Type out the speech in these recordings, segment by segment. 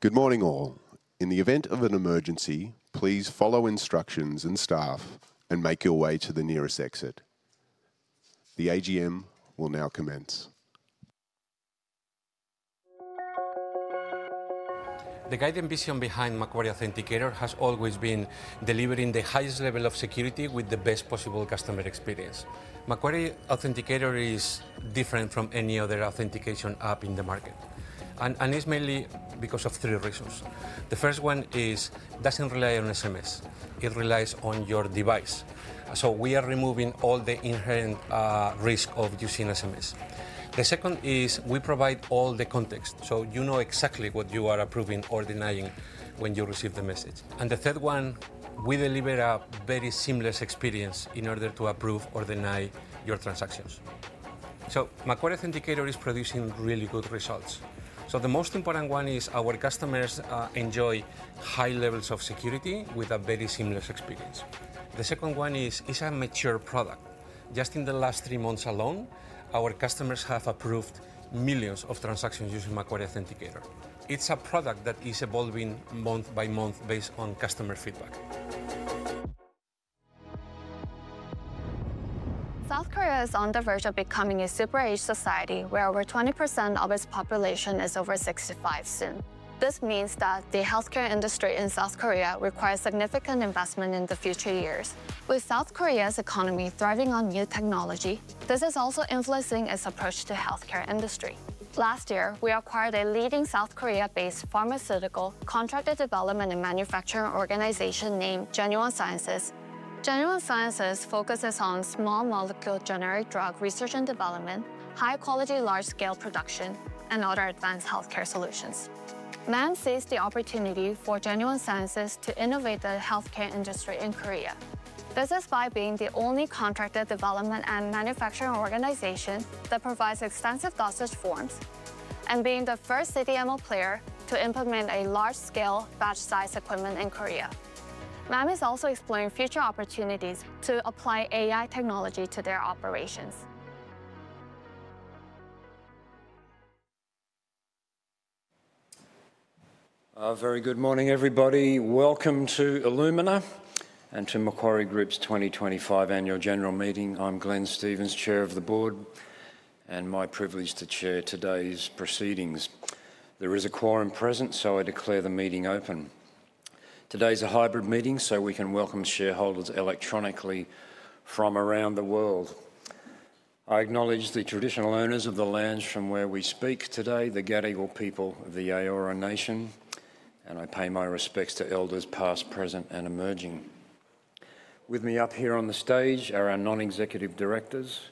Good morning all. In the event of an emergency, please follow instructions and staff, and make your way to the nearest exit. The AGM will now commence. The guiding vision behind Macquarie Authenticator has always been delivering the highest level of security with the best possible customer experience. Macquarie Authenticator is different from any other authentication app in the market, and it's mainly because of three reasons. The first one is it doesn't rely on SMS; it relies on your device. We are removing all the inherent risk of using SMS. The second is we provide all the context, so you know exactly what you are approving or denying when you receive the message. The third one, we deliver a very seamless experience in order to approve or deny your transactions. Macquarie Authenticator is producing really good results. The most important one is our customers enjoy high levels of security with a very seamless experience. The second one is it's a mature product. Just in the last three months alone, our customers have approved millions of transactions using Macquarie Authenticator. It's a product that is evolving month by month based on customer feedback. South Korea is on the verge of becoming a super-age society, where over 20% of its population is over 65 soon. This means that the healthcare industry in South Korea requires significant investment in the future years. With South Korea's economy thriving on new technology, this is also influencing its approach to the healthcare industry. Last year, we acquired a leading South Korea-based pharmaceutical contract development and manufacturing organization named Genuine Sciences. Genuine Sciences focuses on small molecule generic drug research and development, high-quality large-scale production, and other advanced healthcare solutions. MAM sees the opportunity for Genuine Sciences to innovate the healthcare industry in Korea. This is by being the only contract development and manufacturing organization that provides extensive dosage forms and being the first CDMO player to implement a large-scale batch-sized equipment in Korea. MAM is also exploring future opportunities to apply AI technology to their operations. Very good morning, everybody. Welcome to Illumina and to Macquarie Group's 2025 Annual General Meeting. I'm Glenn Stevens, Chair of the Board, and my privilege to chair today's proceedings. There is a quorum present, so I declare the meeting open. Today's a hybrid meeting, so we can welcome shareholders electronically from around the world. I acknowledge the traditional owners of the lands from where we speak today, the Gadigal people of the Eora Nation, and I pay my respects to elders past, present, and emerging. With me up here on the stage are our non-executive directors,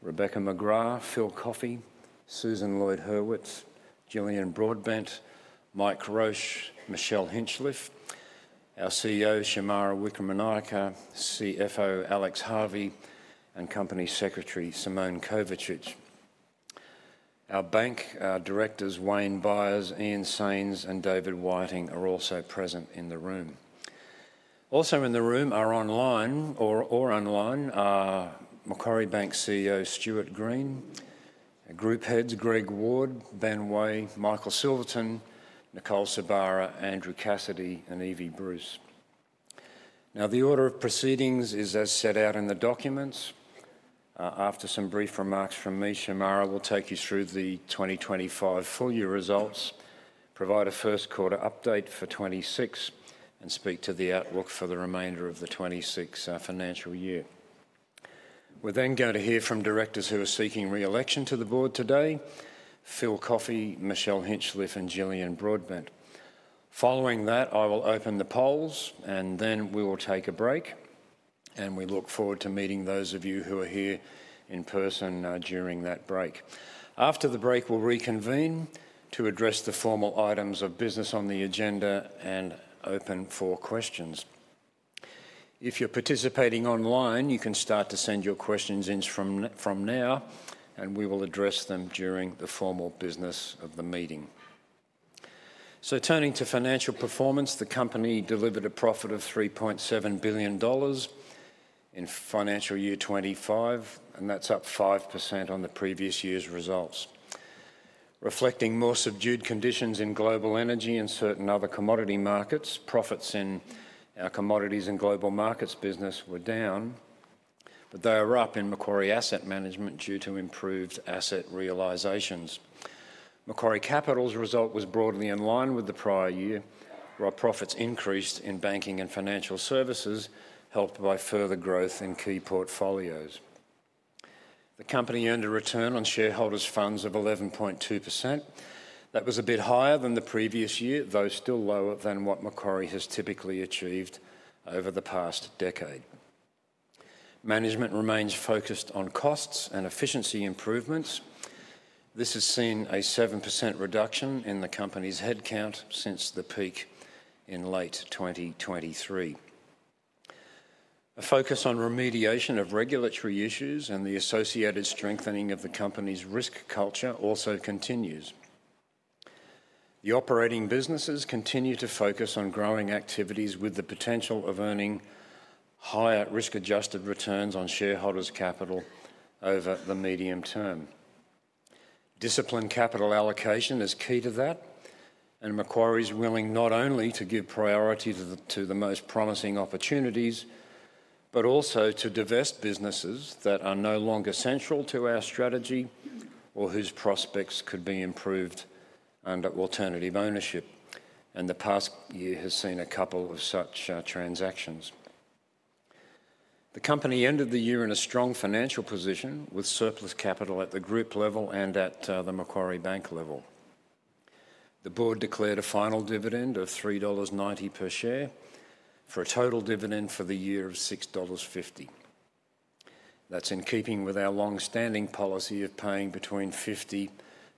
Rebecca McGrath, Phil Coffey, Susan Lloyd-Hurwitz, Jillian Broadbent, Mike Roche, Michelle Hinchliffe, our CEO, Shemara Wikramanayake, CFO, Alex Harvey, and Company Secretary, Simone Kovačič. Our bank directors, Wayne Byres, Ian Sains, and David Whiting, are also present in the room. Also in the room are online or online. Macquarie Bank CEO, Stuart Green. Group Heads, Greg Ward, Ben Way, Michael Silverton, Nicole Sorbara, Andrew Cassidy, and Evie Bruce. Now, the order of proceedings is as set out in the documents. After some brief remarks from me, Shemara will take you through the 2025 full year results, provide a first quarter update for 2026, and speak to the outlook for the remainder of the 2026 financial year. We're then going to hear from directors who are seeking reelection to the board today, Phil Coffey, Michelle Hinchliffe, and Jillian Broadbent. Following that, I will open the polls, and then we will take a break, and we look forward to meeting those of you who are here in person during that break. After the break, we'll reconvene to address the formal items of business on the agenda and open for questions. If you're participating online, you can start to send your questions in from now, and we will address them during the formal business of the meeting. Turning to financial performance, the company delivered a profit of 3.7 billion dollars in financial year 2025, and that's up 5% on the previous year's results. Reflecting more subdued conditions in global energy and certain other commodity markets, profits in our Commodities and Global Markets business were down. They are up in Macquarie Asset Management due to improved asset realizations. Macquarie Capital's result was broadly in line with the prior year, where profits increased in Banking and Financial Services, helped by further growth in key portfolios. The company earned a return on shareholders' funds of 11.2%. That was a bit higher than the previous year, though still lower than what Macquarie has typically achieved over the past decade. Management remains focused on costs and efficiency improvements. This has seen a 7% reduction in the company's headcount since the peak in late 2023. A focus on remediation of regulatory issues and the associated strengthening of the company's risk culture also continues. The operating businesses continue to focus on growing activities with the potential of earning higher risk-adjusted returns on shareholders' capital over the medium term. Disciplined capital allocation is key to that. Macquarie is willing not only to give priority to the most promising opportunities, but also to divest businesses that are no longer central to our strategy or whose prospects could be improved under alternative ownership. The past year has seen a couple of such transactions. The company ended the year in a strong financial position with surplus capital at the group level and at the Macquarie Bank level. The board declared a final dividend of 3.90 dollars per share for a total dividend for the year of 6.50 dollars. That's in keeping with our longstanding policy of paying between 50%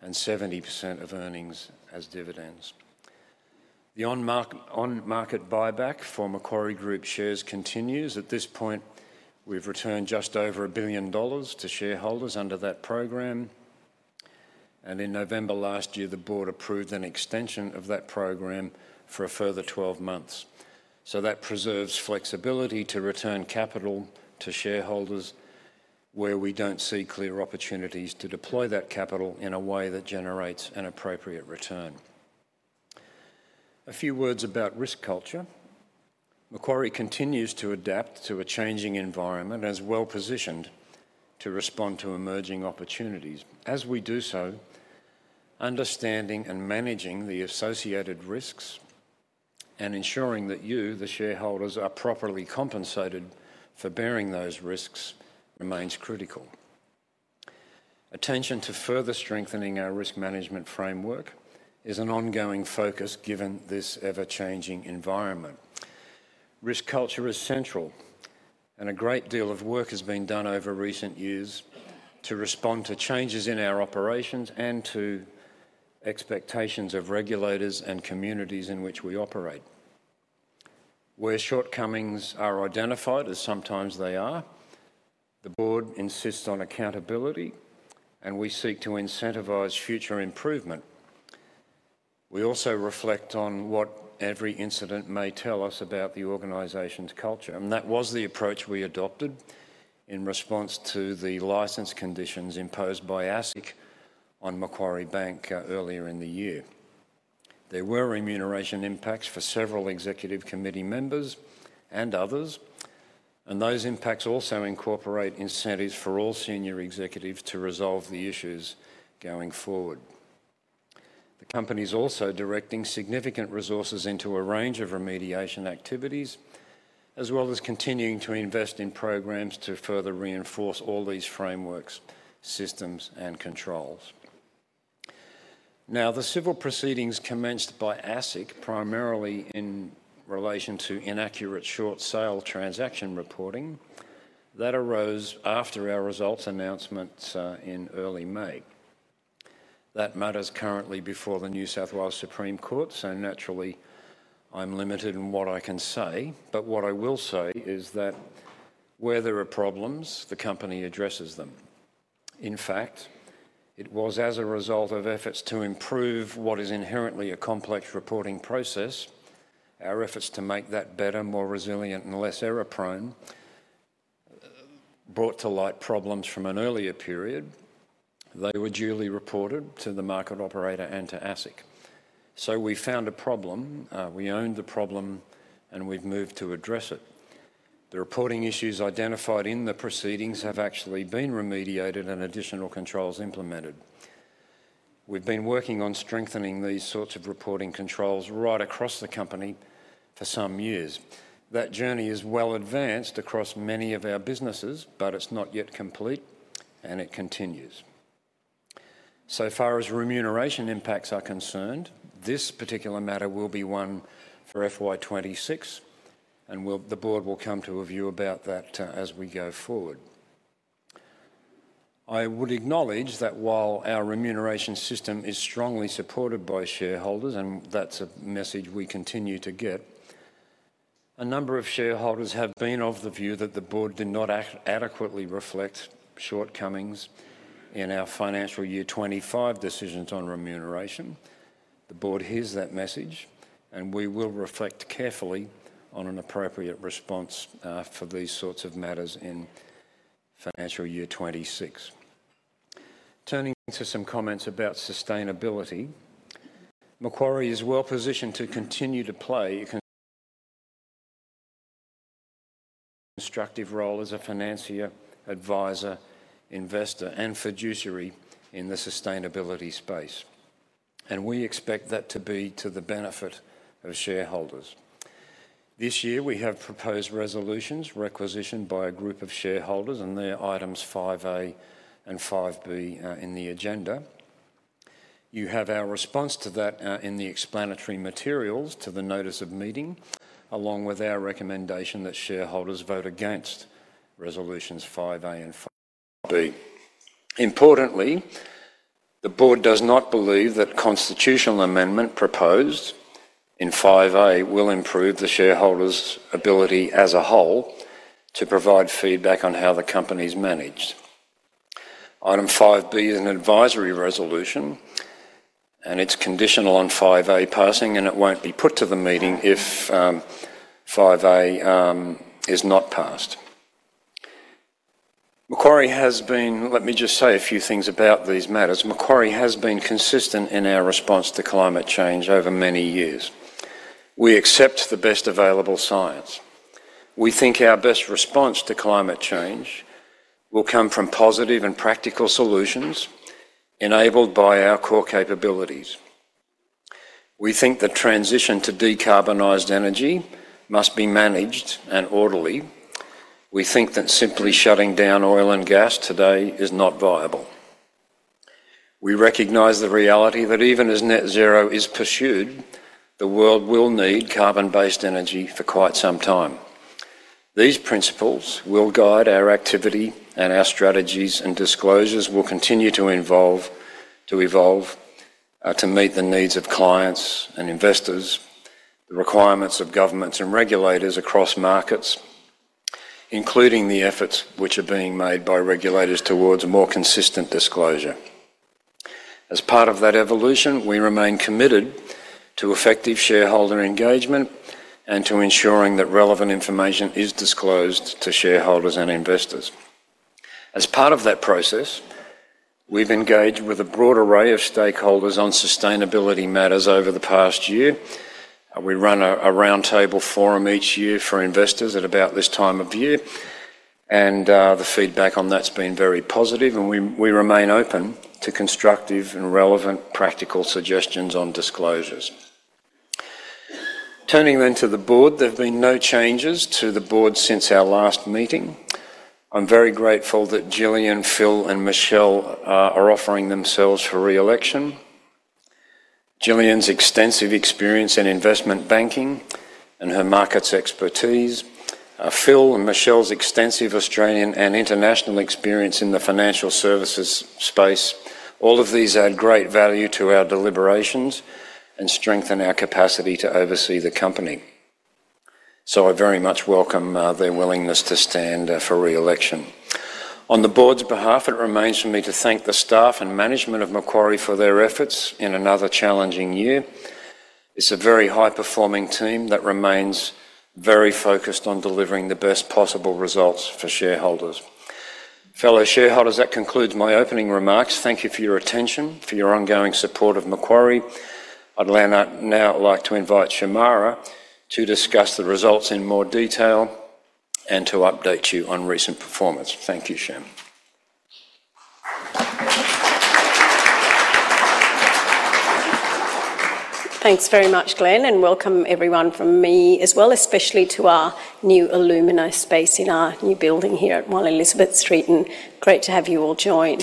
and 70% of earnings as dividends. The on-market buyback for Macquarie Group shares continues. At this point, we've returned just over 1 billion dollars to shareholders under that program. In November last year, the board approved an extension of that program for a further 12 months. That preserves flexibility to return capital to shareholders where we don't see clear opportunities to deploy that capital in a way that generates an appropriate return. A few words about risk culture. Macquarie continues to adapt to a changing environment and is well-positioned to respond to emerging opportunities. As we do so, understanding and managing the associated risks. Ensuring that you, the shareholders, are properly compensated for bearing those risks remains critical. Attention to further strengthening our risk management framework is an ongoing focus given this ever-changing environment. Risk culture is central. A great deal of work has been done over recent years to respond to changes in our operations and to expectations of regulators and communities in which we operate. Where shortcomings are identified, as sometimes they are, the board insists on accountability, and we seek to incentivize future improvement. We also reflect on what every incident may tell us about the organization's culture. That was the approach we adopted in response to the license conditions imposed by ASIC on Macquarie Bank earlier in the year. There were remuneration impacts for several executive committee members and others, and those impacts also incorporate incentives for all senior executives to resolve the issues going forward. The company is also directing significant resources into a range of remediation activities, as well as continuing to invest in programs to further reinforce all these frameworks, systems, and controls. Now, the civil proceedings commenced by ASIC primarily in relation to inaccurate short sale transaction reporting that arose after our results announcement in early May. That matter is currently before the New South Wales Supreme Court, so naturally, I'm limited in what I can say. What I will say is that where there are problems, the company addresses them. In fact, it was as a result of efforts to improve what is inherently a complex reporting process. Our efforts to make that better, more resilient, and less error-prone brought to light problems from an earlier period. They were duly reported to the market operator and to ASIC. So we found a problem. We owned the problem, and we've moved to address it. The reporting issues identified in the proceedings have actually been remediated and additional controls implemented. We've been working on strengthening these sorts of reporting controls right across the company for some years. That journey is well advanced across many of our businesses, but it's not yet complete, and it continues. So far as remuneration impacts are concerned, this particular matter will be one for FY2026, and the board will come to a view about that as we go forward. I would acknowledge that while our remuneration system is strongly supported by shareholders, and that's a message we continue to get, a number of shareholders have been of the view that the board did not adequately reflect shortcomings in our financial year 2025 decisions on remuneration. The board hears that message, and we will reflect carefully on an appropriate response for these sorts of matters in financial year 2026. Turning to some comments about sustainability. Macquarie is well-positioned to continue to play a constructive role as a financier, advisor, investor, and fiduciary in the sustainability space. We expect that to be to the benefit of shareholders. This year, we have proposed resolutions requisitioned by a group of shareholders and they are items 5A and 5B in the agenda. You have our response to that in the explanatory materials to the notice of meeting, along with our recommendation that shareholders vote against resolutions 5A and 5B. Importantly, the board does not believe that constitutional amendment proposed in 5A will improve the shareholders' ability as a whole to provide feedback on how the company is managed. Item 5B is an advisory resolution. It is conditional on 5A passing, and it will not be put to the meeting if 5A is not passed. Macquarie has been—let me just say a few things about these matters. Macquarie has been consistent in our response to climate change over many years. We accept the best available science. We think our best response to climate change will come from positive and practical solutions enabled by our core capabilities. We think the transition to decarbonized energy must be managed and orderly. We think that simply shutting down oil and gas today is not viable. We recognize the reality that even as net zero is pursued, the world will need carbon-based energy for quite some time. These principles will guide our activity, and our strategies and disclosures will continue to evolve to meet the needs of clients and investors, the requirements of governments and regulators across markets. Including the efforts which are being made by regulators towards more consistent disclosure. As part of that evolution, we remain committed to effective shareholder engagement and to ensuring that relevant information is disclosed to shareholders and investors. As part of that process, we've engaged with a broad array of stakeholders on sustainability matters over the past year. We run a roundtable forum each year for investors at about this time of year, and the feedback on that's been very positive. We remain open to constructive and relevant practical suggestions on disclosures. Turning then to the board, there have been no changes to the board since our last meeting. I'm very grateful that Jillian, Phil, and Michelle are offering themselves for reelection. Jillian's extensive experience in investment banking and her markets expertise, Phil and Michelle's extensive Australian and international experience in the financial services space, all of these add great value to our deliberations and strengthen our capacity to oversee the company. I very much welcome their willingness to stand for reelection. On the board's behalf, it remains for me to thank the staff and management of Macquarie for their efforts in another challenging year. It's a very high-performing team that remains very focused on delivering the best possible results for shareholders. Fellow shareholders, that concludes my opening remarks. Thank you for your attention, for your ongoing support of Macquarie. I'd now like to invite Shemara to discuss the results in more detail. To update you on recent performance. Thank you, Shem. Thanks very much, Glenn, and welcome everyone from me as well, especially to our new alumina space in our new building here at 1 Elizabeth Street. Great to have you all join.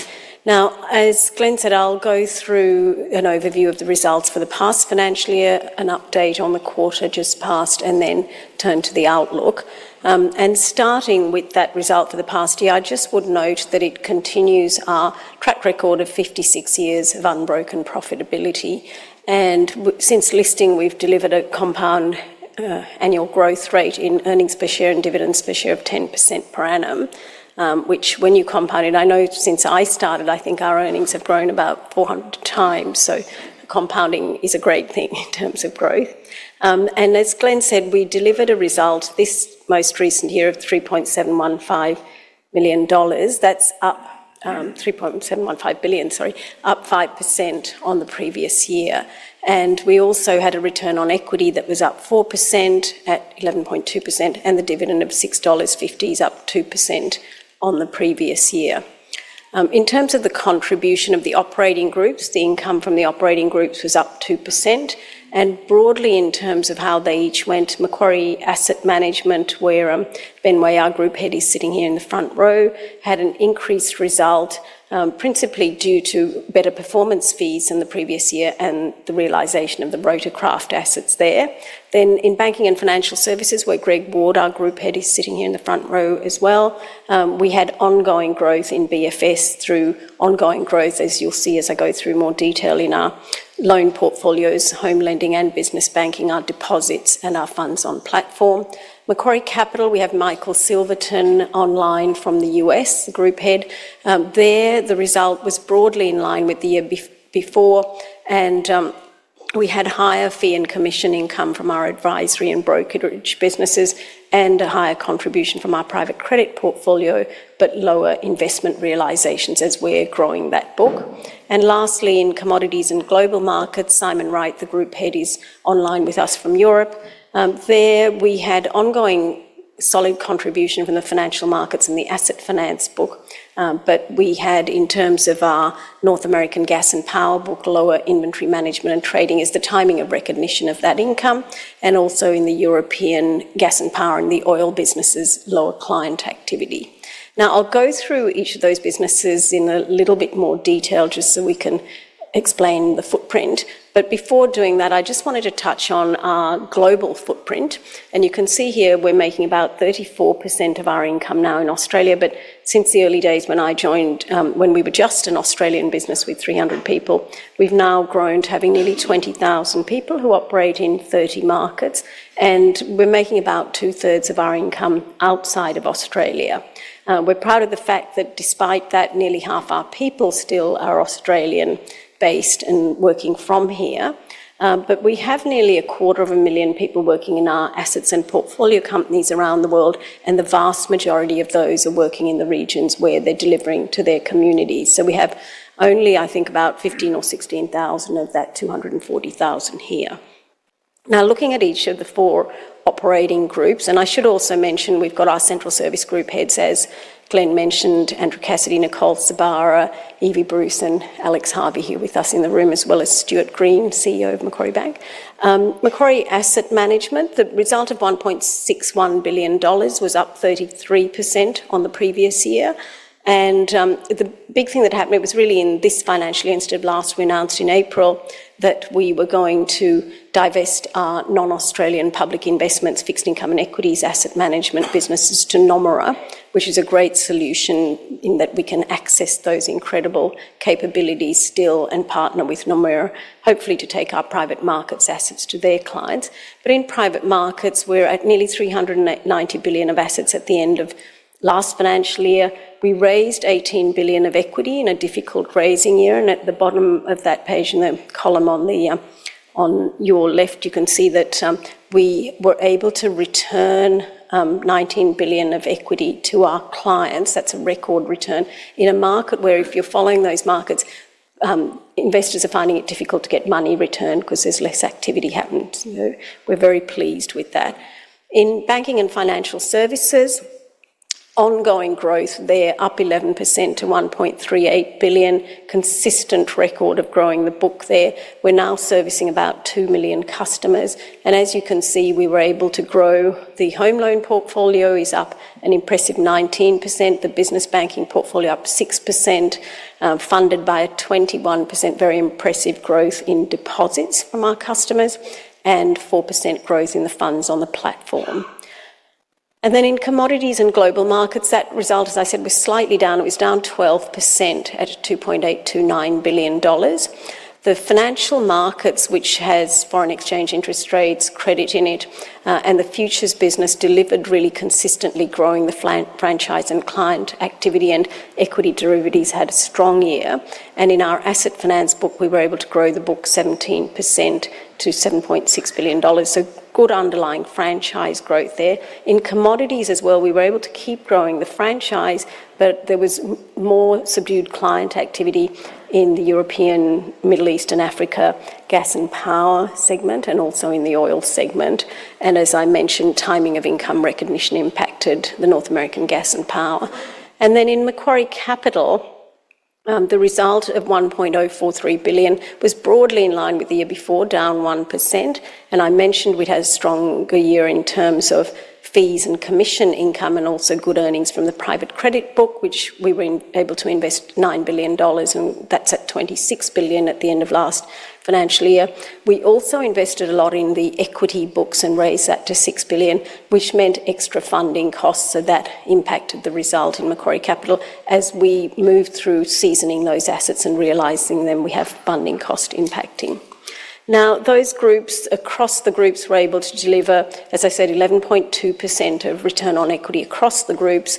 As Glenn said, I'll go through an overview of the results for the past financial year, an update on the quarter just passed, and then turn to the outlook. Starting with that result for the past year, I just would note that it continues our track record of 56 years of unbroken profitability. Since listing, we've delivered a compound annual growth rate in earnings per share and dividends per share of 10% per annum, which when you compound it, I know since I started, I think our earnings have grown about 400 times. Compounding is a great thing in terms of growth. As Glenn said, we delivered a result this most recent year of 3.715 billion dollars. That is up 5% on the previous year. We also had a return on equity that was up 4% at 11.2%, and the dividend of 6.50 dollars is up 2% on the previous year. In terms of the contribution of the operating groups, the income from the operating groups was up 2%. Broadly, in terms of how they each went, Macquarie Asset Management, where Ben Way, our Group Head, is sitting here in the front row, had an increased result, principally due to better performance fees in the previous year and the realization of the Rotocraft assets there. In Banking and Financial Services, where Greg Ward, our Group Head, is sitting here in the front row as well, we had ongoing growth in BFS through ongoing growth, as you'll see as I go through more detail in our loan portfolios, home lending, and business banking, our deposits, and our funds on platform. Macquarie Capital, we have Michael Silverton online from the US, the Group Head. There, the result was broadly in line with the year before. We had higher fee and commission income from our advisory and brokerage businesses and a higher contribution from our private credit portfolio, but lower investment realizations as we're growing that book. Lastly, in Commodities and Global Markets, Simon Wright, the Group Head, is online with us from Europe. There we had ongoing solid contribution from the financial markets and the asset finance book. We had, in terms of our North American gas and power book, lower inventory management and trading is the timing of recognition of that income. Also, in the European gas and power and the oil businesses, lower client activity. Now, I'll go through each of those businesses in a little bit more detail just so we can explain the footprint. Before doing that, I just wanted to touch on our global footprint. You can see here we're making about 34% of our income now in Australia. Since the early days when I joined, when we were just an Australian business with 300 people, we've now grown to having nearly 20,000 people who operate in 30 markets. We're making about two-thirds of our income outside of Australia. We're proud of the fact that despite that, nearly half our people still are Australian-based and working from here. We have nearly a quarter of a million people working in our assets and portfolio companies around the world. The vast majority of those are working in the regions where they're delivering to their communities. We have only, I think, about 15,000 or 16,000 of that 240,000 here. Now, looking at each of the four operating groups, I should also mention we've got our central service group heads as Glenn mentioned, Andrew Cassidy, Nicole Sorbara, Evie Bruce, and Alex Harvey here with us in the room, as well as Stuart Green, CEO of Macquarie Bank. Macquarie Asset Management, the result of 1.61 billion dollars was up 33% on the previous year. The big thing that happened was really in this financial year. Instead of last, we announced in April that we were going to divest our non-Australian public investments, fixed income and equities asset management businesses to Nomura, which is a great solution in that we can access those incredible capabilities still and partner with Nomura, hopefully to take our private markets assets to their clients. In private markets, we're at nearly $390 billion of assets at the end of last financial year. We raised $18 billion of equity in a difficult raising year. At the bottom of that page in the column on your left, you can see that we were able to return $19 billion of equity to our clients. That's a record return in a market where, if you're following those markets, investors are finding it difficult to get money returned because there's less activity happened. We're very pleased with that. In banking and financial services. Ongoing growth there, up 11% to 1.38 billion, consistent record of growing the book there. We're now servicing about 2 million customers. As you can see, we were able to grow the home loan portfolio, is up an impressive 19%. The business banking portfolio, up 6%. Funded by a 21% very impressive growth in deposits from our customers and 4% growth in the funds on the platform. In Commodities and Global Markets, that result, as I said, was slightly down. It was down 12% at 2.829 billion dollars. The financial markets, which has foreign exchange interest rates, credit in it, and the futures business delivered really consistently, growing the franchise and client activity and equity derivatives had a strong year. In our asset finance book, we were able to grow the book 17% to 7.6 billion dollars. Good underlying franchise growth there. In commodities as well, we were able to keep growing the franchise, but there was more subdued client activity in the European, Middle East, and Africa gas and power segment and also in the oil segment. As I mentioned, timing of income recognition impacted the North American gas and power. In Macquarie Capital, the result of $1.043 billion was broadly in line with the year before, down 1%. I mentioned we had a stronger year in terms of fees and commission income and also good earnings from the private credit book, which we were able to invest $9 billion. That is at $26 billion at the end of last financial year. We also invested a lot in the equity books and raised that to $6 billion, which meant extra funding costs. That impacted the result in Macquarie Capital. As we moved through seasoning those assets and realizing them, we have funding cost impacting. Now, those groups across the groups were able to deliver, as I said, 11.2% of return on equity across the groups.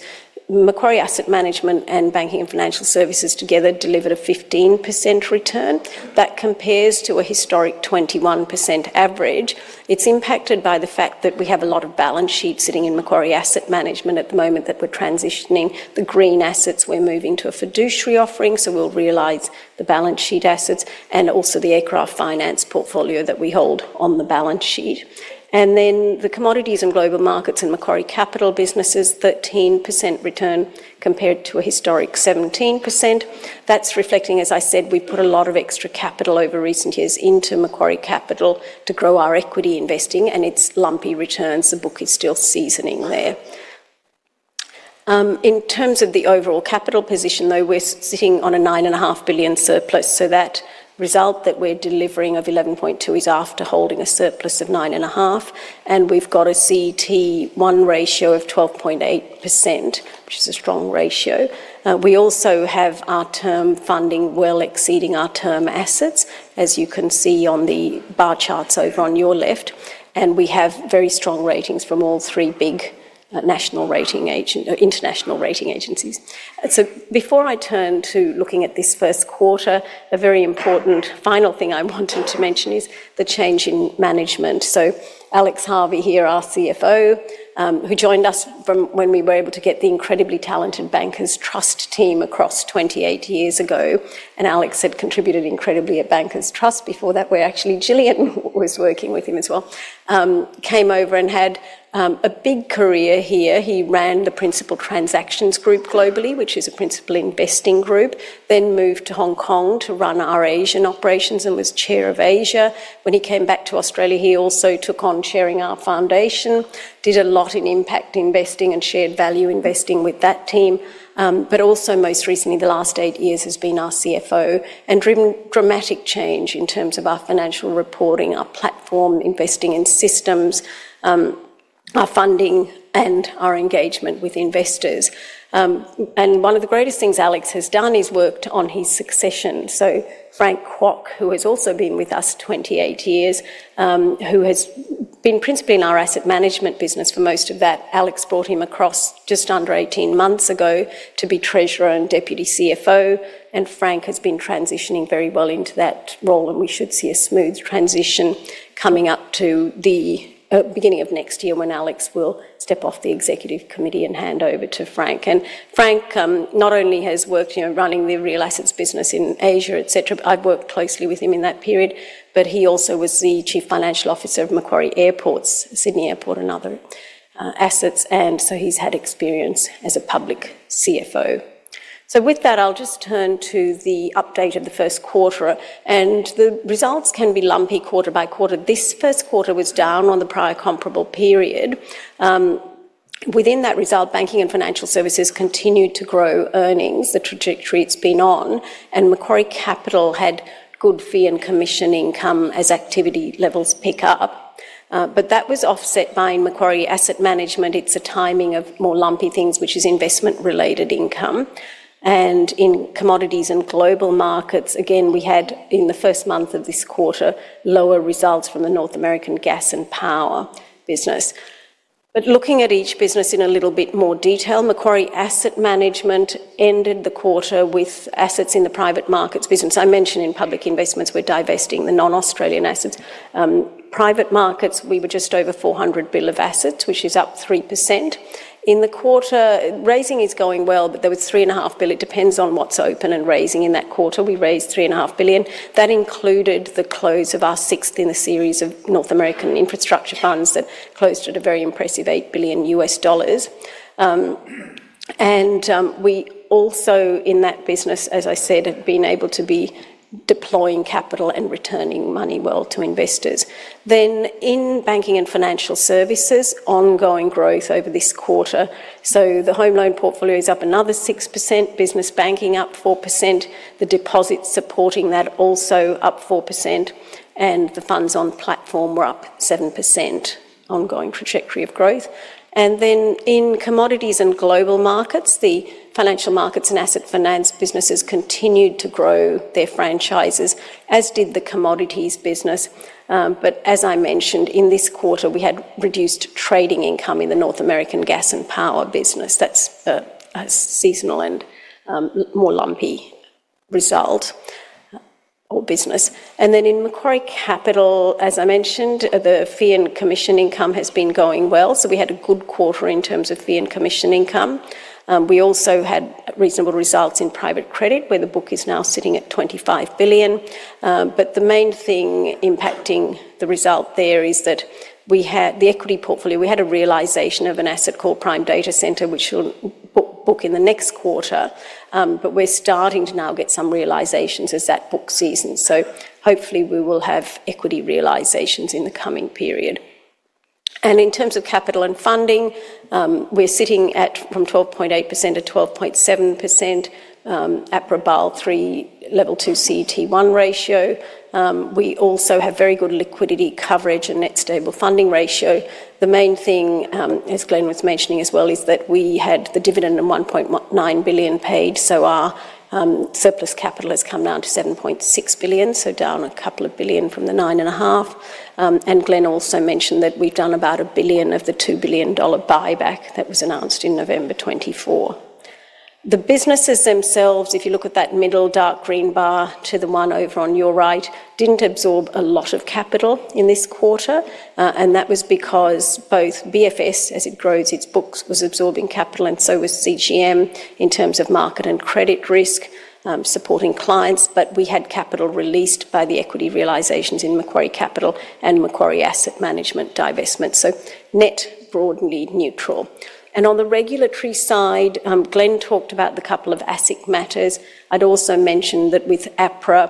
Macquarie Asset Management and Banking and Financial Services together delivered a 15% return. That compares to a historic 21% average. It's impacted by the fact that we have a lot of balance sheets sitting in Macquarie Asset Management at the moment that we're transitioning. The green assets, we're moving to a fiduciary offering. So we'll realize the balance sheet assets and also the aircraft finance portfolio that we hold on the balance sheet. The Commodities and Global Markets and Macquarie Capital businesses, 13% return compared to a historic 17%. That's reflecting, as I said, we put a lot of extra capital over recent years into Macquarie Capital to grow our equity investing. It's lumpy returns. The book is still seasoning there. In terms of the overall capital position, though, we're sitting on an 9.5 billion surplus. That result that we're delivering of 11.2% is after holding a surplus of 9.5 billion. We've got a Common Equity Tier 1 ratio of 12.8%, which is a strong ratio. We also have our term funding well exceeding our term assets, as you can see on the bar charts over on your left. We have very strong ratings from all three big international rating agents. Before I turn to looking at this first quarter, a very important final thing I wanted to mention is the change in management. Alex Harvey here, our CFO, who joined us from when we were able to get the incredibly talented Bankers Trust team across 28 years ago. Alex had contributed incredibly at Bankers Trust before that. Where actually Jillian was working with him as well. Came over and had a big career here. He ran the Principal Transactions Group globally, which is a principal investing group, then moved to Hong Kong to run our Asian operations and was chair of Asia. When he came back to Australia, he also took on chairing our foundation, did a lot in impact investing and shared value investing with that team. Also most recently, the last eight years has been our CFO and driven dramatic change in terms of our financial reporting, our platform, investing in systems, our funding, and our engagement with investors. One of the greatest things Alex has done is worked on his succession. Frank Quock, who has also been with us 28 years, who has been principally in our asset management business for most of that, Alex brought him across just under 18 months ago to be Treasurer and Deputy CFO. Frank has been transitioning very well into that role. We should see a smooth transition coming up to the beginning of next year when Alex will step off the executive committee and hand over to Frank. Frank not only has worked running the real assets business in Asia, etc., but I've worked closely with him in that period. He also was the Chief Financial Officer of Macquarie Airports, Sydney Airport and other assets. He has had experience as a public CFO. With that, I'll just turn to the update of the first quarter. The results can be lumpy quarter by quarter. This first quarter was down on the prior comparable period. Within that result, Banking and Financial Services continued to grow earnings, the trajectory it's been on. Macquarie Capital had good fee and commission income as activity levels pick up. That was offset by Macquarie Asset Management. It's a timing of more lumpy things, which is investment-related income. In Commodities and Global Markets, again, we had in the first month of this quarter lower results from the North American gas and power business. Looking at each business in a little bit more detail, Macquarie Asset Management ended the quarter with assets in the private markets business. I mentioned in public investments we're divesting the non-Australian assets. Private markets, we were just over 400 billion of assets, which is up 3%. In the quarter, raising is going well, but there was 3.5 billion. It depends on what's open and raising in that quarter. We raised 3.5 billion. That included the close of our sixth in a series of North American infrastructure funds that closed at a very impressive AUD 8 billion. We also in that business, as I said, have been able to be deploying capital and returning money well to investors. In Banking and Financial Services, ongoing growth over this quarter. The home loan portfolio is up another 6%, business banking up 4%, the deposits supporting that also up 4%. The funds on platform were up 7%, ongoing trajectory of growth. In Commodities and Global Markets, the financial markets and asset finance businesses continued to grow their franchises, as did the commodities business. As I mentioned, in this quarter, we had reduced trading income in the North American gas and power business. That's a seasonal and more lumpy result. Or business. And then in Macquarie Capital, as I mentioned, the fee and commission income has been going well. So we had a good quarter in terms of fee and commission income. We also had reasonable results in private credit, where the book is now sitting at $25 billion. But the main thing impacting the result there is that we had the equity portfolio. We had a realization of an asset called Prime Data Center, which will book in the next quarter. But we're starting to now get some realizations as that book seasons. So hopefully we will have equity realizations in the coming period. And in terms of capital and funding, we're sitting at from 12.8% at 12.7%. At Rebal 3 level 2 CT1 ratio. We also have very good liquidity coverage and net stable funding ratio. The main thing, as Glenn was mentioning as well, is that we had the dividend of 1.9 billion paid. Our surplus capital has come down to 7.6 billion, down a couple of billion from the 9.5 billion. Glenn also mentioned that we've done about 1 billion of the 2 billion dollar buyback that was announced in November 2024. The businesses themselves, if you look at that middle dark green bar to the one over on your right, did not absorb a lot of capital in this quarter. That was because both BFS, as it grows its books, was absorbing capital. So was CGM in terms of market and credit risk supporting clients. We had capital released by the equity realizations in Macquarie Capital and Macquarie Asset Management divestment. Net, broadly neutral. On the regulatory side, Glenn talked about the couple of ASIC matters. I'd also mentioned that with APRA,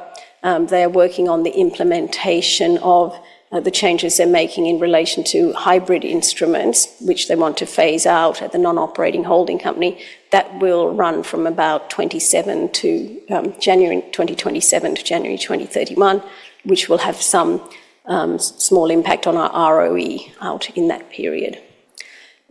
they are working on the implementation of the changes they're making in relation to hybrid instruments, which they want to phase out at the non-operating holding company. That will run from about 2027 to January 2031, which will have some small impact on our ROE out in that period.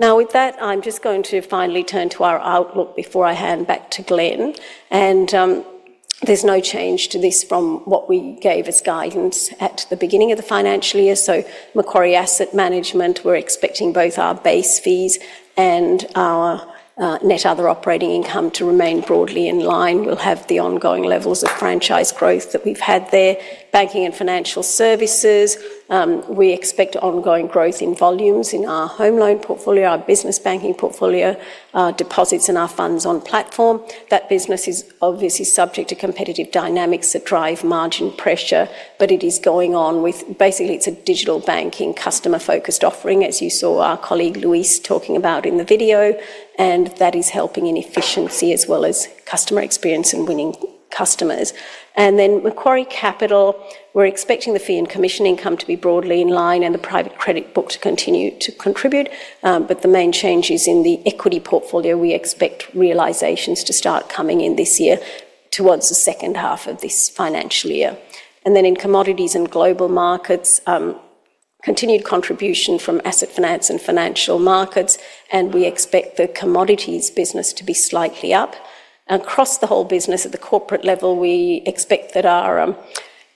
Now, with that, I'm just going to finally turn to our outlook before I hand back to Glenn. There's no change to this from what we gave as guidance at the beginning of the financial year. Macquarie Asset Management, we're expecting both our base fees and our net other operating income to remain broadly in line. We'll have the ongoing levels of franchise growth that we've had there. Banking and Financial Services, we expect ongoing growth in volumes in our home loan portfolio, our business banking portfolio, our deposits, and our funds on platform. That business is obviously subject to competitive dynamics that drive margin pressure, but it is going on with basically it's a digital banking customer-focused offering, as you saw our colleague Luis talking about in the video. That is helping in efficiency as well as customer experience and winning customers. Macquarie Capital, we're expecting the fee and commission income to be broadly in line and the private credit book to continue to contribute. The main change is in the equity portfolio. We expect realizations to start coming in this year towards the second half of this financial year. In Commodities and Global Markets, continued contribution from asset finance and financial markets. We expect the commodities business to be slightly up. Across the whole business at the corporate level, we expect that our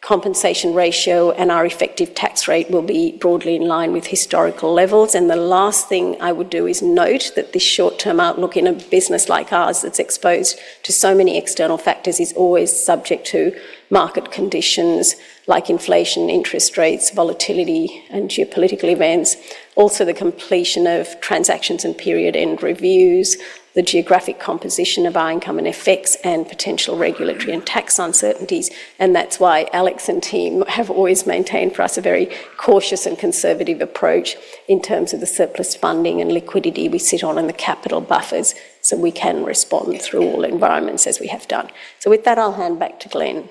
compensation ratio and our effective tax rate will be broadly in line with historical levels. The last thing I would do is note that this short-term outlook in a business like ours that's exposed to so many external factors is always subject to market conditions like inflation, interest rates, volatility, and geopolitical events. Also, the completion of transactions and period-end reviews, the geographic composition of our income and effects, and potential regulatory and tax uncertainties. That is why Alex and team have always maintained for us a very cautious and conservative approach in terms of the surplus funding and liquidity we sit on and the capital buffers so we can respond through all environments as we have done. With that, I'll hand back to Glenn.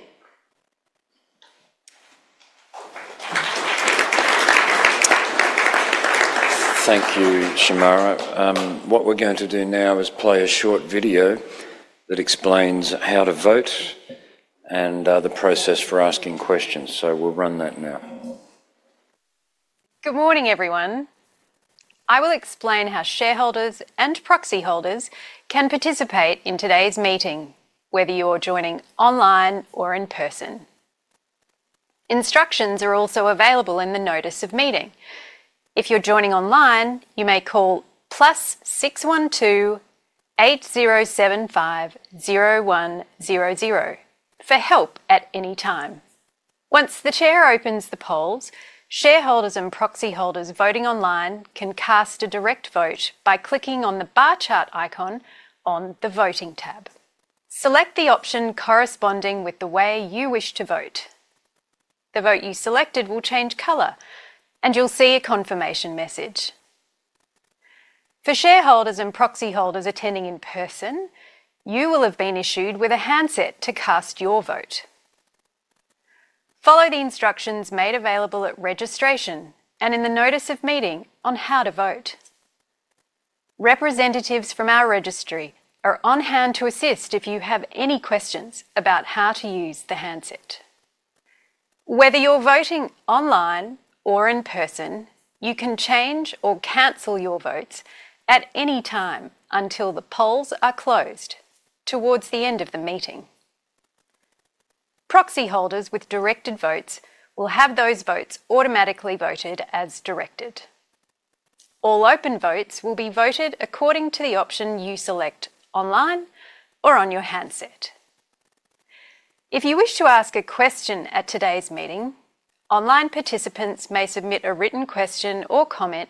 Thank you, Shemara. What we're going to do now is play a short video that explains how to vote and the process for asking questions. We will run that now. Good morning, everyone. I will explain how shareholders and proxy holders can participate in today's meeting, whether you're joining online or in person. Instructions are also available in the notice of meeting. If you're joining online, you may call +61 2 8075 0100 for help at any time. Once the Chair opens the polls, shareholders and proxy holders voting online can cast a direct vote by clicking on the bar chart icon on the voting tab. Select the option corresponding with the way you wish to vote. The vote you selected will change color, and you'll see a confirmation message. For shareholders and proxy holders attending in person, you will have been issued with a handset to cast your vote. Follow the instructions made available at registration and in the notice of meeting on how to vote. Representatives from our registry are on hand to assist if you have any questions about how to use the handset. Whether you're voting online or in person, you can change or cancel your votes at any time until the polls are closed towards the end of the meeting. Proxy holders with directed votes will have those votes automatically voted as directed. All open votes will be voted according to the option you select online or on your handset. If you wish to ask a question at today's meeting, online participants may submit a written question or comment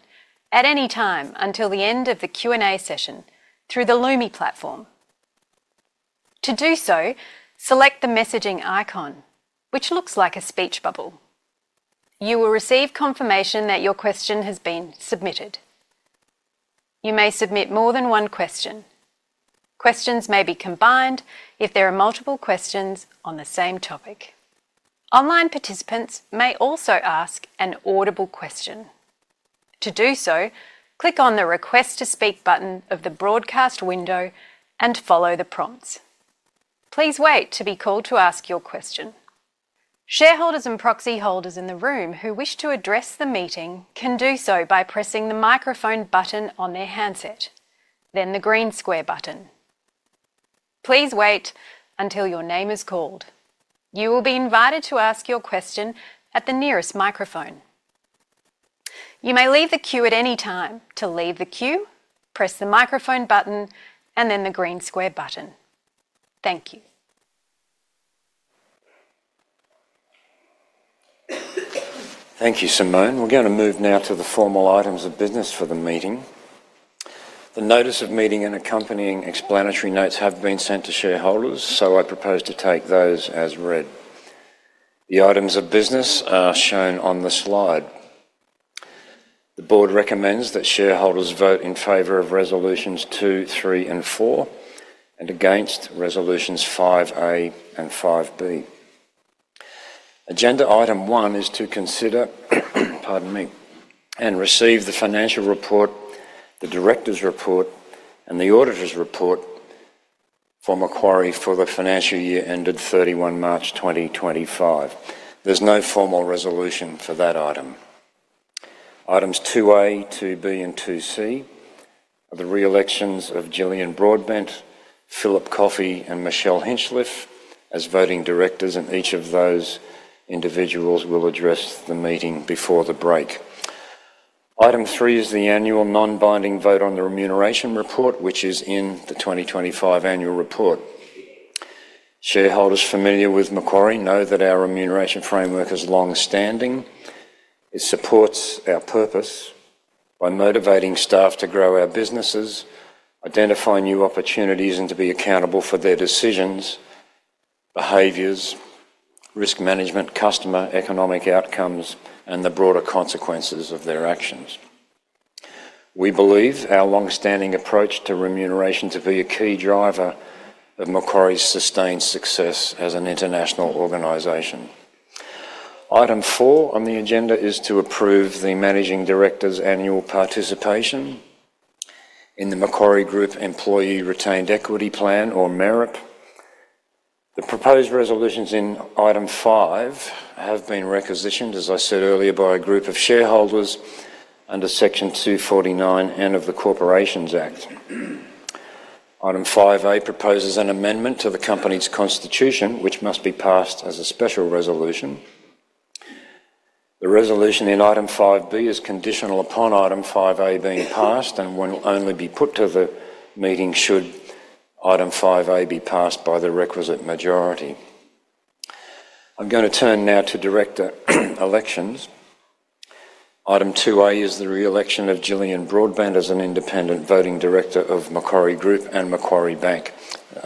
at any time until the end of the Q&A session through the Loomi platform. To do so, select the messaging icon, which looks like a speech bubble. You will receive confirmation that your question has been submitted. You may submit more than one question. Questions may be combined if there are multiple questions on the same topic. Online participants may also ask an audible question. To do so, click on the request to speak button of the broadcast window and follow the prompts. Please wait to be called to ask your question. Shareholders and proxy holders in the room who wish to address the meeting can do so by pressing the microphone button on their handset, then the green square button. Please wait until your name is called. You will be invited to ask your question at the nearest microphone. You may leave the queue at any time. To leave the queue, press the microphone button and then the green square button. Thank you. Thank you, Simone. We're going to move now to the formal items of business for the meeting. The notice of meeting and accompanying explanatory notes have been sent to shareholders, so I propose to take those as read. The items of business are shown on the slide. The board recommends that shareholders vote in favor of resolutions 2, 3, and 4, and against resolutions 5A and 5B. Agenda item one is to consider, pardon me, and receive the financial report, the director's report, and the auditor's report. For Macquarie for the financial year ended 31 March 2025. There's no formal resolution for that item. Items 2A, 2B, and 2C are the reelections of Jillian Broadbent, Phil Coffey, and Michelle Hinchliffe as voting directors, and each of those individuals will address the meeting before the break. Item three is the annual non-binding vote on the remuneration report, which is in the 2025 annual report. Shareholders familiar with Macquarie know that our remuneration framework is longstanding. It supports our purpose by motivating staff to grow our businesses, identify new opportunities, and to be accountable for their decisions, behaviors, risk management, customer economic outcomes, and the broader consequences of their actions. We believe our longstanding approach to remuneration to be a key driver of Macquarie's sustained success as an international organization. Item four on the agenda is to approve the managing director's annual participation in the Macquarie Group Employee Retained Equity Plan, or MEREP. The proposed resolutions in item five have been requisitioned, as I said earlier, by a group of shareholders under Section 249N of the Corporations Act. Item 5A proposes an amendment to the company's constitution, which must be passed as a special resolution. The resolution in item 5B is conditional upon item 5A being passed and will only be put to the meeting should item 5A be passed by the requisite majority. I'm going to turn now to director elections. Item 2A is the reelection of Jillian Broadbent as an independent voting director of Macquarie Group and Macquarie Bank.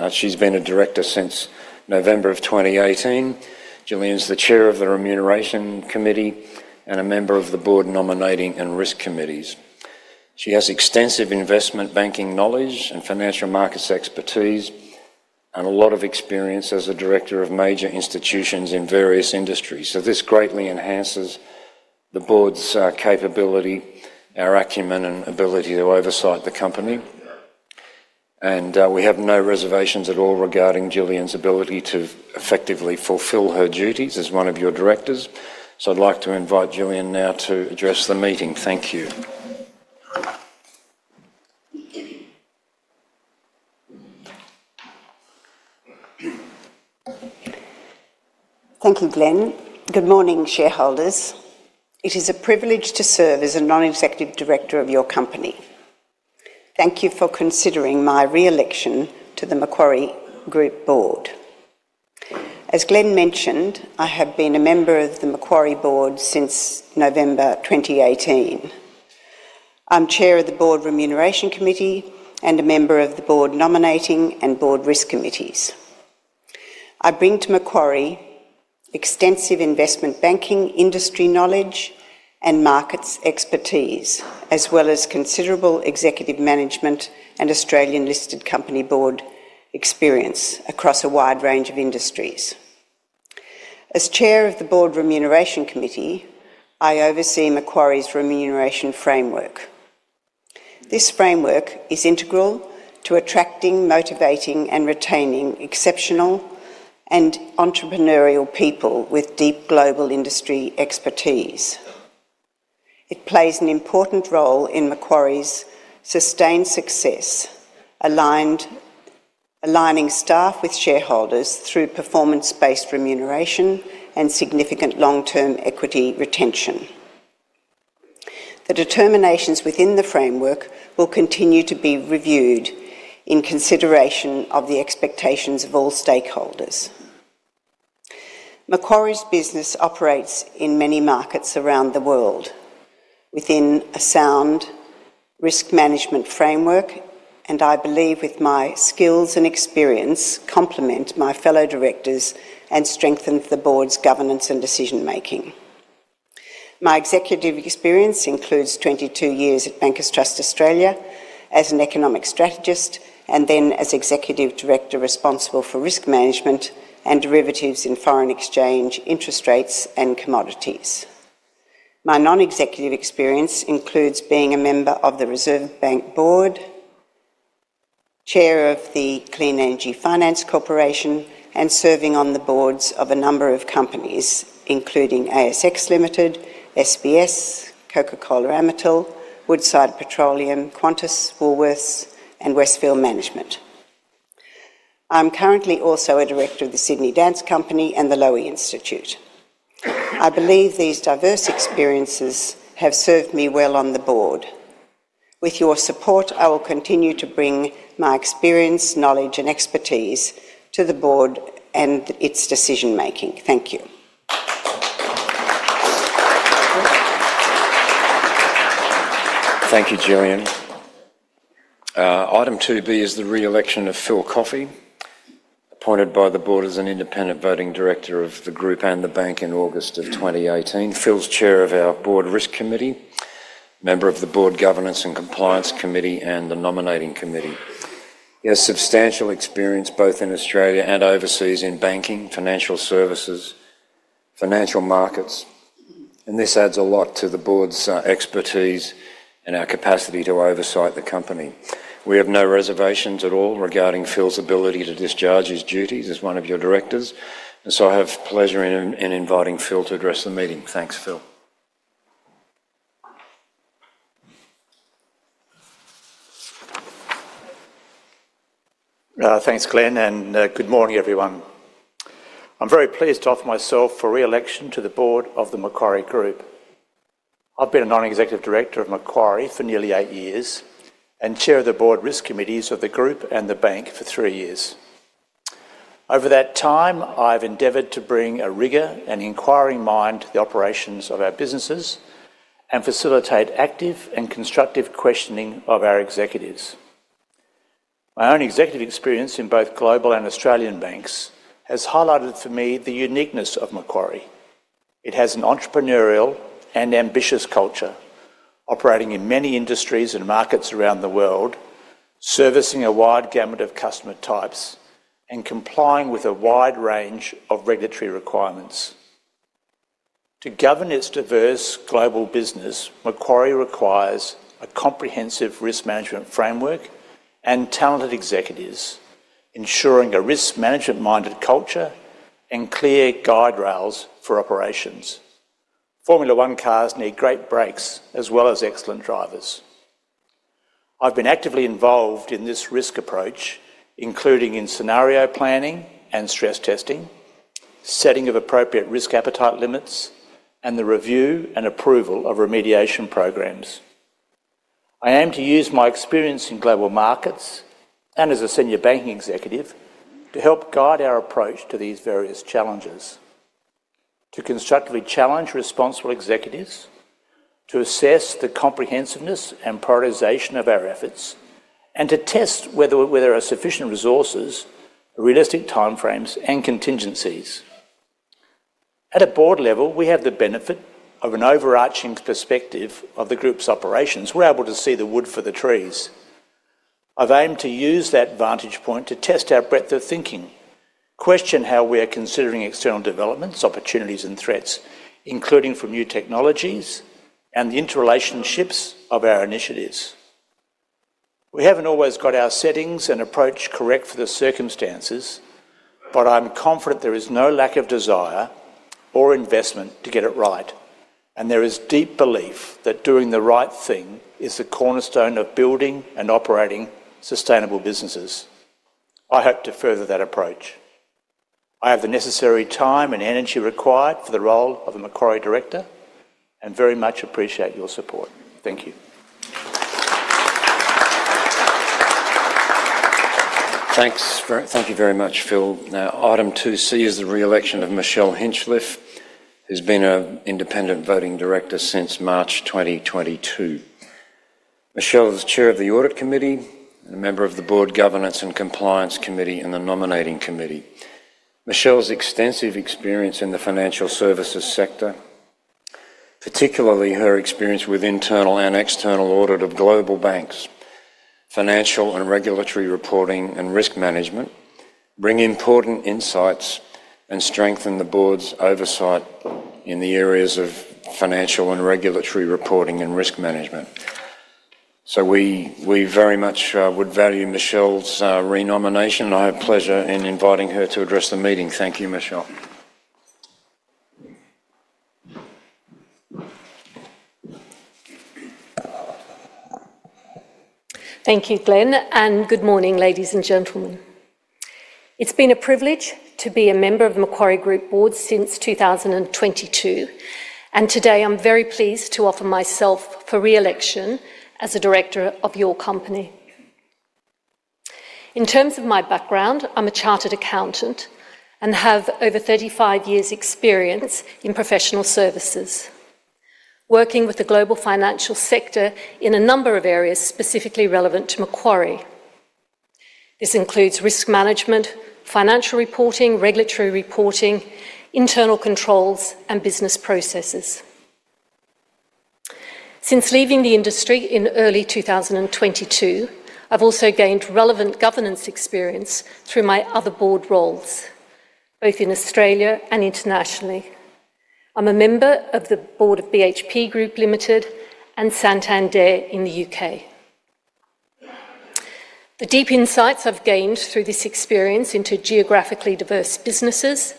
She's been a director since November of 2018. Jillian's the Chair of the Remuneration Committee and a member of the Board Nominating and Risk Committees. She has extensive investment banking knowledge and financial markets expertise. And a lot of experience as a director of major institutions in various industries. This greatly enhances the board's capability, our acumen, and ability to oversight the company. We have no reservations at all regarding Jillian's ability to effectively fulfill her duties as one of your directors. I'd like to invite Jillian now to address the meeting. Thank you. Thank you, Glenn. Good morning, shareholders. It is a privilege to serve as a non-executive director of your company. Thank you for considering my reelection to the Macquarie Group board. As Glenn mentioned, I have been a member of the Macquarie board since November 2018. I'm Chair of the Board Remuneration Committee and a member of the Board Nominating and Board Risk Committees. I bring to Macquarie extensive investment banking industry knowledge and markets expertise, as well as considerable executive management and Australian-listed company board experience across a wide range of industries. As Chair of the Board Remuneration Committee, I oversee Macquarie's remuneration framework. This framework is integral to attracting, motivating, and retaining exceptional and entrepreneurial people with deep global industry expertise. It plays an important role in Macquarie's sustained success. Aligning staff with shareholders through performance-based remuneration and significant long-term equity retention. The determinations within the framework will continue to be reviewed in consideration of the expectations of all stakeholders. Macquarie's business operates in many markets around the world within a sound risk management framework, and I believe my skills and experience complement my fellow directors and strengthen the board's governance and decision-making. My executive experience includes 22 years at Bankers Trust Australia as an economic strategist and then as Executive Director responsible for risk management and derivatives in foreign exchange, interest rates, and commodities. My non-executive experience includes being a member of the Reserve Bank board, Chair of the Clean Energy Finance Corporation, and serving on the boards of a number of companies, including ASX Limited, SBS, Coca-Cola Amatil, Woodside Petroleum, Qantas, Woolworths, and Westfield Management. I'm currently also a director of the Sydney Dance Company and the Lowy Institute. I believe these diverse experiences have served me well on the board. With your support, I will continue to bring my experience, knowledge, and expertise to the board and its decision-making. Thank you. Thank you, Jillian. Item 2B is the reelection of Phil Coffey. Appointed by the board as an independent voting director of the group and the bank in August of 2018. Phil's chair of our board risk committee, member of the board governance and compliance committee, and the nominating committee. He has substantial experience both in Australia and overseas in banking, financial services. Financial markets. And this adds a lot to the board's expertise and our capacity to oversight the company. We have no reservations at all regarding Phil's ability to discharge his duties as one of your directors. I have pleasure in inviting Phil to address the meeting. Thanks, Phil. Thanks, Glenn, and good morning, everyone. I'm very pleased to offer myself for reelection to the board of the Macquarie Group. I've been a non-executive director of Macquarie for nearly eight years and Chair of the Board Risk Committees of the group and the bank for three years. Over that time, I've endeavored to bring a rigor and inquiring mind to the operations of our businesses and facilitate active and constructive questioning of our executives. My own executive experience in both global and Australian banks has highlighted for me the uniqueness of Macquarie. It has an entrepreneurial and ambitious culture, operating in many industries and markets around the world. Servicing a wide gamut of customer types and complying with a wide range of regulatory requirements. To govern its diverse global business, Macquarie requires a comprehensive risk management framework and talented executives, ensuring a risk management-minded culture and clear guide rails for operations. Formula One cars need great brakes as well as excellent drivers. I've been actively involved in this risk approach, including in scenario planning and stress testing, setting of appropriate risk appetite limits, and the review and approval of remediation programs. I aim to use my experience in global markets and as a senior banking executive to help guide our approach to these various challenges. To constructively challenge responsible executives, to assess the comprehensiveness and prioritization of our efforts, and to test whether there are sufficient resources, realistic timeframes, and contingencies. At a board level, we have the benefit of an overarching perspective of the group's operations. We're able to see the wood for the trees. I've aimed to use that vantage point to test our breadth of thinking, question how we are considering external developments, opportunities, and threats, including from new technologies and the interrelationships of our initiatives. We haven't always got our settings and approach correct for the circumstances, but I'm confident there is no lack of desire or investment to get it right. There is deep belief that doing the right thing is the cornerstone of building and operating sustainable businesses. I hope to further that approach. I have the necessary time and energy required for the role of a Macquarie director and very much appreciate your support. Thank you. Thank you very much, Phil. Item 2C is the reelection of Michelle Hinchliffe, who's been an independent voting director since March 2022. Michelle is Chair of the Audit Committee and a member of the Board Governance and Compliance Committee and the Nominating Committee. Michelle's extensive experience in the financial services sector, particularly her experience with internal and external audit of global banks, financial and regulatory reporting, and risk management bring important insights and strengthen the board's oversight in the areas of financial and regulatory reporting and risk management. We very much would value Michelle's re-nomination. I have pleasure in inviting her to address the meeting. Thank you, Michelle. Thank you, Glenn, and good morning, ladies and gentlemen. It's been a privilege to be a member of the Macquarie Group board since 2022. Today, I'm very pleased to offer myself for reelection as a director of your company. In terms of my background, I'm a chartered accountant and have over 35 years' experience in professional services. Working with the global financial sector in a number of areas specifically relevant to Macquarie. This includes risk management, financial reporting, regulatory reporting, internal controls, and business processes. Since leaving the industry in early 2022, I've also gained relevant governance experience through my other board roles, both in Australia and internationally. I'm a member of the board of BHP Group Limited and Santander U.K. The deep insights I've gained through this experience into geographically diverse businesses,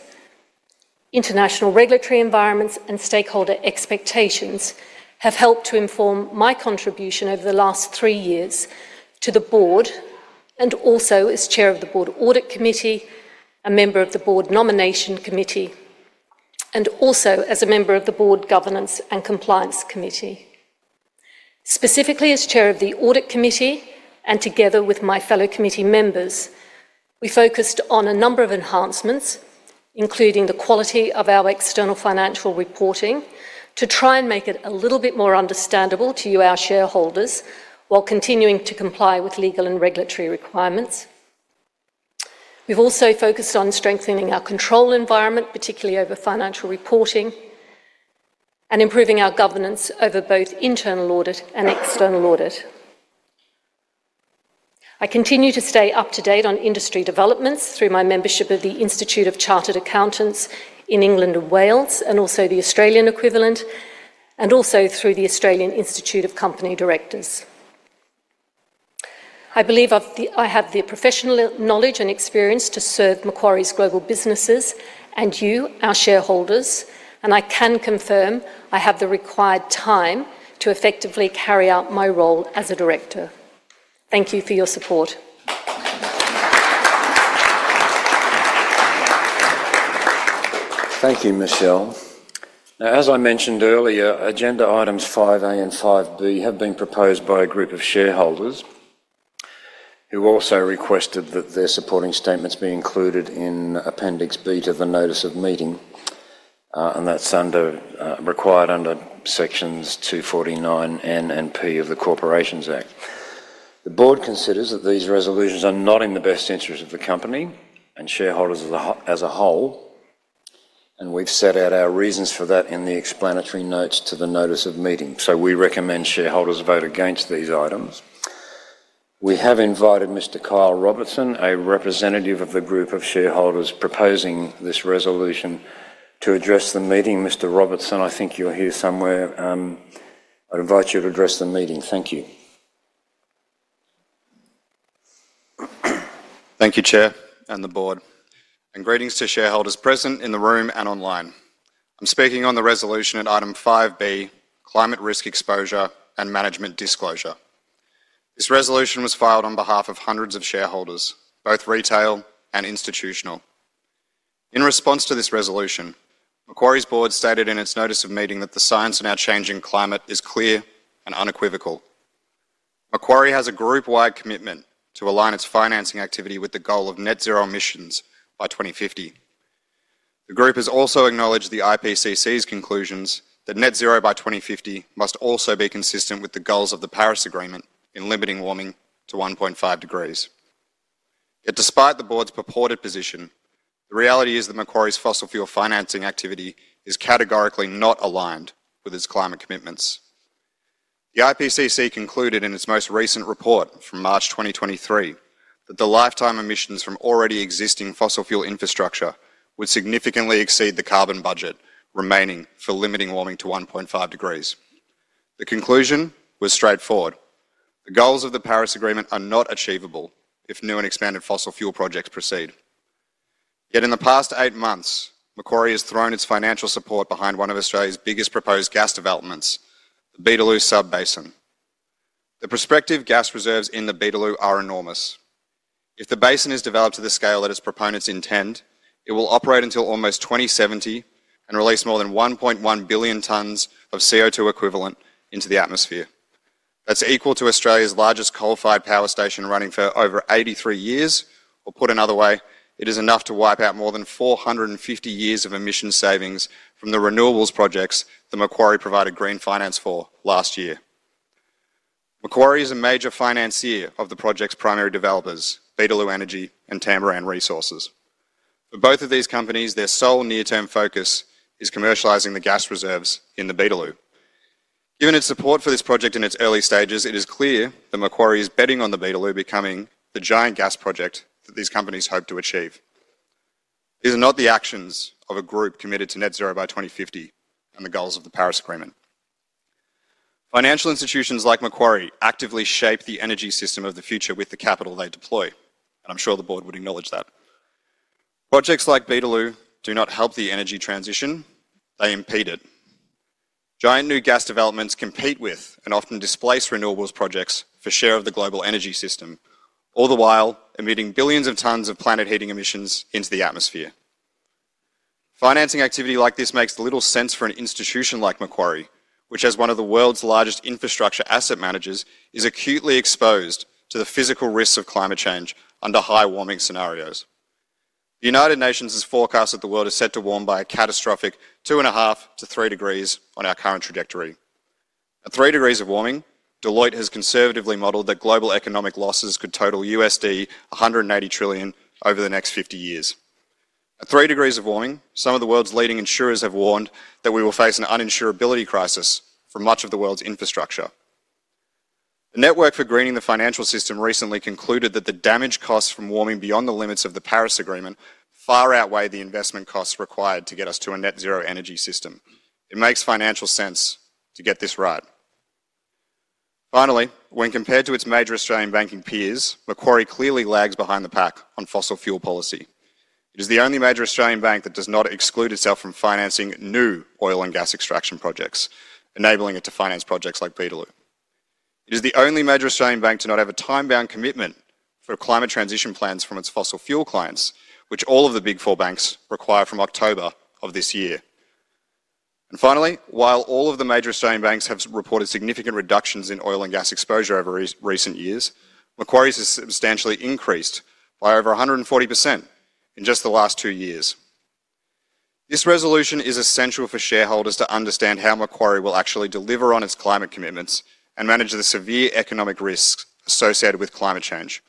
international regulatory environments, and stakeholder expectations have helped to inform my contribution over the last three years to the board and also as Chair of the Board Audit Committee, a member of the Board Nomination Committee, and also as a member of the Board Governance and Compliance Committee. Specifically as Chair of the Audit Committee and together with my fellow committee members, we focused on a number of enhancements, including the quality of our external financial reporting to try and make it a little bit more understandable to our shareholders while continuing to comply with legal and regulatory requirements. We have also focused on strengthening our control environment, particularly over financial reporting. Improving our governance over both internal audit and external audit. I continue to stay up to date on industry developments through my membership of the Institute of Chartered Accountants in England and Wales, and also the Australian equivalent, and also through the Australian Institute of Company Directors. I believe I have the professional knowledge and experience to serve Macquarie's global businesses and you, our shareholders, and I can confirm I have the required time to effectively carry out my role as a director. Thank you for your support. Thank you, Michelle. Now, as I mentioned earlier, agenda items 5A and 5B have been proposed by a group of shareholders who also requested that their supporting statements be included in Appendix B to the Notice of Meeting. That is required under sections 249N and P of the Corporations Act. The board considers that these resolutions are not in the best interest of the company and shareholders as a whole. We have set out our reasons for that in the explanatory notes to the Notice of Meeting. We recommend shareholders vote against these items. We have invited Mr. Kyle Robertson, a representative of the group of shareholders proposing this resolution, to address the meeting. Mr. Robertson, I think you're here somewhere. I invite you to address the meeting. Thank you. Thank you, Chair and the board. Greetings to shareholders present in the room and online. I'm speaking on the resolution at item 5B, Climate Risk Exposure and Management Disclosure. This resolution was filed on behalf of hundreds of shareholders, both retail and institutional. In response to this resolution, Macquarie's board stated in its Notice of Meeting that the science in our changing climate is clear and unequivocal. Macquarie has a group-wide commitment to align its financing activity with the goal of net zero emissions by 2050. The group has also acknowledged the IPCC's conclusions that net zero by 2050 must also be consistent with the goals of the Paris Agreement in limiting warming to 1.5 degrees. Yet, despite the board's purported position, the reality is that Macquarie's fossil fuel financing activity is categorically not aligned with its climate commitments. The IPCC concluded in its most recent report from March 2023 that the lifetime emissions from already existing fossil fuel infrastructure would significantly exceed the carbon budget remaining for limiting warming to 1.5 degrees. The conclusion was straightforward. The goals of the Paris Agreement are not achievable if new and expanded fossil fuel projects proceed. Yet, in the past eight months, Macquarie has thrown its financial support behind one of Australia's biggest proposed gas developments, the Beetaloo Sub-basin. The prospective gas reserves in the Beetaloo are enormous. If the basin is developed to the scale that its proponents intend, it will operate until almost 2070 and release more than 1.1 billion tons of CO2 equivalent into the atmosphere. That's equal to Australia's largest coal-fired power station running for over 83 years. Or put another way, it is enough to wipe out more than 450 years of emission savings from the renewables projects that Macquarie provided green finance for last year. Macquarie is a major financier of the project's primary developers, Beetaloo Energy and Tamboran Resources. For both of these companies, their sole near-term focus is commercializing the gas reserves in the Beetaloo. Given its support for this project in its early stages, it is clear that Macquarie is betting on the Beetaloo becoming the giant gas project that these companies hope to achieve. These are not the actions of a group committed to net zero by 2050 and the goals of the Paris Agreement. Financial institutions like Macquarie actively shape the energy system of the future with the capital they deploy. I'm sure the board would acknowledge that. Projects like Beetaloo do not help the energy transition. They impede it. Giant new gas developments compete with and often displace renewables projects for share of the global energy system, all the while emitting billions of tons of planet-heating emissions into the atmosphere. Financing activity like this makes little sense for an institution like Macquarie, which has one of the world's largest infrastructure asset managers, is acutely exposed to the physical risks of climate change under high warming scenarios. The United Nations has forecast that the world is set to warm by a catastrophic 2.5-3 degrees on our current trajectory. At 3 degrees of warming, Deloitte has conservatively modeled that global economic losses could total $180 trillion over the next 50 years. At 3 degrees of warming, some of the world's leading insurers have warned that we will face an uninsurability crisis for much of the world's infrastructure. The network for greening the financial system recently concluded that the damage costs from warming beyond the limits of the Paris Agreement far outweigh the investment costs required to get us to a net zero energy system. It makes financial sense to get this right. Finally, when compared to its major Australian banking peers, Macquarie clearly lags behind the pack on fossil fuel policy. It is the only major Australian bank that does not exclude itself from financing new oil and gas extraction projects, enabling it to finance projects like Beetaloo. It is the only major Australian bank to not have a time-bound commitment for climate transition plans from its fossil fuel clients, which all of the Big Four banks require from October of this year. Finally, while all of the major Australian banks have reported significant reductions in oil and gas exposure over recent years, Macquarie's has substantially increased by over 140% in just the last two years. This resolution is essential for shareholders to understand how Macquarie will actually deliver on its climate commitments and manage the severe economic risks associated with climate change.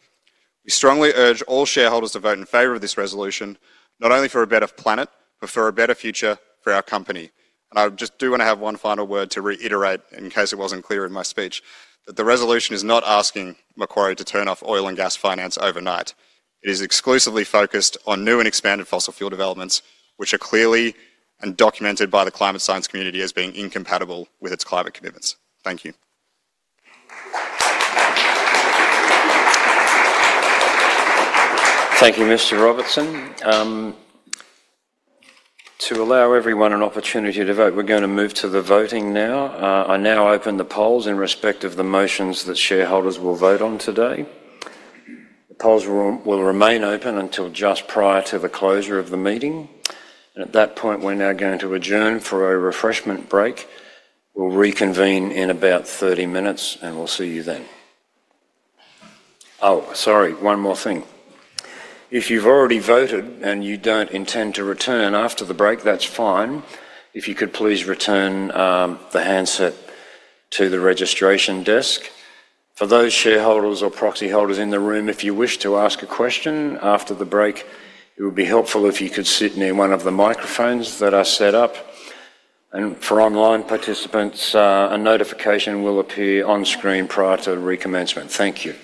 We strongly urge all shareholders to vote in favor of this resolution, not only for a better planet, but for a better future for our company. I just do want to have one final word to reiterate, in case it wasn't clear in my speech, that the resolution is not asking Macquarie to turn off oil and gas finance overnight. It is exclusively focused on new and expanded fossil fuel developments, which are clearly and documented by the climate science community as being incompatible with its climate commitments. Thank you. Thank you, Mr. Robertson. To allow everyone an opportunity to vote, we're going to move to the voting now. I now open the polls in respect of the motions that shareholders will vote on today. The polls will remain open until just prior to the closure of the meeting. At that point, we're now going to adjourn for a refreshment break. We'll reconvene in about 30 minutes, and we'll see you then. Oh, sorry, one more thing. If you've already voted and you don't intend to return after the break, that's fine. If you could please return the handset to the registration desk. For those shareholders or proxy holders in the room, if you wish to ask a question after the break, it would be helpful if you could sit near one of the microphones that are set up. For online participants, a notification will appear on screen prior to recommencement. Thank you.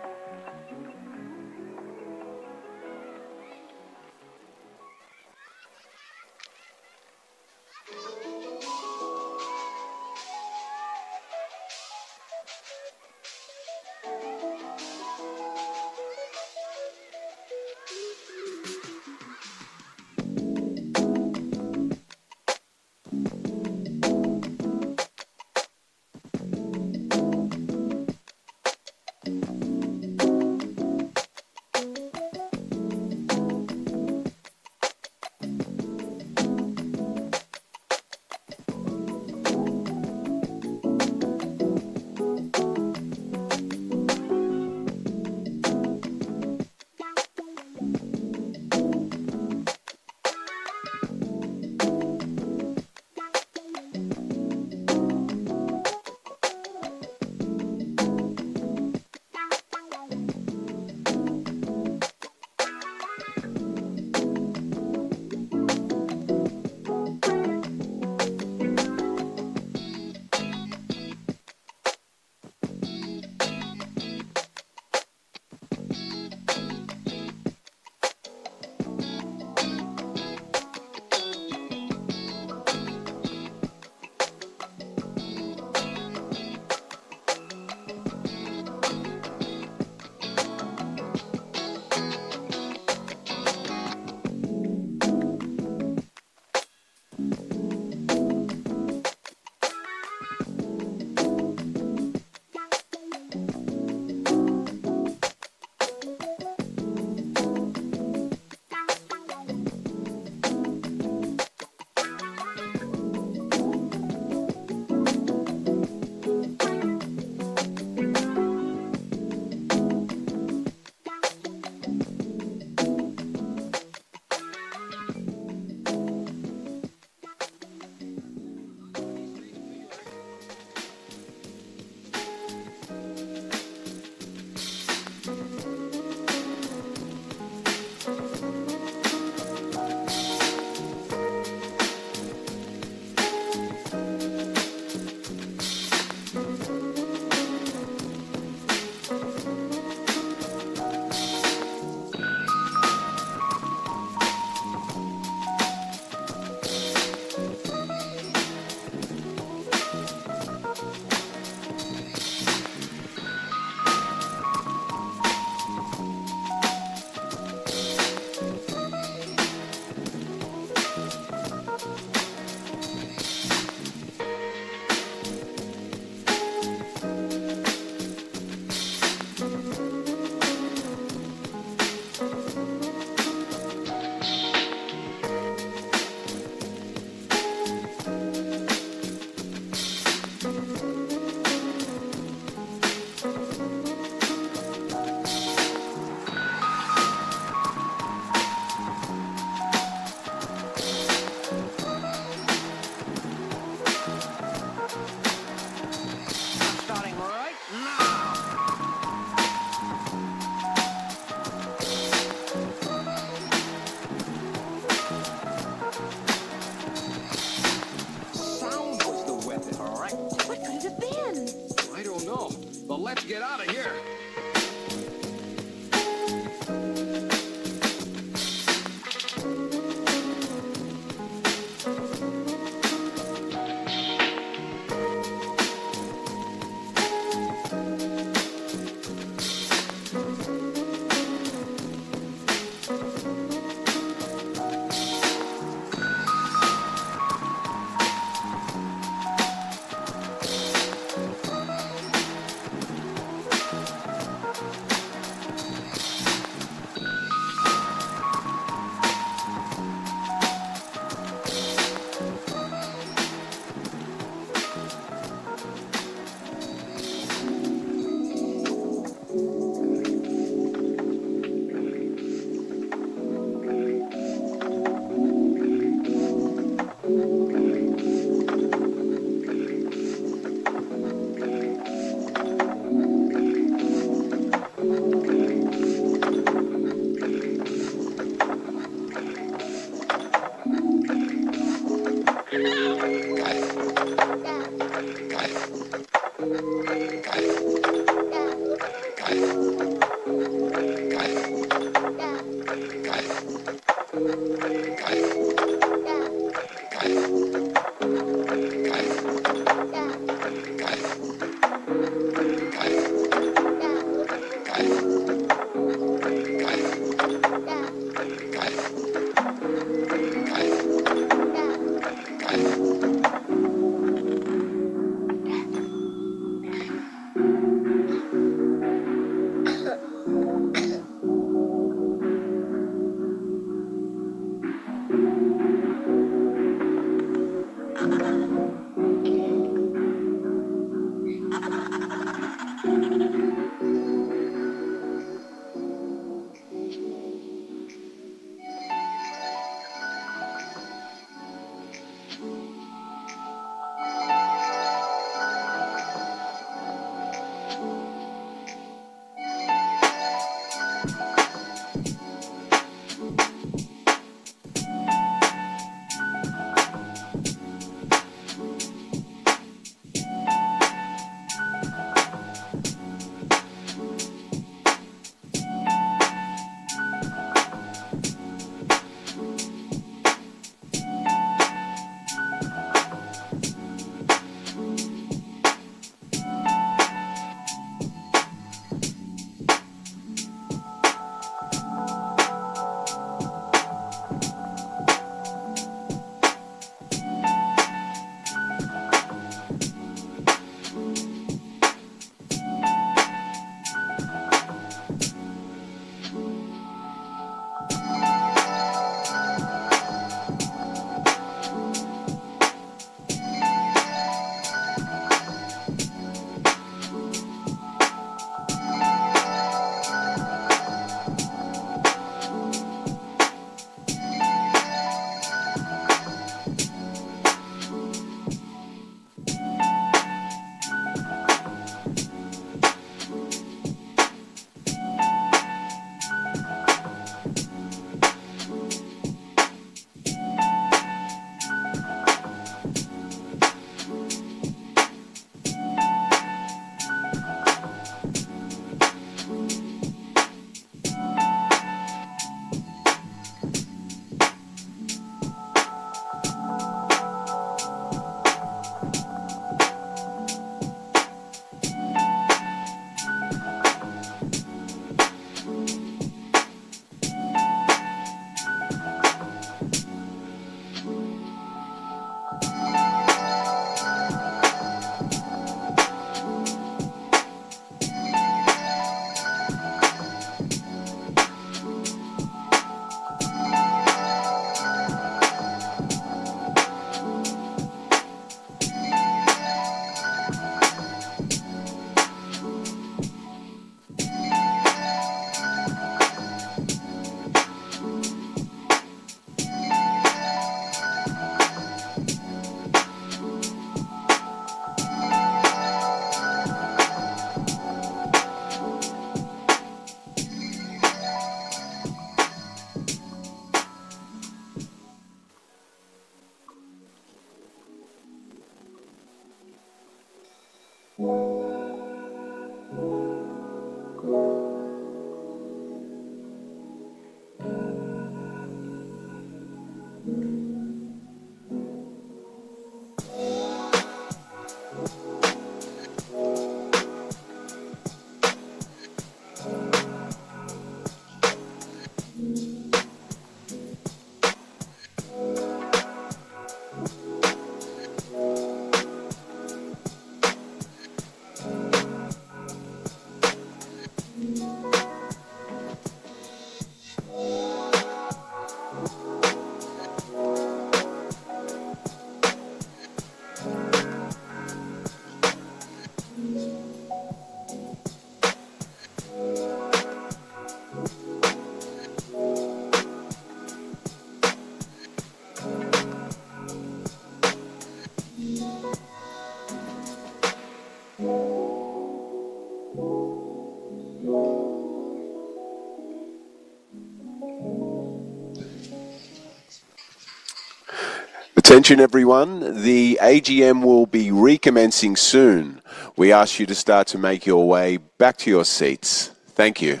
Attention everyone, the AGM will be recommencing soon. We ask you to start to make your way back to your seats. Thank you.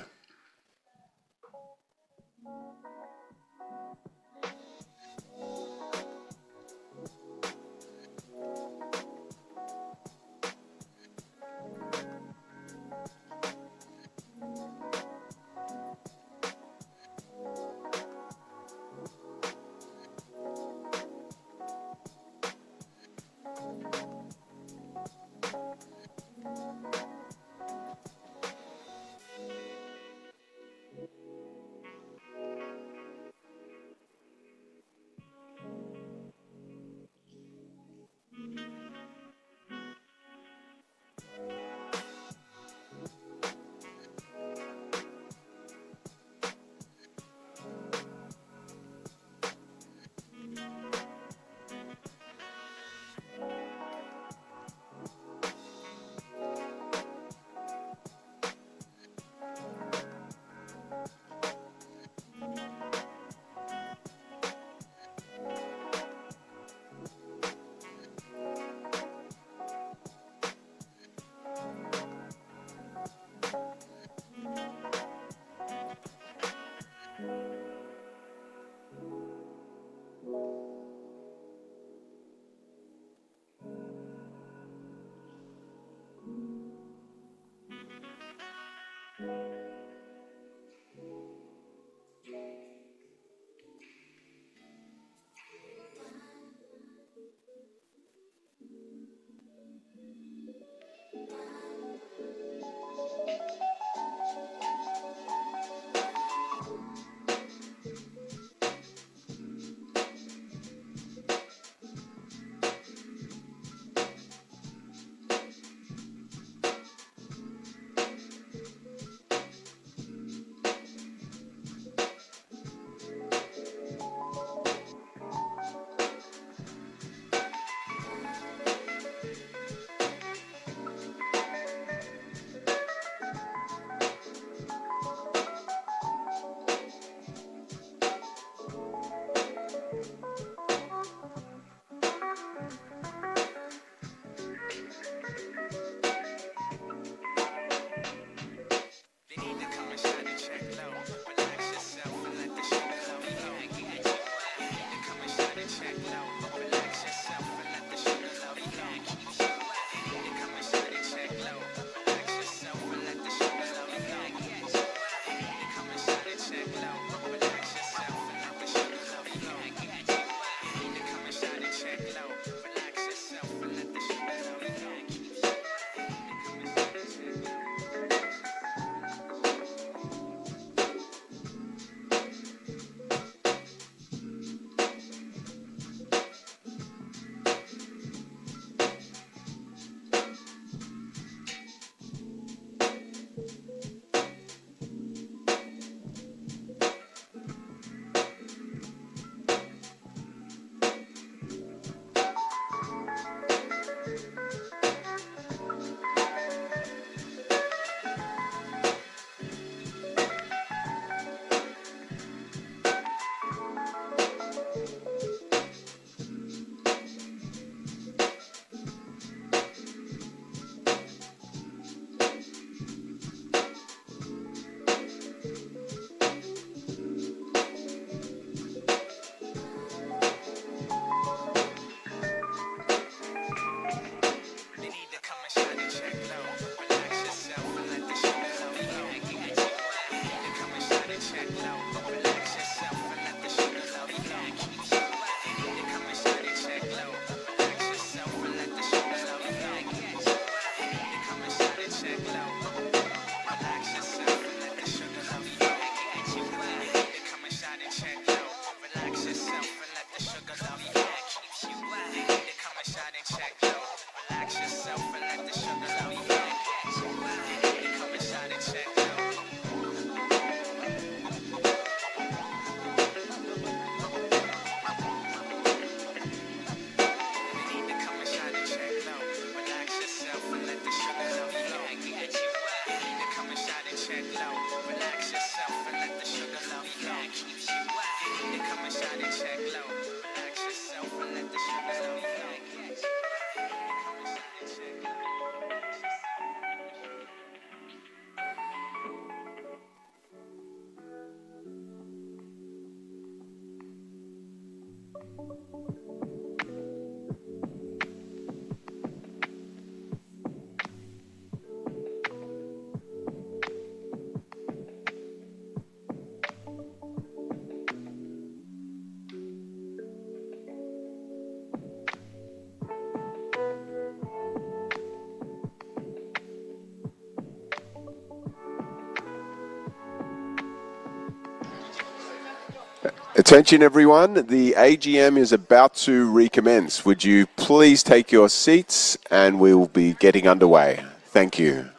Attention everyone, the AGM is about to recommence. Would you please take your seats, and we'll be getting underway. Thank you.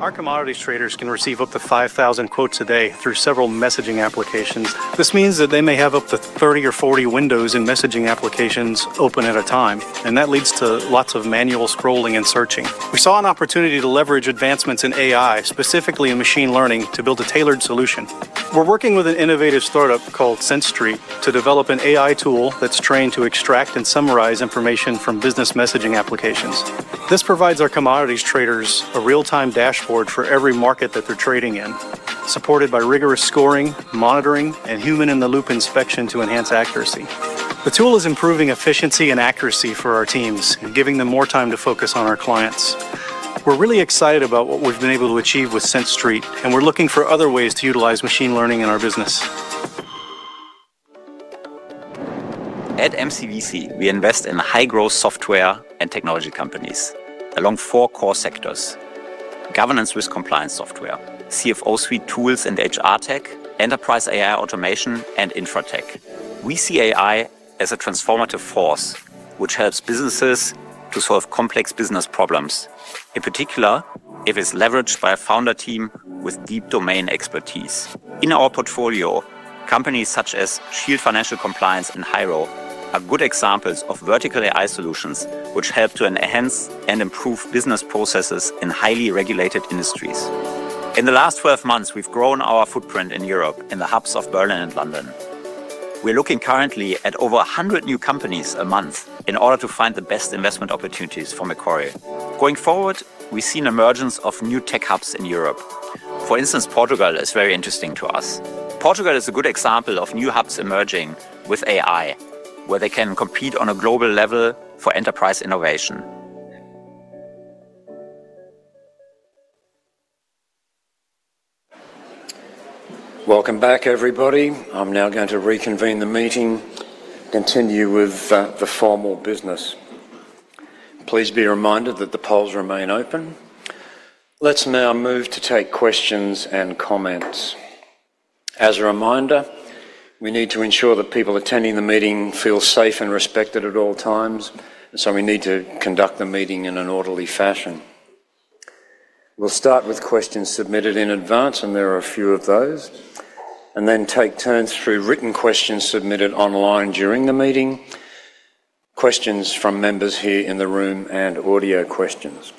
Our commodity traders can receive up to 5,000 quotes a day through several messaging applications. This means that they may have up to 30 or 40 windows in messaging applications open at a time, and that leads to lots of manual scrolling and searching. We saw an opportunity to leverage advancements in AI, specifically in machine learning, to build a tailored solution. We're working with an innovative startup called Sent Street to develop an AI tool that's trained to extract and summarize information from business messaging applications. This provides our commodities traders a real-time dashboard for every market that they're trading in, supported by rigorous scoring, monitoring, and human-in-the-loop inspection to enhance accuracy. The tool is improving efficiency and accuracy for our teams, giving them more time to focus on our clients. We're really excited about what we've been able to achieve with Sent Street, and we're looking for other ways to utilize machine learning in our business. At MCVC, we invest in high-growth software and technology companies along four core sectors: governance with compliance software, CFO suite tools and HR tech, enterprise AI automation, and infra tech. We see AI as a transformative force which helps businesses to solve complex business problems, in particular if it's leveraged by a founder team with deep domain expertise. In our portfolio, companies such as Shield Financial Compliance and Hairo are good examples of vertical AI solutions which help to enhance and improve business processes in highly regulated industries. In the last 12 months, we've grown our footprint in Europe in the hubs of Berlin and London. We're looking currently at over 100 new companies a month in order to find the best investment opportunities for Macquarie. Going forward, we've seen the emergence of new tech hubs in Europe. For instance, Portugal is very interesting to us. Portugal is a good example of new hubs emerging with AI, where they can compete on a global level for enterprise innovation. Welcome back, everybody. I'm now going to reconvene the meeting and continue with the formal business. Please be reminded that the polls remain open. Let's now move to take questions and comments. As a reminder, we need to ensure that people attending the meeting feel safe and respected at all times, and so we need to conduct the meeting in an orderly fashion. We'll start with questions submitted in advance, and there are a few of those, and then take turns through written questions submitted online during the meeting. Questions from members here in the room and audio questions.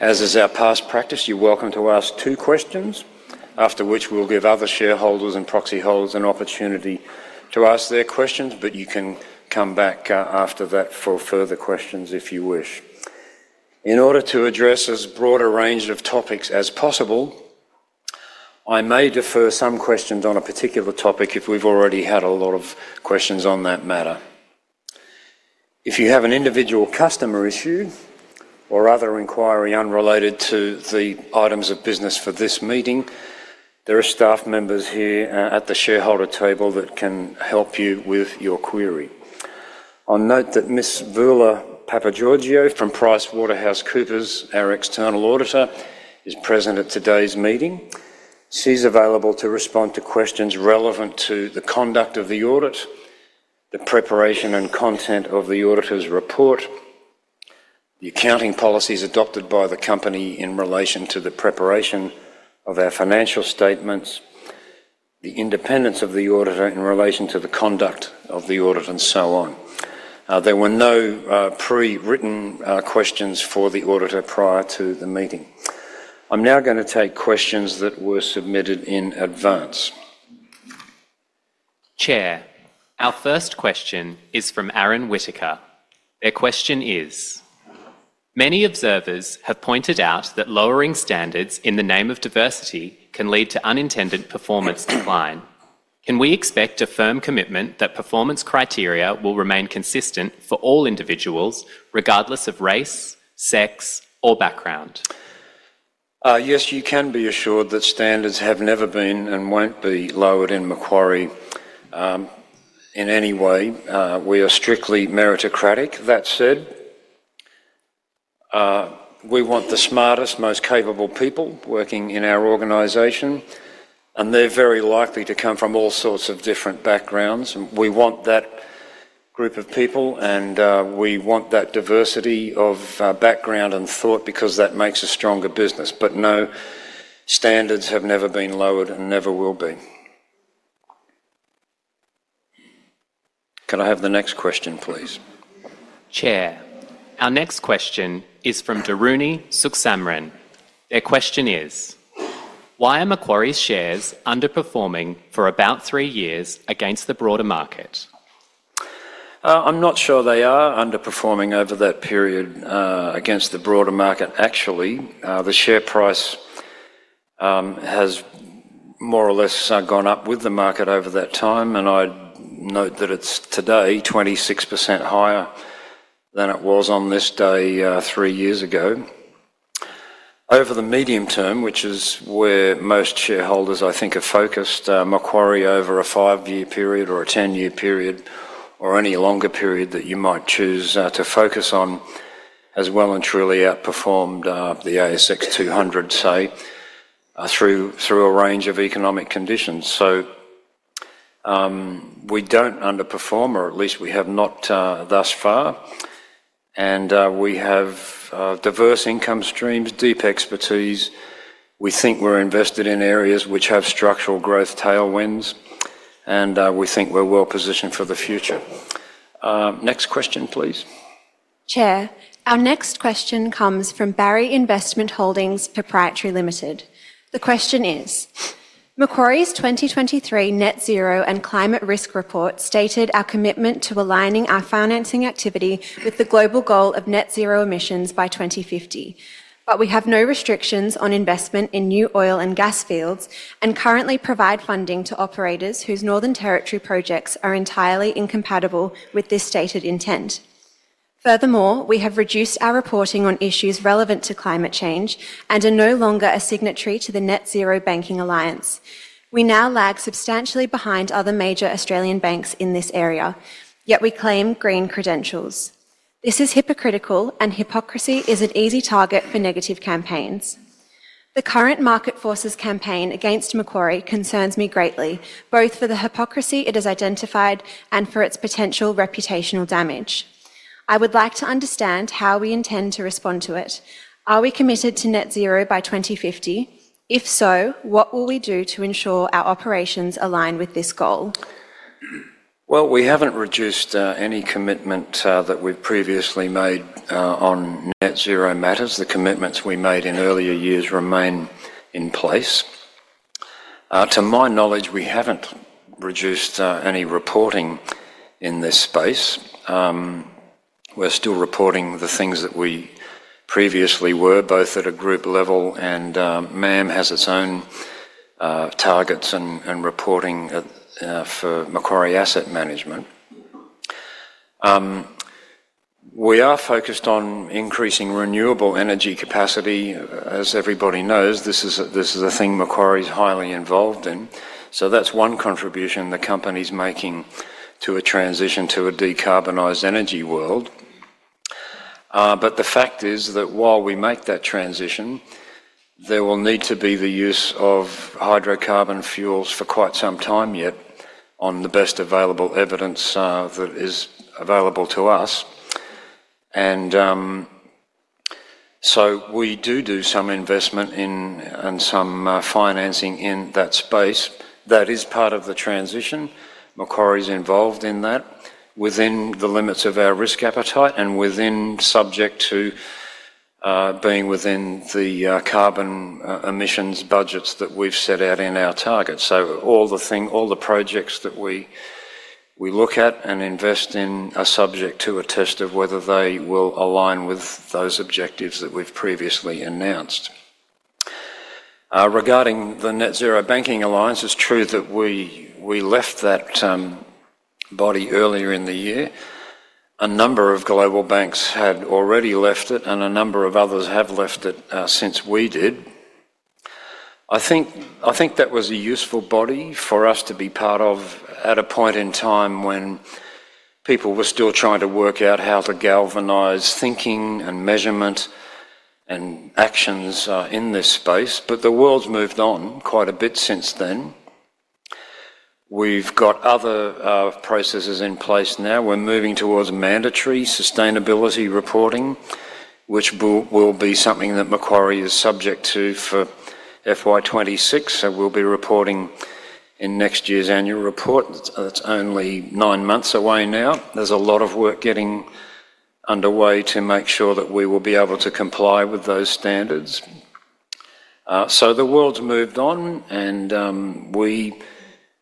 As is our past practice, you're welcome to ask two questions, after which we'll give other shareholders and proxy holders an opportunity to ask their questions, but you can come back after that for further questions if you wish. In order to address as broad a range of topics as possible, I may defer some questions on a particular topic if we've already had a lot of questions on that matter. If you have an individual customer issue or other inquiry unrelated to the items of business for this meeting, there are staff members here at the shareholder table that can help you with your query. I'll note that Ms. Vula Papagio from PricewaterhouseCoopers, our external auditor, is present at today's meeting. She's available to respond to questions relevant to the conduct of the audit, the preparation and content of the auditor's report, the accounting policies adopted by the company in relation to the preparation of our financial statements, the independence of the auditor in relation to the conduct of the audit, and so on. There were no pre-written questions for the auditor prior to the meeting. I'm now going to take questions that were submitted in advance. Chair, our first question is from Aaron Whittaker. Their question is, "Many observers have pointed out that lowering standards in the name of diversity can lead to unintended performance decline. Can we expect a firm commitment that performance criteria will remain consistent for all individuals, regardless of race, sex, or background? Yes, you can be assured that standards have never been and will not be lowered in Macquarie. In any way. We are strictly meritocratic. That said, we want the smartest, most capable people working in our organization, and they are very likely to come from all sorts of different backgrounds. We want that group of people, and we want that diversity of background and thought because that makes a stronger business. No, standards have never been lowered and never will be. Can I have the next question, please? Chair, our next question is from Daruni Suksamran. Their question is, "Why are Macquarie's shares underperforming for about three years against the broader market?" I am not sure they are underperforming over that period against the broader market, actually. The share price has. More or less gone up with the market over that time, and I note that it's today 26% higher than it was on this day three years ago. Over the medium term, which is where most shareholders, I think, are focused, Macquarie over a five-year period or a ten-year period or any longer period that you might choose to focus on, has well and truly outperformed the ASX 200, say, through a range of economic conditions. We don't underperform, or at least we have not thus far, and we have diverse income streams, deep expertise. We think we're invested in areas which have structural growth tailwinds, and we think we're well positioned for the future. Next question, please. Chair, our next question comes from Barry Investment Holdings Proprietary Limited. The question is. Macquarie's 2023 net zero and climate risk report stated our commitment to aligning our financing activity with the global goal of net zero emissions by 2050, but we have no restrictions on investment in new oil and gas fields and currently provide funding to operators whose Northern Territory projects are entirely incompatible with this stated intent. Furthermore, we have reduced our reporting on issues relevant to climate change and are no longer a signatory to the net zero banking alliance. We now lag substantially behind other major Australian banks in this area, yet we claim green credentials. This is hypocritical, and hypocrisy is an easy target for negative campaigns. The current market forces campaign against Macquarie concerns me greatly, both for the hypocrisy it has identified and for its potential reputational damage. I would like to understand how we intend to respond to it. Are we committed to net zero by 2050? If so, what will we do to ensure our operations align with this goal? We haven't reduced any commitment that we've previously made on net zero matters. The commitments we made in earlier years remain in place. To my knowledge, we haven't reduced any reporting in this space. We're still reporting the things that we previously were, both at a group level, and MAM has its own targets and reporting. For Macquarie Asset Management, we are focused on increasing renewable energy capacity. As everybody knows, this is a thing Macquarie is highly involved in. That's one contribution the company's making to a transition to a decarbonized energy world. The fact is that while we make that transition. There will need to be the use of hydrocarbon fuels for quite some time yet on the best available evidence that is available to us. We do do some investment and some financing in that space. That is part of the transition. Macquarie is involved in that within the limits of our risk appetite and subject to being within the carbon emissions budgets that we've set out in our targets. All the projects that we look at and invest in are subject to a test of whether they will align with those objectives that we've previously announced. Regarding the net zero banking alliance, it's true that we left that body earlier in the year. A number of global banks had already left it, and a number of others have left it since we did. I think that was a useful body for us to be part of at a point in time when people were still trying to work out how to galvanize thinking and measurement and actions in this space. The world's moved on quite a bit since then. We've got other processes in place now. We're moving towards mandatory sustainability reporting, which will be something that Macquarie is subject to for FY26. We'll be reporting in next year's annual report. That's only nine months away now. There's a lot of work getting underway to make sure that we will be able to comply with those standards. The world's moved on, and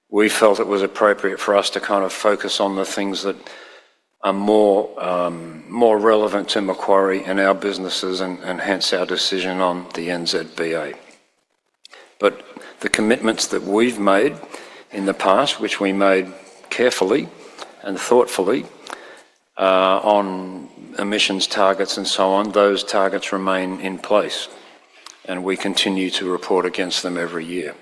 we felt it was appropriate for us to kind of focus on the things that are more relevant to Macquarie and our businesses and enhance our decision on the NZBA. But the commitments that we've made in the past, which we made carefully and thoughtfully. On emissions targets and so on, those targets remain in place, and we continue to report against them every year.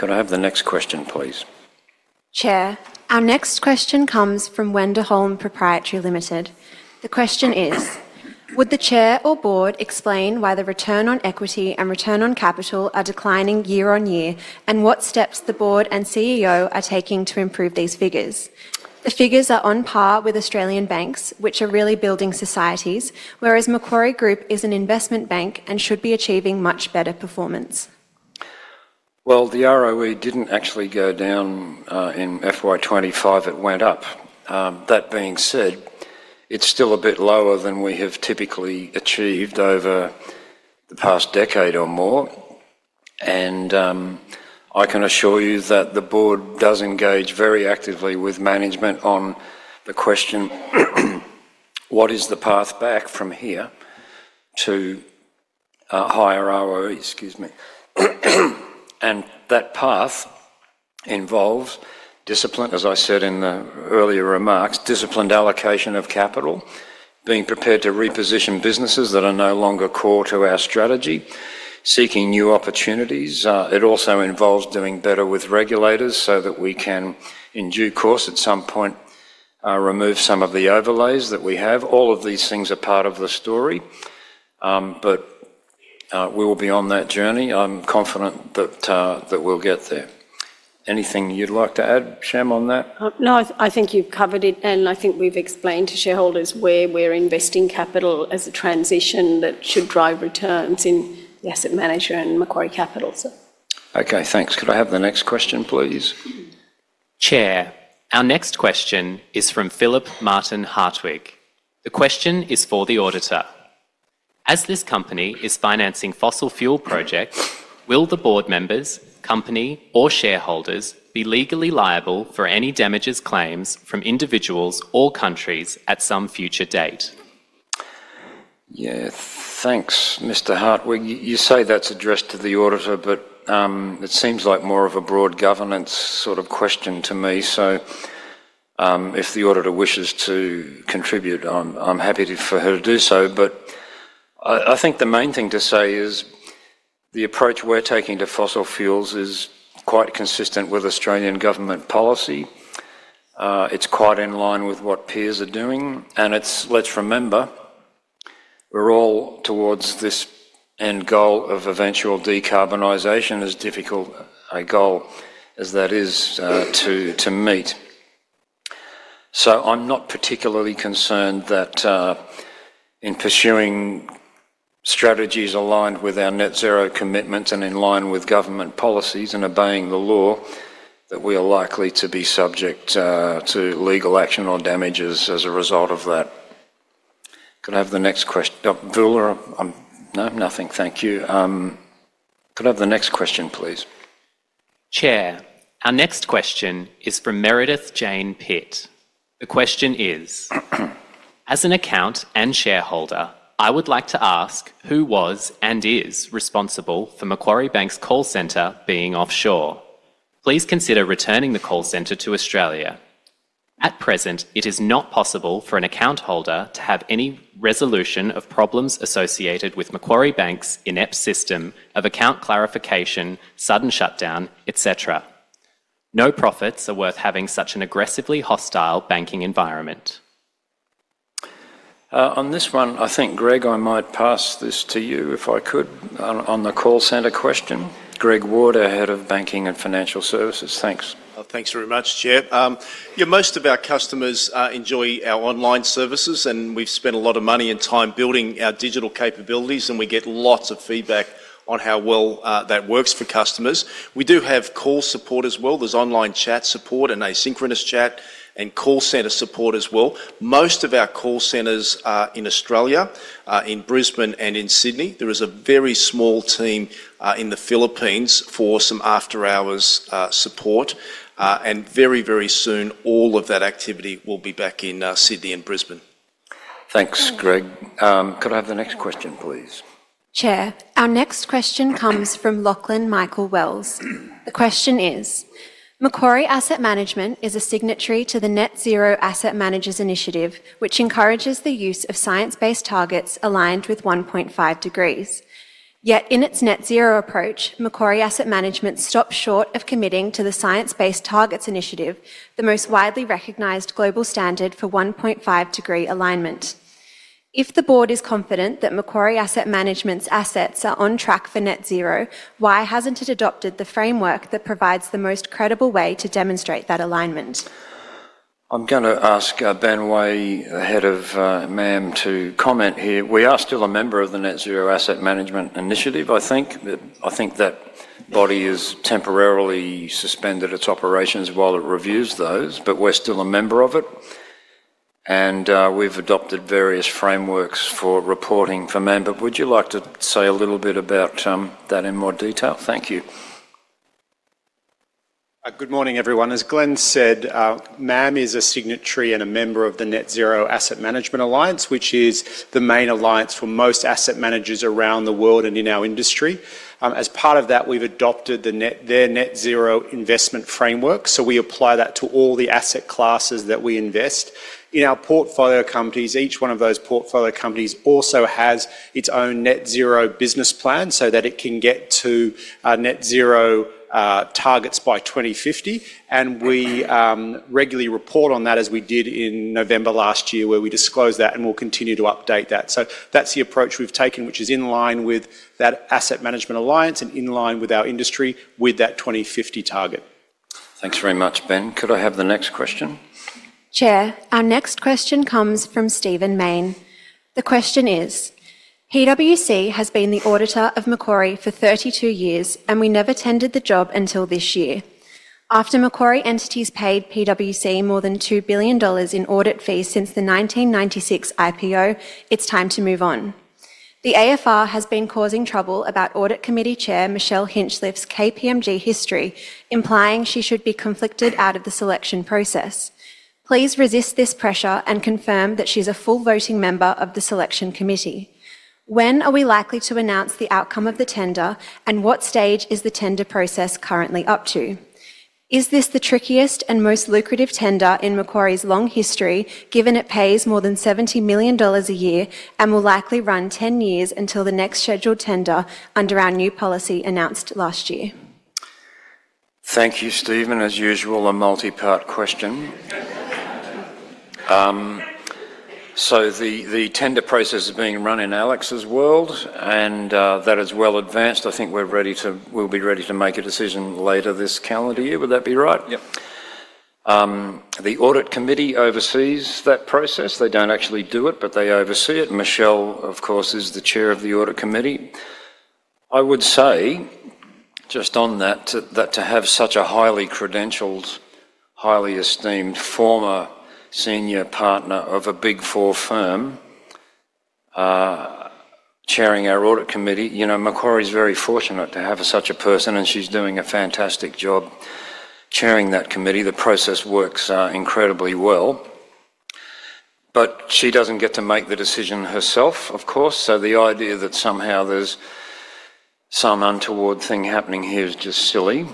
Can I have the next question, please? Chair, our next question comes from Wenderholm Proprietary Limited. The question is, "Would the Chair or board explain why the return on equity and return on capital are declining year on year, and what steps the board and CEO are taking to improve these figures? The figures are on par with Australian banks, which are really building societies, whereas Macquarie Group is an investment bank and should be achieving much better performance." The ROE did not actually go down. In FY2025, it went up. That being said, it is still a bit lower than we have typically achieved over the past decade or more. And. I can assure you that the board does engage very actively with management on the question. "What is the path back from here to higher ROE?" Excuse me. That path involves discipline, as I said in the earlier remarks, disciplined allocation of capital, being prepared to reposition businesses that are no longer core to our strategy, seeking new opportunities. It also involves doing better with regulators so that we can, in due course at some point, remove some of the overlays that we have. All of these things are part of the story. We will be on that journey. I'm confident that we'll get there. Anything you'd like to add, Shem, on that? No, I think you've covered it, and I think we've explained to shareholders where we're investing capital as a transition that should drive returns in the asset manager and Macquarie Capital. Okay, thanks. Could I have the next question, please? Chair, our next question is from Philip Martin Hartwig. The question is for the auditor. "As this company is financing fossil fuel projects, will the board members, company, or shareholders be legally liable for any damages claims from individuals or countries at some future date?" Yeah, thanks, Mr. Hartwig. You say that's addressed to the auditor, but it seems like more of a broad governance sort of question to me. If the auditor wishes to contribute, I'm happy for her to do so. I think the main thing to say is the approach we're taking to fossil fuels is quite consistent with Australian government policy. It's quite in line with what peers are doing. Let's remember we're all towards this end goal of eventual decarbonization as difficult a goal as that is to meet. I'm not particularly concerned that. In pursuing strategies aligned with our net zero commitments and in line with government policies and obeying the law, that we are likely to be subject to legal action or damages as a result of that. Could I have the next question? No, nothing. Thank you. Could I have the next question, please? Chair, our next question is from Meredith Jane Pitt. The question is, "As an account and shareholder, I would like to ask who was and is responsible for Macquarie Bank's call center being offshore. Please consider returning the call center to Australia. At present, it is not possible for an account holder to have any resolution of problems associated with Macquarie Bank's inept system of account clarification, sudden shutdown, etc. No profits are worth having such an aggressively hostile banking environment." On this one, I think, Greg, I might pass this to you if I could on the call center question. Greg Ward, Head of Banking and Financial Services. Thanks. Thanks very much, Chair. Most of our customers enjoy our online services, and we've spent a lot of money and time building our digital capabilities, and we get lots of feedback on how well that works for customers. We do have call support as well. There's online chat support and asynchronous chat and call center support as well. Most of our call centers are in Australia, in Brisbane and in Sydney. There is a very small team in the Philippines for some after-hours support. Very, very soon, all of that activity will be back in Sydney and Brisbane. Thanks, Greg. Could I have the next question, please? Chair, our next question comes from Lachlan Michael Wells. The question is, "Macquarie Asset Management is a signatory to the Net Zero Asset Managers Initiative, which encourages the use of science-based targets aligned with 1.5 degrees. Yet in its net zero approach, Macquarie Asset Management stops short of committing to the Science-Based Targets Initiative, the most widely recognized global standard for 1.5 degree alignment. If the board is confident that Macquarie Asset Management's assets are on track for net zero, why hasn't it adopted the framework that provides the most credible way to demonstrate that alignment?" I'm going to ask Ben Way, head of MAM, to comment here. We are still a member of the Net Zero Asset Managers Initiative, I think. I think that body has temporarily suspended its operations while it reviews those, but we're still a member of it. We have adopted various frameworks for reporting for MAM. Would you like to say a little bit about that in more detail? Thank you. Good morning, everyone. As Glenn said, MAM is a signatory and a member of the Net Zero Asset Management Alliance, which is the main alliance for most asset managers around the world and in our industry. As part of that, we have adopted their net zero investment framework. We apply that to all the asset classes that we invest in. In our portfolio companies, each one of those portfolio companies also has its own net zero business plan so that it can get to net zero targets by 2050. We regularly report on that, as we did in November last year, where we disclosed that and will continue to update that. That's the approach we've taken, which is in line with that asset management alliance and in line with our industry with that 2050 target. Thanks very much, Ben. Could I have the next question? Chair, our next question comes from Stephen Main. The question is, "PWC has been the auditor of Macquarie for 32 years, and we never tendered the job until this year. After Macquarie entities paid PWC more than 2 billion dollars in audit fees since the 1996 IPO, it's time to move on. The AFR has been causing trouble about audit committee chair Michelle Hinchliffe's KPMG history, implying she should be conflicted out of the selection process. Please resist this pressure and confirm that she's a full-voting member of the selection committee. When are we likely to announce the outcome of the tender, and what stage is the tender process currently up to? Is this the trickiest and most lucrative tender in Macquarie's long history, given it pays more than 70 million dollars a year and will likely run 10 years until the next scheduled tender under our new policy announced last year? Thank you, Stephen. As usual, a multi-part question. The tender process is being run in Alex's world, and that is well advanced. I think we'll be ready to make a decision later this calendar year. Would that be right? Yep. The Audit Committee oversees that process. They do not actually do it, but they oversee it. Michelle, of course, is the Chair of the Audit Committee. I would say, just on that, to have such a highly credentialed, highly esteemed former senior partner of a Big Four firm chairing our Audit Committee, Macquarie is very fortunate to have such a person, and she is doing a fantastic job chairing that committee. The process works incredibly well. She does not get to make the decision herself, of course. The idea that somehow there is some untoward thing happening here is just silly.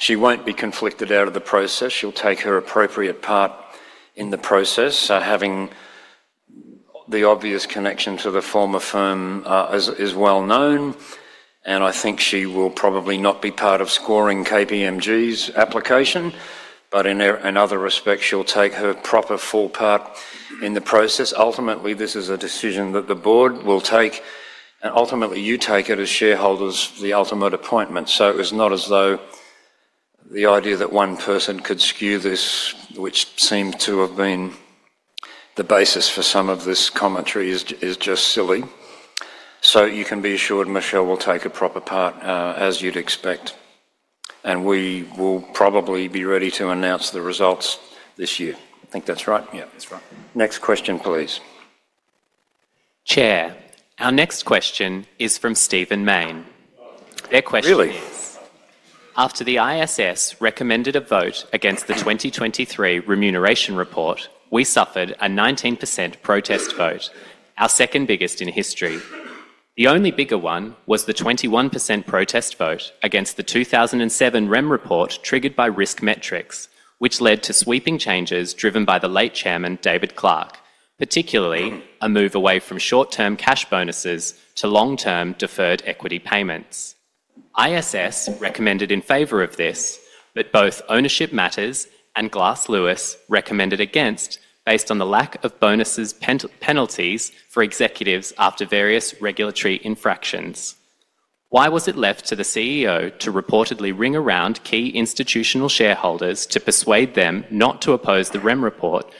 She will not be conflicted out of the process. She will take her appropriate part in the process. The obvious connection to the former firm is well known. I think she will probably not be part of scoring KPMG's application, but in other respects, she will take her proper full part in the process. Ultimately, this is a decision that the board will take, and ultimately, you take it as shareholders, the ultimate appointment. It is not as though the idea that one person could skew this, which seemed to have been the basis for some of this commentary, is just silly. You can be assured Michelle will take a proper part, as you would expect. We will probably be ready to announce the results this year. I think that's right. Yeah, that's right. Next question, please. Chair, our next question is from Stephen Main. Their question is, "Really? After the ISS recommended a vote against the 2023 remuneration report, we suffered a 19% protest vote, our second biggest in history. The only bigger one was the 21% protest vote against the 2007 REM report triggered by RiskMetrics, which led to sweeping changes driven by the late Chairman David Clark, particularly a move away from short-term cash bonuses to long-term deferred equity payments. ISS recommended in favor of this, but both Ownership Matters and Glass Lewis recommended against based on the lack of bonuses penalties for executives after various regulatory infractions. Why was it left to the CEO to reportedly ring around key institutional shareholders to persuade them not to oppose the REM report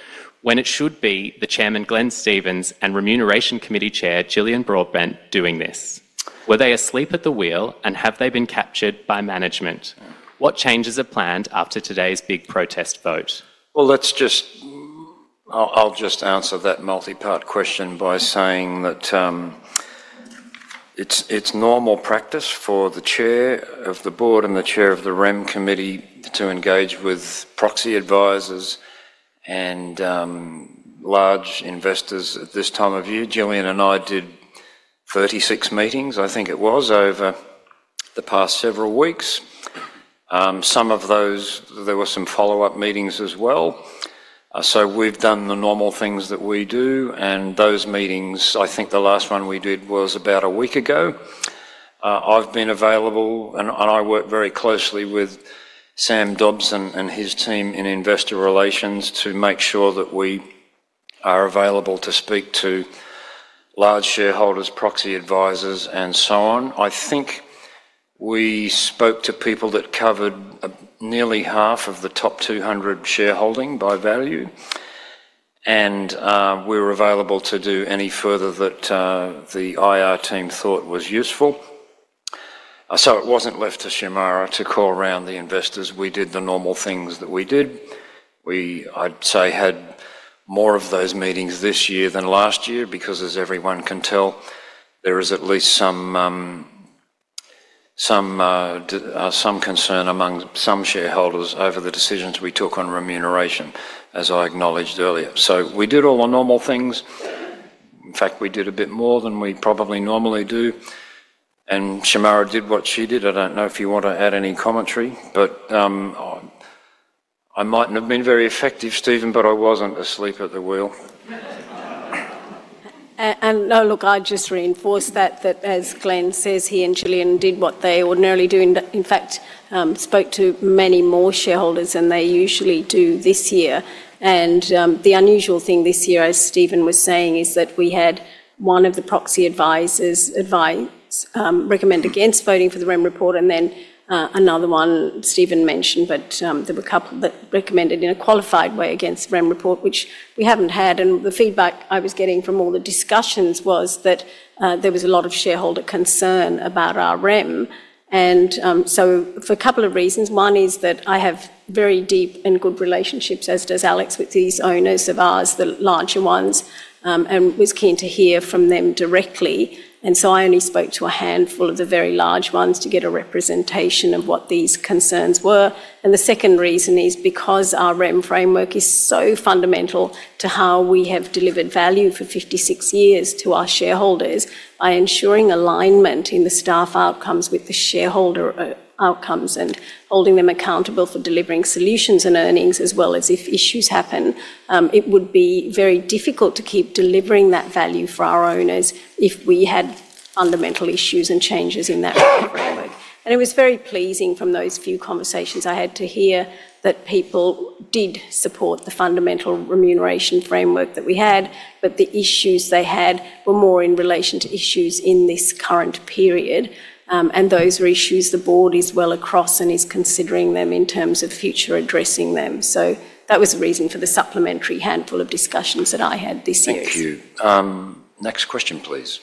when it should be the Chairman Glenn Stevens and Remuneration Committee Chair Jillian Broadbent doing this? Were they asleep at the wheel, and have they been captured by management? What changes are planned after today's big protest vote? I will just answer that multi-part question by saying that it is normal practice for the Chair of the Board and the Chair of the REM Committee to engage with proxy advisors and large investors at this time of year. Jillian and I did 36 meetings, I think it was, over the past several weeks. Some of those, there were some follow-up meetings as well. We have done the normal things that we do. Those meetings, I think the last one we did was about a week ago. I've been available, and I work very closely with Sam Dobson and his team in investor relations to make sure that we are available to speak to large shareholders, proxy advisors, and so on. I think we spoke to people that covered nearly half of the top 200 shareholding by value, and we were available to do any further that the IR team thought was useful. It was not left to Shemara to call around the investors. We did the normal things that we did. I'd say had more of those meetings this year than last year because, as everyone can tell, there is at least some concern among some shareholders over the decisions we took on remuneration, as I acknowledged earlier. We did all the normal things. In fact, we did a bit more than we probably normally do. And Shemara did what she did. I do not know if you want to add any commentary, but. I might not have been very effective, Stephen, but I was not asleep at the wheel. I will just reinforce that, that as Glenn says, he and Gillian did what they ordinarily do. In fact, spoke to many more shareholders than they usually do this year. The unusual thing this year, as Stephen was saying, is that we had one of the proxy advisors recommend against voting for the REM report, and then another one Stephen mentioned, but there were a couple that recommended in a qualified way against the REM report, which we have not had. The feedback I was getting from all the discussions was that there was a lot of shareholder concern about our REM. For a couple of reasons. One is that I have very deep and good relationships, as does Alex, with these owners of ours, the larger ones, and was keen to hear from them directly. I only spoke to a handful of the very large ones to get a representation of what these concerns were. The second reason is because our REM framework is so fundamental to how we have delivered value for 56 years to our shareholders by ensuring alignment in the staff outcomes with the shareholder outcomes and holding them accountable for delivering solutions and earnings as well as if issues happen. It would be very difficult to keep delivering that value for our owners if we had fundamental issues and changes in that framework. It was very pleasing from those few conversations I had to hear that people did support the fundamental remuneration framework that we had, but the issues they had were more in relation to issues in this current period. Those were issues the board is well across and is considering them in terms of future addressing them. That was the reason for the supplementary handful of discussions that I had this year. Thank you. Next question, please.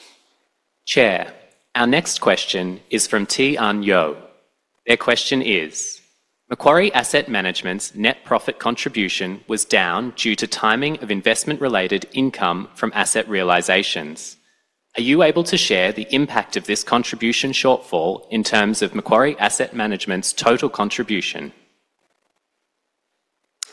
Chair, our next question is from T. Un-Yo. Their question is, "Macquarie Asset Management's net profit contribution was down due to timing of investment-related income from asset realizations. Are you able to share the impact of this contribution shortfall in terms of Macquarie Asset Management's total contribution?"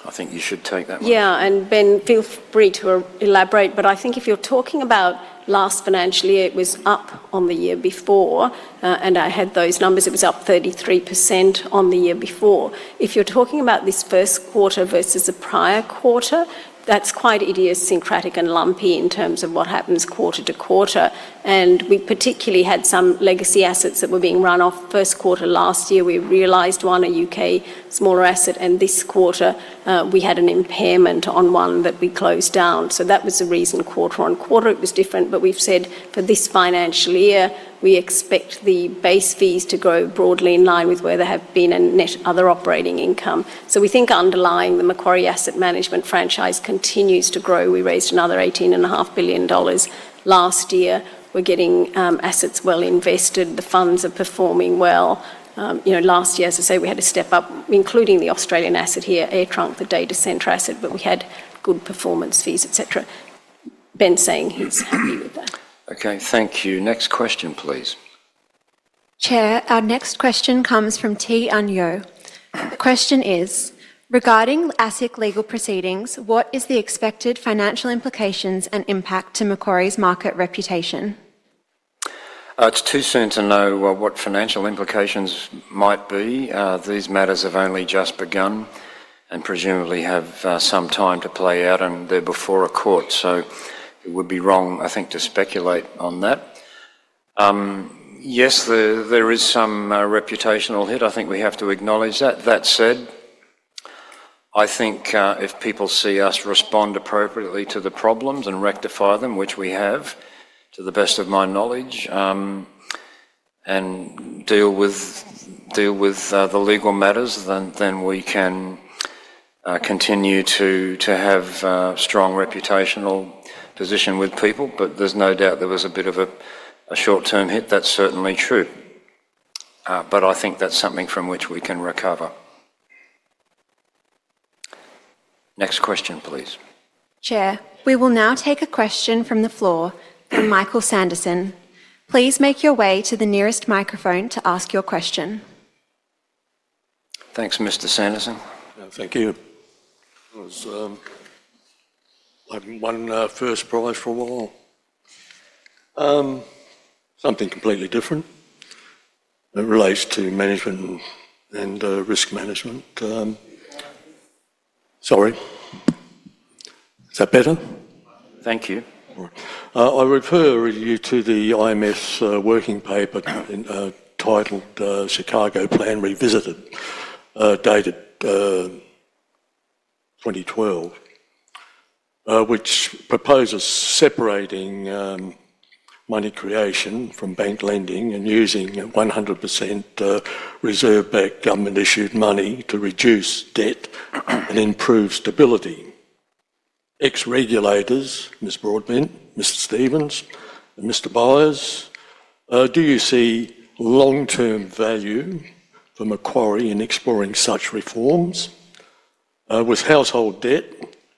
I think you should take that one. Yeah. And Ben, feel free to elaborate. I think if you're talking about last financial year, it was up on the year before, and I had those numbers. It was up 33% on the year before. If you're talking about this first quarter versus a prior quarter, that's quite idiosyncratic and lumpy in terms of what happens quarter to quarter. We particularly had some legacy assets that were being run off first quarter last year. We realized one, a U.K. smaller asset, and this quarter we had an impairment on one that we closed down. That was the reason quarter on quarter it was different. We've said for this financial year, we expect the base fees to grow broadly in line with where they have been and net other operating income. We think underlying the Macquarie Asset Management franchise continues to grow. We raised another 18.5 billion dollars last year. We're getting assets well invested. The funds are performing well. Last year, as I say, we had a step up, including the Australian asset here, Air Trunk, the data centre asset, but we had good performance fees, etc. Ben's saying he's happy with that. Okay. Thank you. Next question, please. Chair, our next question comes from T. Un-Yo. The question is, "Regarding ASIC legal proceedings, what is the expected financial implications and impact to Macquarie's market reputation?" It's too soon to know what financial implications might be. These matters have only just begun and presumably have some time to play out, and they're before a court. It would be wrong, I think, to speculate on that. Yes, there is some reputational hit. I think we have to acknowledge that. That said. I think if people see us respond appropriately to the problems and rectify them, which we have, to the best of my knowledge. If we deal with the legal matters, then we can continue to have a strong reputational position with people. There is no doubt there was a bit of a short-term hit. That's certainly true. I think that's something from which we can recover. Next question, please. Chair, we will now take a question from the floor from Michael Sanderson. Please make your way to the nearest microphone to ask your question. Thanks, Mr. Sanderson. Thank you. One first prize from all. Something completely different. It relates to management and risk management. Sorry. Is that better? Thank you. I refer you to the IMS working paper titled Chicago Plan Revisited, dated 2012, which proposes separating money creation from bank lending and using 100%. Reserve-backed government-issued money to reduce debt and improve stability. Ex-regulators, Ms. Broadbent, Mr. Stevens, and Mr. Byers. Do you see long-term value for Macquarie in exploring such reforms? With household debt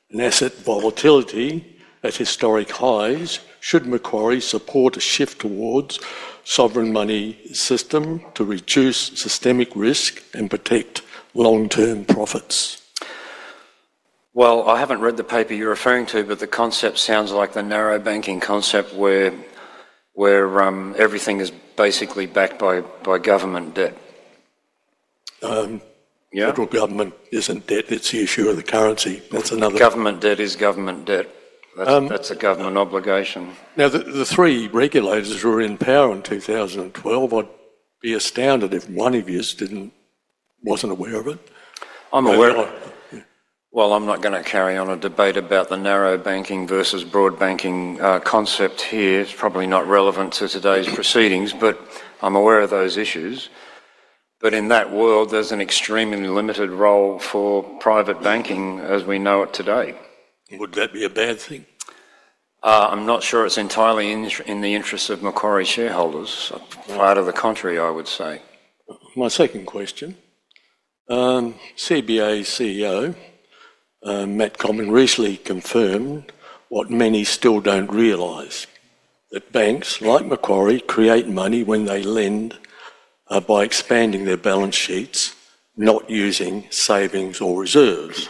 and asset volatility at historic highs, should Macquarie support a shift towards a sovereign money system to reduce systemic risk and protect long-term profits? I haven't read the paper you're referring to, but the concept sounds like the narrow banking concept where everything is basically backed by government debt. Federal government isn't debt. It's the issue of the currency. That's another. Government debt is government debt. That's a government obligation. Now, the three regulators who were in power in 2012, I'd be astounded if one of you wasn't aware of it. I'm aware. I'm not going to carry on a debate about the narrow banking versus broad banking concept here. It's probably not relevant to today's proceedings, but I'm aware of those issues. In that world, there's an extremely limited role for private banking as we know it today. Would that be a bad thing? I'm not sure it's entirely in the interests of Macquarie shareholders. Quite the contrary, I would say. My second question. CBA CEO Matt Comyn recently confirmed what many still don't realize, that banks like Macquarie create money when they lend by expanding their balance sheets, not using savings or reserves.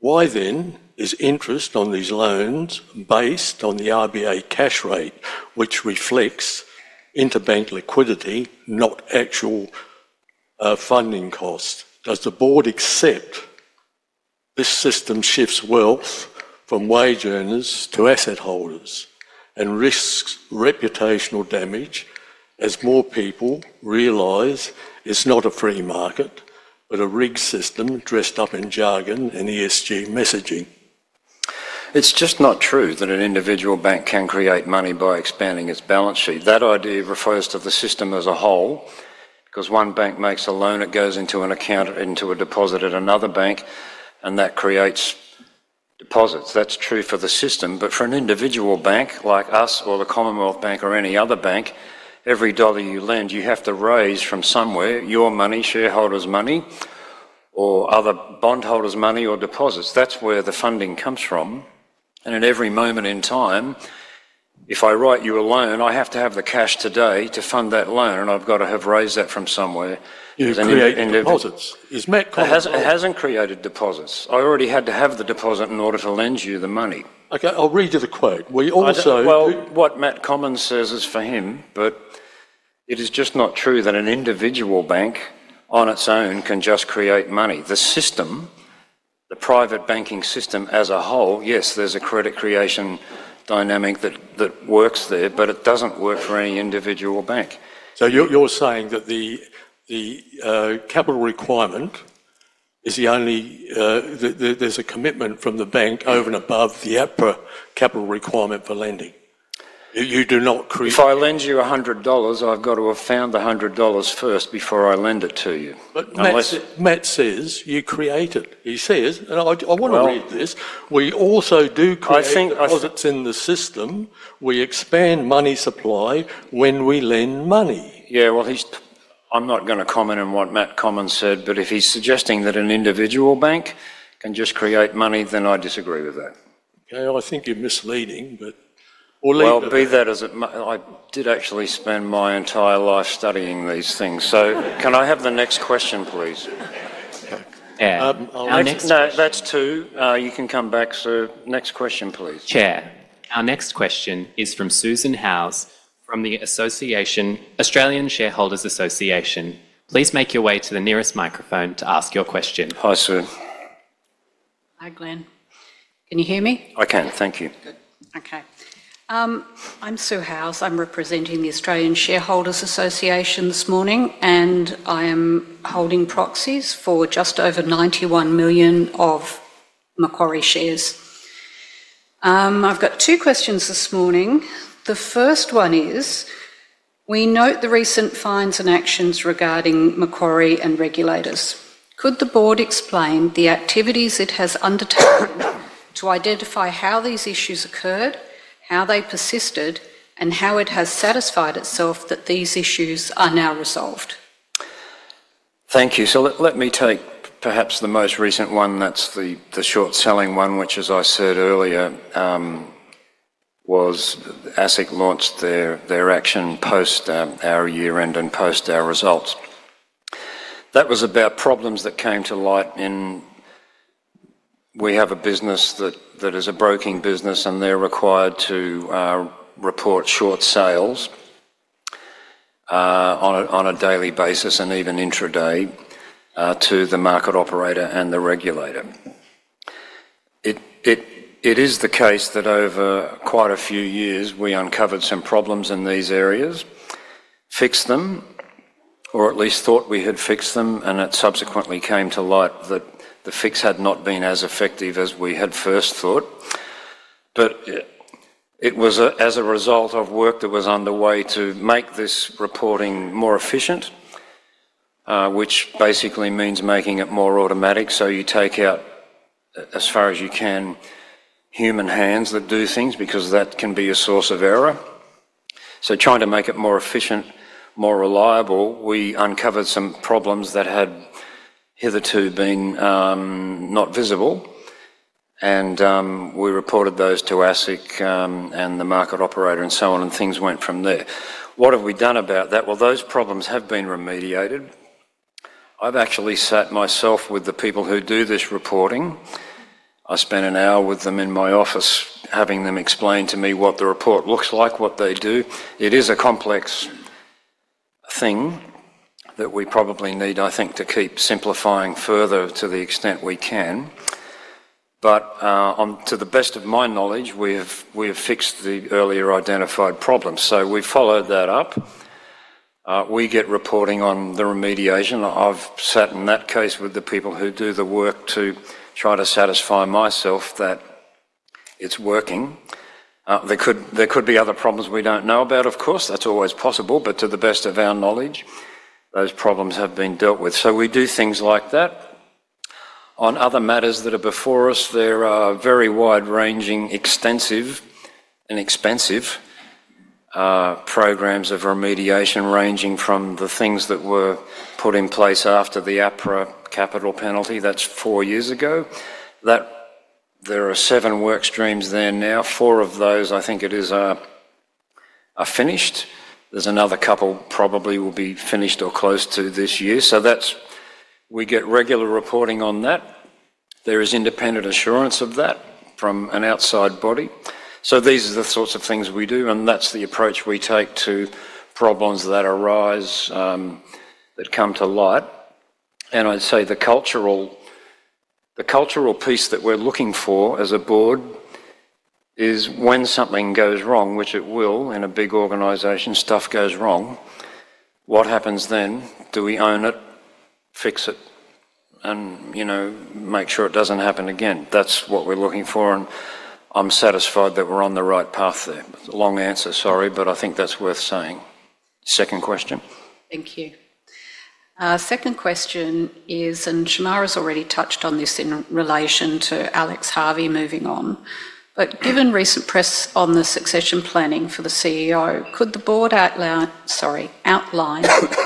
Why then is interest on these loans based on the RBA cash rate, which reflects interbank liquidity, not actual funding costs? Does the board accept this system shifts wealth from wage earners to asset holders and risks reputational damage as more people realize it's not a free market, but a rigged system dressed up in jargon and ESG messaging? It's just not true that an individual bank can create money by expanding its balance sheet. That idea refers to the system as a whole because one bank makes a loan, it goes into an account, into a deposit at another bank, and that creates deposits. That's true for the system. For an individual bank like us or the Commonwealth Bank or any other bank, every dollar you lend, you have to raise from somewhere—your money, shareholders' money, or other bondholders' money or deposits. That's where the funding comes from. At every moment in time, if I write you a loan, I have to have the cash today to fund that loan, and I've got to have raised that from somewhere. Is it creating deposits? Is Macquarie? It hasn't created deposits. I already had to have the deposit in order to lend you the money. Okay. I'll read you the quote. What Matt Combin says is for him, but it is just not true that an individual bank on its own can just create money. The system, the private banking system as a whole, yes, there's a credit creation dynamic that works there, but it doesn't work for any individual bank. You're saying that the capital requirement is the only—there's a commitment from the bank over and above the APRA capital requirement for lending. You do not create— if I lend you $100, I've got to have found the $100 first before I lend it to you. Matt says you create it. He says, and I want to read this, "We also do create deposits in the system. We expand money supply when we lend money." Yeah. I'm not going to comment on what Matt Combin said, but if he's suggesting that an individual bank can just create money, then I disagree with that. Okay. I think you're misleading, but. Be that as it may, I did actually spend my entire life studying these things. Can I have the next question, please? Our next question. No, that's two. You can come back. Next question, please. Chair, our next question is from Susan House from the Australian Shareholders Association. Please make your way to the nearest microphone to ask your question. Hi, Su. Hi, Glen. Can you hear me? I can. Thank you. Good. Okay. I'm Su House. I'm representing the Australian Shareholders Association this morning, and I am holding proxies for just over 91 million of Macquarie shares. I've got two questions this morning. The first one is. We note the recent fines and actions regarding Macquarie and regulators. Could the board explain the activities it has undertaken to identify how these issues occurred, how they persisted, and how it has satisfied itself that these issues are now resolved? Thank you. Let me take perhaps the most recent one. That's the short-selling one, which, as I said earlier, was ASIC launched their action post our year-end and post our results. That was about problems that came to light in. We have a business that is a broking business, and they're required to report short sales on a daily basis and even intraday to the market operator and the regulator. It is the case that over quite a few years, we uncovered some problems in these areas, fixed them, or at least thought we had fixed them, and it subsequently came to light that the fix had not been as effective as we had first thought. It was as a result of work that was underway to make this reporting more efficient, which basically means making it more automatic. You take out, as far as you can, human hands that do things because that can be a source of error. Trying to make it more efficient, more reliable, we uncovered some problems that had hitherto been not visible. We reported those to ASIC and the market operator and so on, and things went from there. What have we done about that? Those problems have been remediated. I've actually sat myself with the people who do this reporting. I spent an hour with them in my office, having them explain to me what the report looks like, what they do. It is a complex thing that we probably need, I think, to keep simplifying further to the extent we can. To the best of my knowledge, we have fixed the earlier identified problem. We have followed that up. We get reporting on the remediation. I've sat in that case with the people who do the work to try to satisfy myself that it's working. There could be other problems we don't know about, of course. That's always possible. To the best of our knowledge, those problems have been dealt with. We do things like that. On other matters that are before us, there are very wide-ranging, extensive, and expensive. Programs of remediation ranging from the things that were put in place after the APRA capital penalty. That is four years ago. There are seven workstreams there now. Four of those, I think it is, finished. There is another couple probably will be finished or close to this year. We get regular reporting on that. There is independent assurance of that from an outside body. These are the sorts of things we do, and that is the approach we take to problems that arise, that come to light. I would say the cultural piece that we are looking for as a board is when something goes wrong, which it will in a big organisation, stuff goes wrong. What happens then? Do we own it, fix it, and make sure it does not happen again? That is what we are looking for, and I am satisfied that we are on the right path there. Long answer, sorry, but I think that's worth saying. Second question. Thank you. Second question is, and Shemara has already touched on this in relation to Alex Harvey moving on, but given recent press on the succession planning for the CEO, could the board outline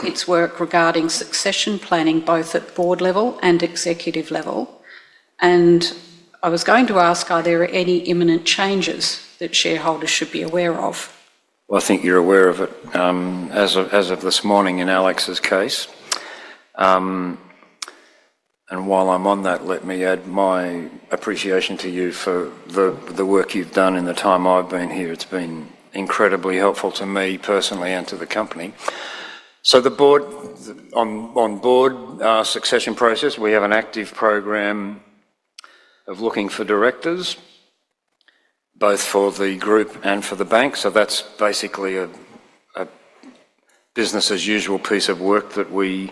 its work regarding succession planning both at board level and executive level? I was going to ask, are there any imminent changes that shareholders should be aware of? I think you're aware of it as of this morning in Alex's case. While I'm on that, let me add my appreciation to you for the work you've done in the time I've been here. It's been incredibly helpful to me personally and to the company. The board, on board succession process, we have an active program of looking for directors, both for the group and for the bank. So that's basically. A business-as-usual piece of work that we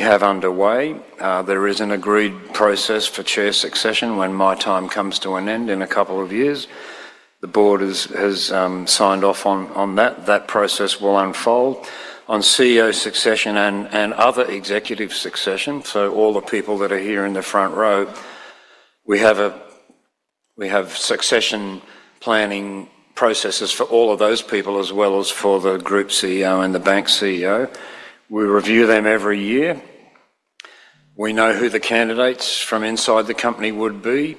have underway. There is an agreed process for Chair succession when my time comes to an end in a couple of years. The board has signed off on that. That process will unfold on CEO succession and other executive succession. All the people that are here in the front row, we have succession planning processes for all of those people as well as for the Group CEO and the Bank CEO. We review them every year. We know who the candidates from inside the company would be.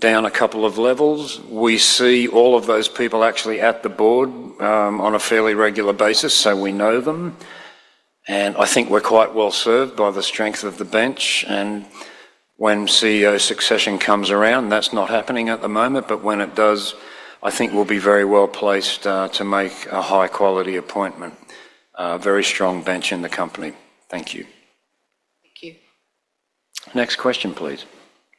Down a couple of levels, we see all of those people actually at the board on a fairly regular basis, so we know them. I think we're quite well served by the strength of the bench. When CEO succession comes around, that's not happening at the moment, but when it does, I think we'll be very well placed to make a high-quality appointment. A very strong bench in the company. Thank you. Thank you. Next question, please.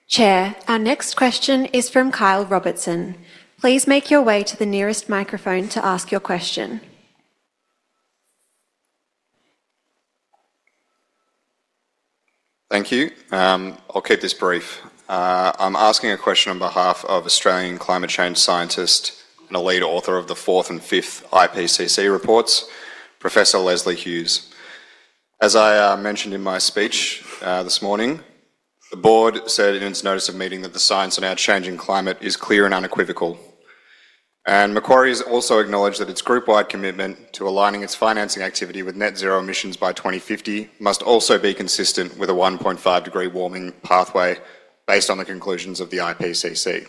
Chair, our next question is from Kyle Robertson. Please make your way to the nearest microphone to ask your question. Thank you. I'll keep this brief. I'm asking a question on behalf of Australian climate change scientist and a lead author of the fourth and fifth IPCC reports, Professor Leslie Hughes. As I mentioned in my speech this morning, the board said in its notice of meeting that the science around changing climate is clear and unequivocal. Macquarie has also acknowledged that its group-wide commitment to aligning its financing activity with net zero emissions by 2050 must also be consistent with a 1.5-degree warming pathway based on the conclusions of the IPCC.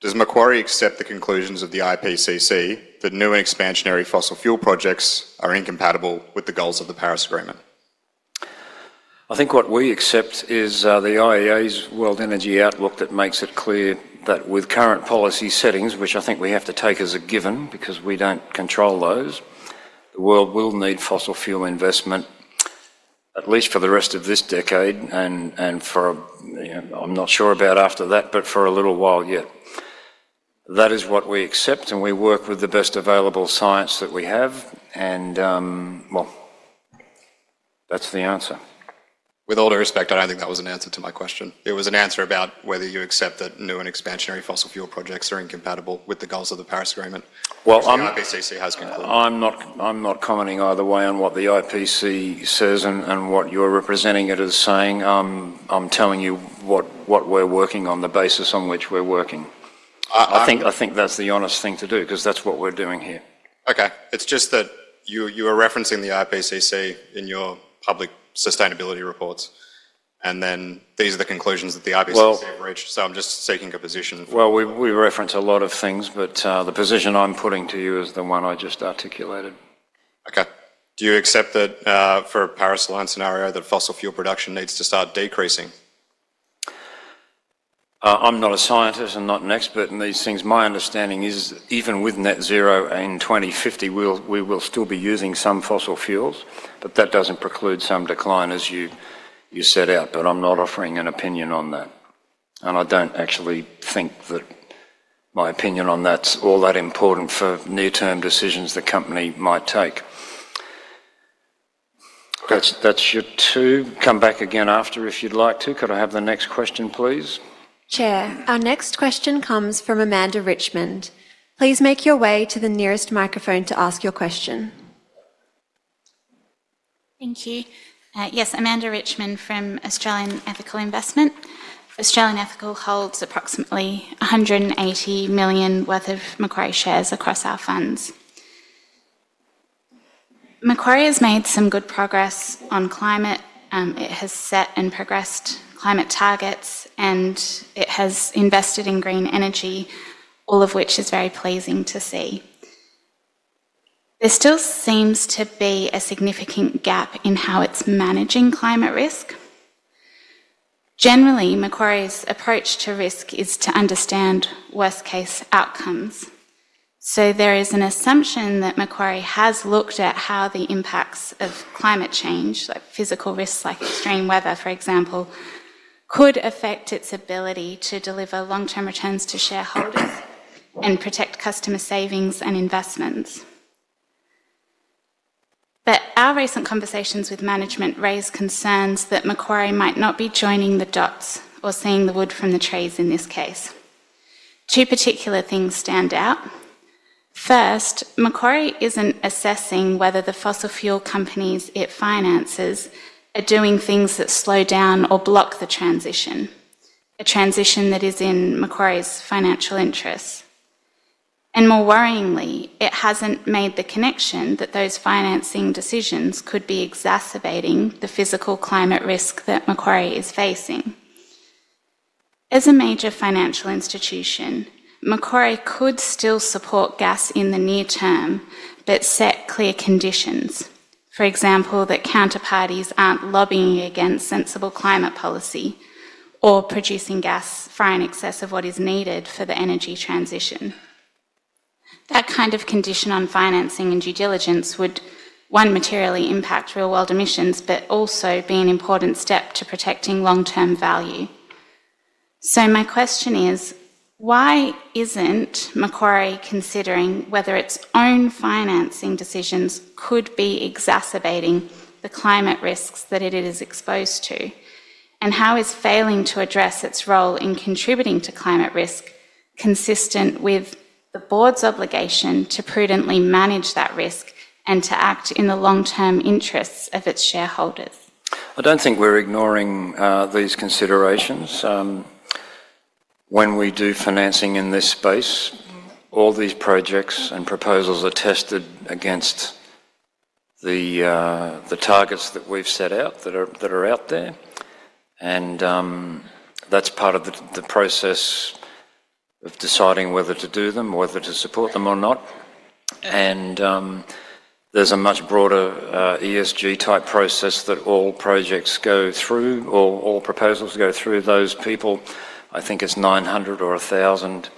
Does Macquarie accept the conclusions of the IPCC that new expansionary fossil fuel projects are incompatible with the goals of the Paris Agreement? I think what we accept is the IEA's World Energy Outlook that makes it clear that with current policy settings, which I think we have to take as a given because we do not control those, the world will need fossil fuel investment, at least for the rest of this decade and for, I am not sure about after that, but for a little while yet. That is what we accept, and we work with the best available science that we have. That is the answer. With all due respect, I don't think that was an answer to my question. It was an answer about whether you accept that new and expansionary fossil fuel projects are incompatible with the goals of the Paris Agreement, which the IPCC has concluded. I'm not commenting either way on what the IPCC says and what you're representing it as saying. I'm telling you what we're working on, the basis on which we're working. I think that's the honest thing to do because that's what we're doing here. Okay. It's just that you are referencing the IPCC in your public sustainability reports, and then these are the conclusions that the IPCC have reached. I'm just taking a position. We reference a lot of things, but the position I'm putting to you is the one I just articulated. Okay. Do you accept that for a Paris Alliance scenario, that fossil fuel production needs to start decreasing? I'm not a scientist and not an expert in these things. My understanding is even with net zero in 2050, we will still be using some fossil fuels, but that doesn't preclude some decline, as you set out. I'm not offering an opinion on that. I don't actually think that my opinion on that's all that important for near-term decisions the company might take. That's your two. Come back again after if you'd like to. Could I have the next question, please? Chair, our next question comes from Amanda Richmond. Please make your way to the nearest microphone to ask your question. Thank you. Yes, Amanda Richmond from Australian Ethical Investment. Australian Ethical holds approximately 180 million worth of Macquarie shares across our funds. Macquarie has made some good progress on climate. It has set and progressed climate targets, and it has invested in green energy, all of which is very pleasing to see. There still seems to be a significant gap in how it's managing climate risk. Generally, Macquarie's approach to risk is to understand worst-case outcomes. So there is an assumption that Macquarie has looked at how the impacts of climate change, like physical risks like extreme weather, for example, could affect its ability to deliver long-term returns to shareholders and protect customer savings and investments. Our recent conversations with management raised concerns that Macquarie might not be joining the dots or seeing the wood from the trees in this case. Two particular things stand out. First, Macquarie isn't assessing whether the fossil fuel companies it finances are doing things that slow down or block the transition. A transition that is in Macquarie's financial interests. More worryingly, it hasn't made the connection that those financing decisions could be exacerbating the physical climate risk that Macquarie is facing. As a major financial institution, Macquarie could still support gas in the near term but set clear conditions, for example, that counterparties aren't lobbying against sensible climate policy or producing gas far in excess of what is needed for the energy transition. That kind of condition on financing and due diligence would, one, materially impact real-world emissions, but also be an important step to protecting long-term value. My question is, why isn't Macquarie considering whether its own financing decisions could be exacerbating the climate risks that it is exposed to? How is failing to address its role in contributing to climate risk consistent with the board's obligation to prudently manage that risk and to act in the long-term interests of its shareholders? I don't think we're ignoring these considerations. When we do financing in this space, all these projects and proposals are tested against the targets that we've set out that are out there. That's part of the process of deciding whether to do them, whether to support them or not. There is a much broader ESG-type process that all projects go through, or all proposals go through. Those people, I think it's 900 or 1,000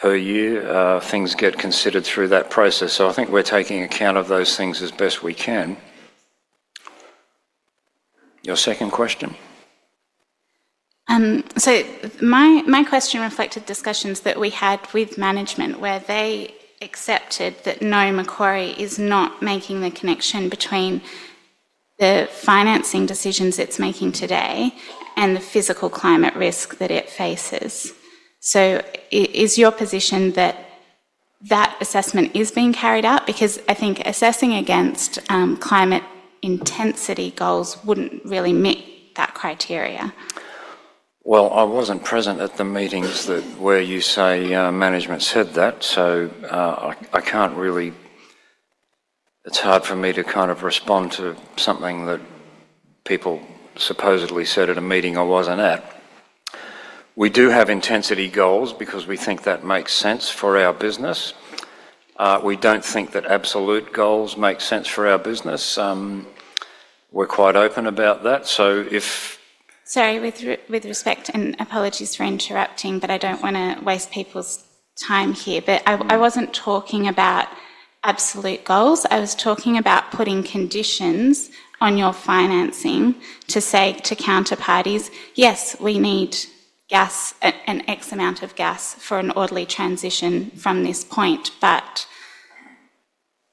per year, things get considered through that process. I think we're taking account of those things as best we can. Your second question? My question reflected discussions that we had with management where they accepted that no, Macquarie is not making the connection between the financing decisions it's making today and the physical climate risk that it faces. Is your position that that assessment is being carried out? I think assessing against climate intensity goals wouldn't really meet that criteria. I wasn't present at the meetings where you say management said that, so I can't really—it's hard for me to kind of respond to something that people supposedly said at a meeting I wasn't at. We do have intensity goals because we think that makes sense for our business. We don't think that absolute goals make sense for our business. We're quite open about that. Sorry, with respect and apologies for interrupting, but I don't want to waste people's time here. I wasn't talking about. Absolute goals. I was talking about putting conditions on your financing to say to counterparties, yes, we need gas and X amount of gas for an orderly transition from this point, but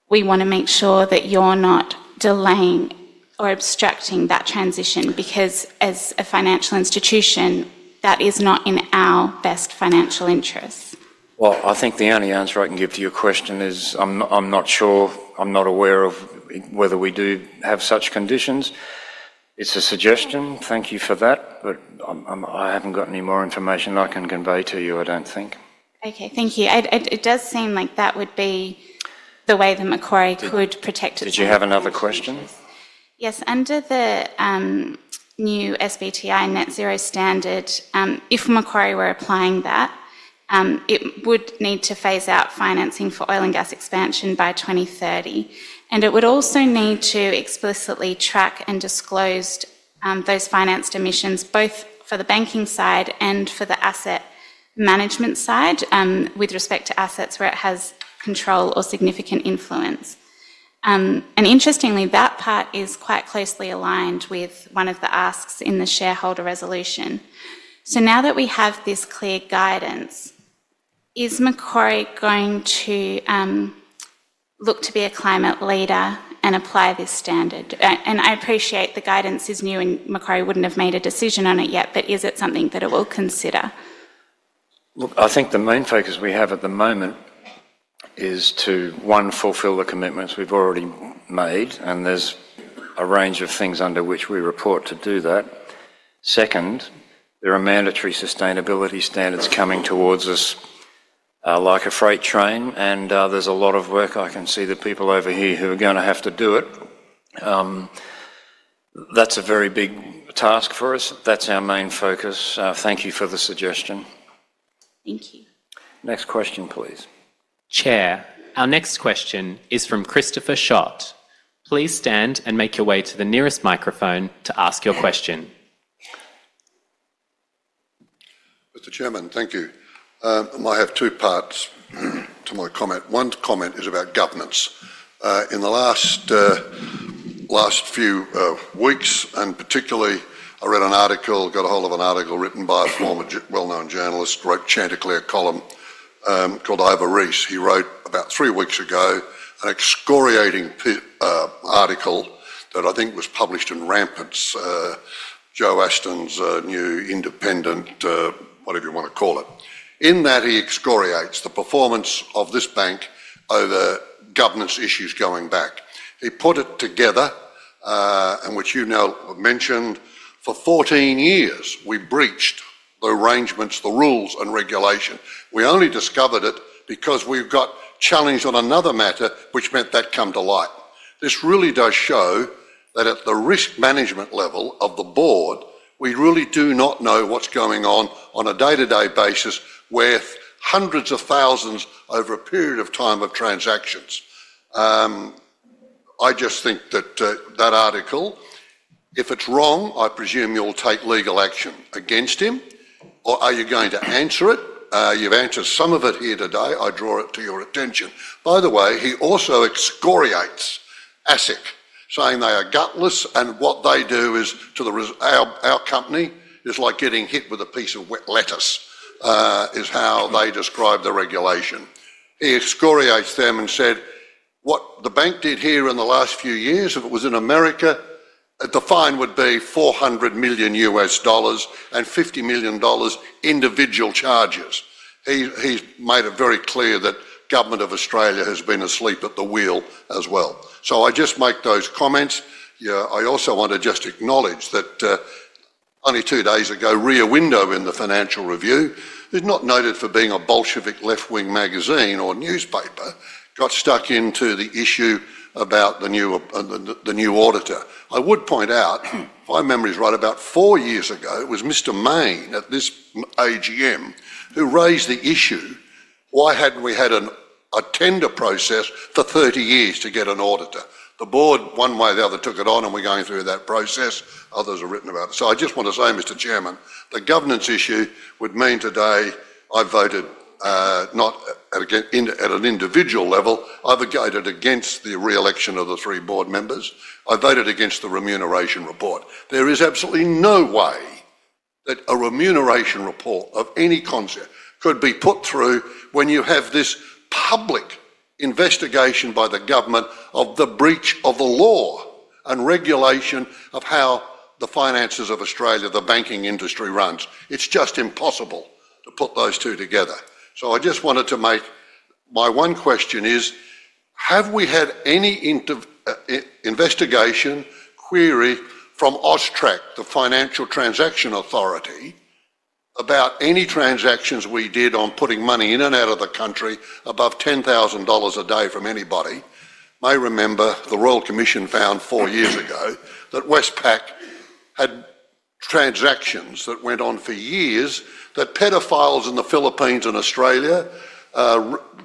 we want to make sure that you're not delaying or obstructing that transition because as a financial institution, that is not in our best financial interests. I think the only answer I can give to your question is I'm not sure. I'm not aware of whether we do have such conditions. It's a suggestion. Thank you for that. I haven't got any more information I can convey to you, I don't think. Okay. Thank you. It does seem like that would be the way that Macquarie could protect itself. Did you have another question? Yes. Under the new SBTI net zero standard, if Macquarie were applying that. It would need to phase out financing for oil and gas expansion by 2030. It would also need to explicitly track and disclose those financed emissions both for the banking side and for the asset management side with respect to assets where it has control or significant influence. Interestingly, that part is quite closely aligned with one of the asks in the shareholder resolution. Now that we have this clear guidance, is Macquarie going to look to be a climate leader and apply this standard? I appreciate the guidance is new and Macquarie would not have made a decision on it yet, but is it something that it will consider? I think the main focus we have at the moment is to, one, fulfill the commitments we have already made, and there is a range of things under which we report to do that. Second, there are mandatory sustainability standards coming towards us like a freight train. And there's a lot of work. I can see the people over here who are going to have to do it. That's a very big task for us. That's our main focus. Thank you for the suggestion. Thank you. Next question, please. Chair, our next question is from Christopher Shott. Please stand and make your way to the nearest microphone to ask your question. Mr. Chairman, thank you. I have two parts to my comment. One comment is about governance. In the last few weeks, and particularly, I read an article, got a hold of an article written by a former well-known journalist, wrote Chanticleer Column called Ivor Ries. He wrote about three weeks ago an excoriating article that I think was published in Rampant. Joe Aston's new independent, whatever you want to call it. In that, he excoriates the performance of this bank over governance issues going back. He put it together. Which you now mentioned, for 14 years, we breached the arrangements, the rules, and regulation. We only discovered it because we got challenged on another matter, which meant that came to light. This really does show that at the risk management level of the board, we really do not know what's going on on a day-to-day basis with hundreds of thousands over a period of time of transactions. I just think that that article, if it's wrong, I presume you'll take legal action against him. Are you going to answer it? You've answered some of it here today. I draw it to your attention. By the way, he also excoriates ASIC, saying they are gutless and what they do is. Our company is like getting hit with a piece of wet lettuce. Is how they describe the regulation. He excoriates them and said, "What the bank did here in the last few years, if it was in America, the fine would be $400 million U.S. dollars and $50 million dollars individual charges." He's made it very clear that the government of Australia has been asleep at the wheel as well. I just make those comments. I also want to just acknowledge that. Only two days ago, Rear Window in the Financial Review, who's not noted for being a Bolshevik left-wing magazine or newspaper, got stuck into the issue about the new. Auditor. I would point out, if my memory is right, about four years ago, it was Mr. Maine at this AGM who raised the issue, "Why hadn't we had a tender process for 30 years to get an auditor?" The board, one way or the other, took it on, and we're going through that process. Others have written about it. I just want to say, Mr. Chairman, the governance issue would mean today I voted not at an individual level. I voted against the reelection of the three board members. I voted against the remuneration report. There is absolutely no way that a remuneration report of any concert could be put through when you have this public investigation by the government of the breach of the law and regulation of how the finances of Australia, the banking industry runs. It's just impossible to put those two together. I just wanted to make my one question is, have we had any. Investigation query from AUSTRAC, the Financial Transaction Authority, about any transactions we did on putting money in and out of the country above 10,000 dollars a day from anybody? I remember the Royal Commission found four years ago that Westpac had. Transactions that went on for years that pedophiles in the Philippines and Australia,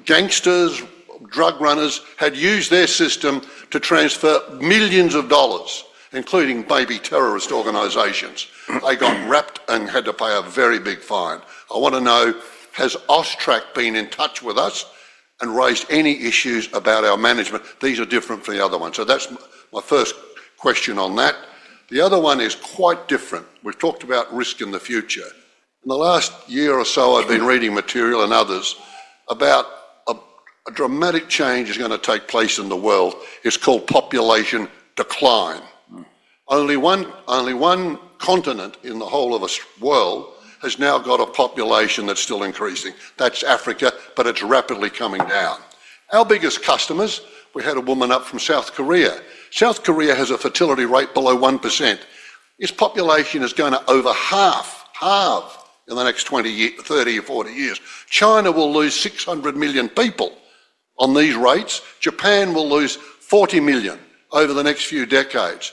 gangsters, drug runners, had used their system to transfer millions of dollars, including baby terrorist organizations. They got wrapped and had to pay a very big fine. I want to know, has AUSTRAC been in touch with us and raised any issues about our management? These are different from the other one. So that's my first question on that. The other one is quite different. We've talked about risk in the future. In the last year or so, I've been reading material and others about. A dramatic change is going to take place in the world. It's called population decline. Only one continent in the whole of the world has now got a population that's still increasing. That's Africa, but it's rapidly coming down. Our biggest customers, we had a woman up from South Korea. South Korea has a fertility rate below 1%. Its population is going to over half in the next 30 or 40 years. China will lose 600 million people on these rates. Japan will lose 40 million over the next few decades.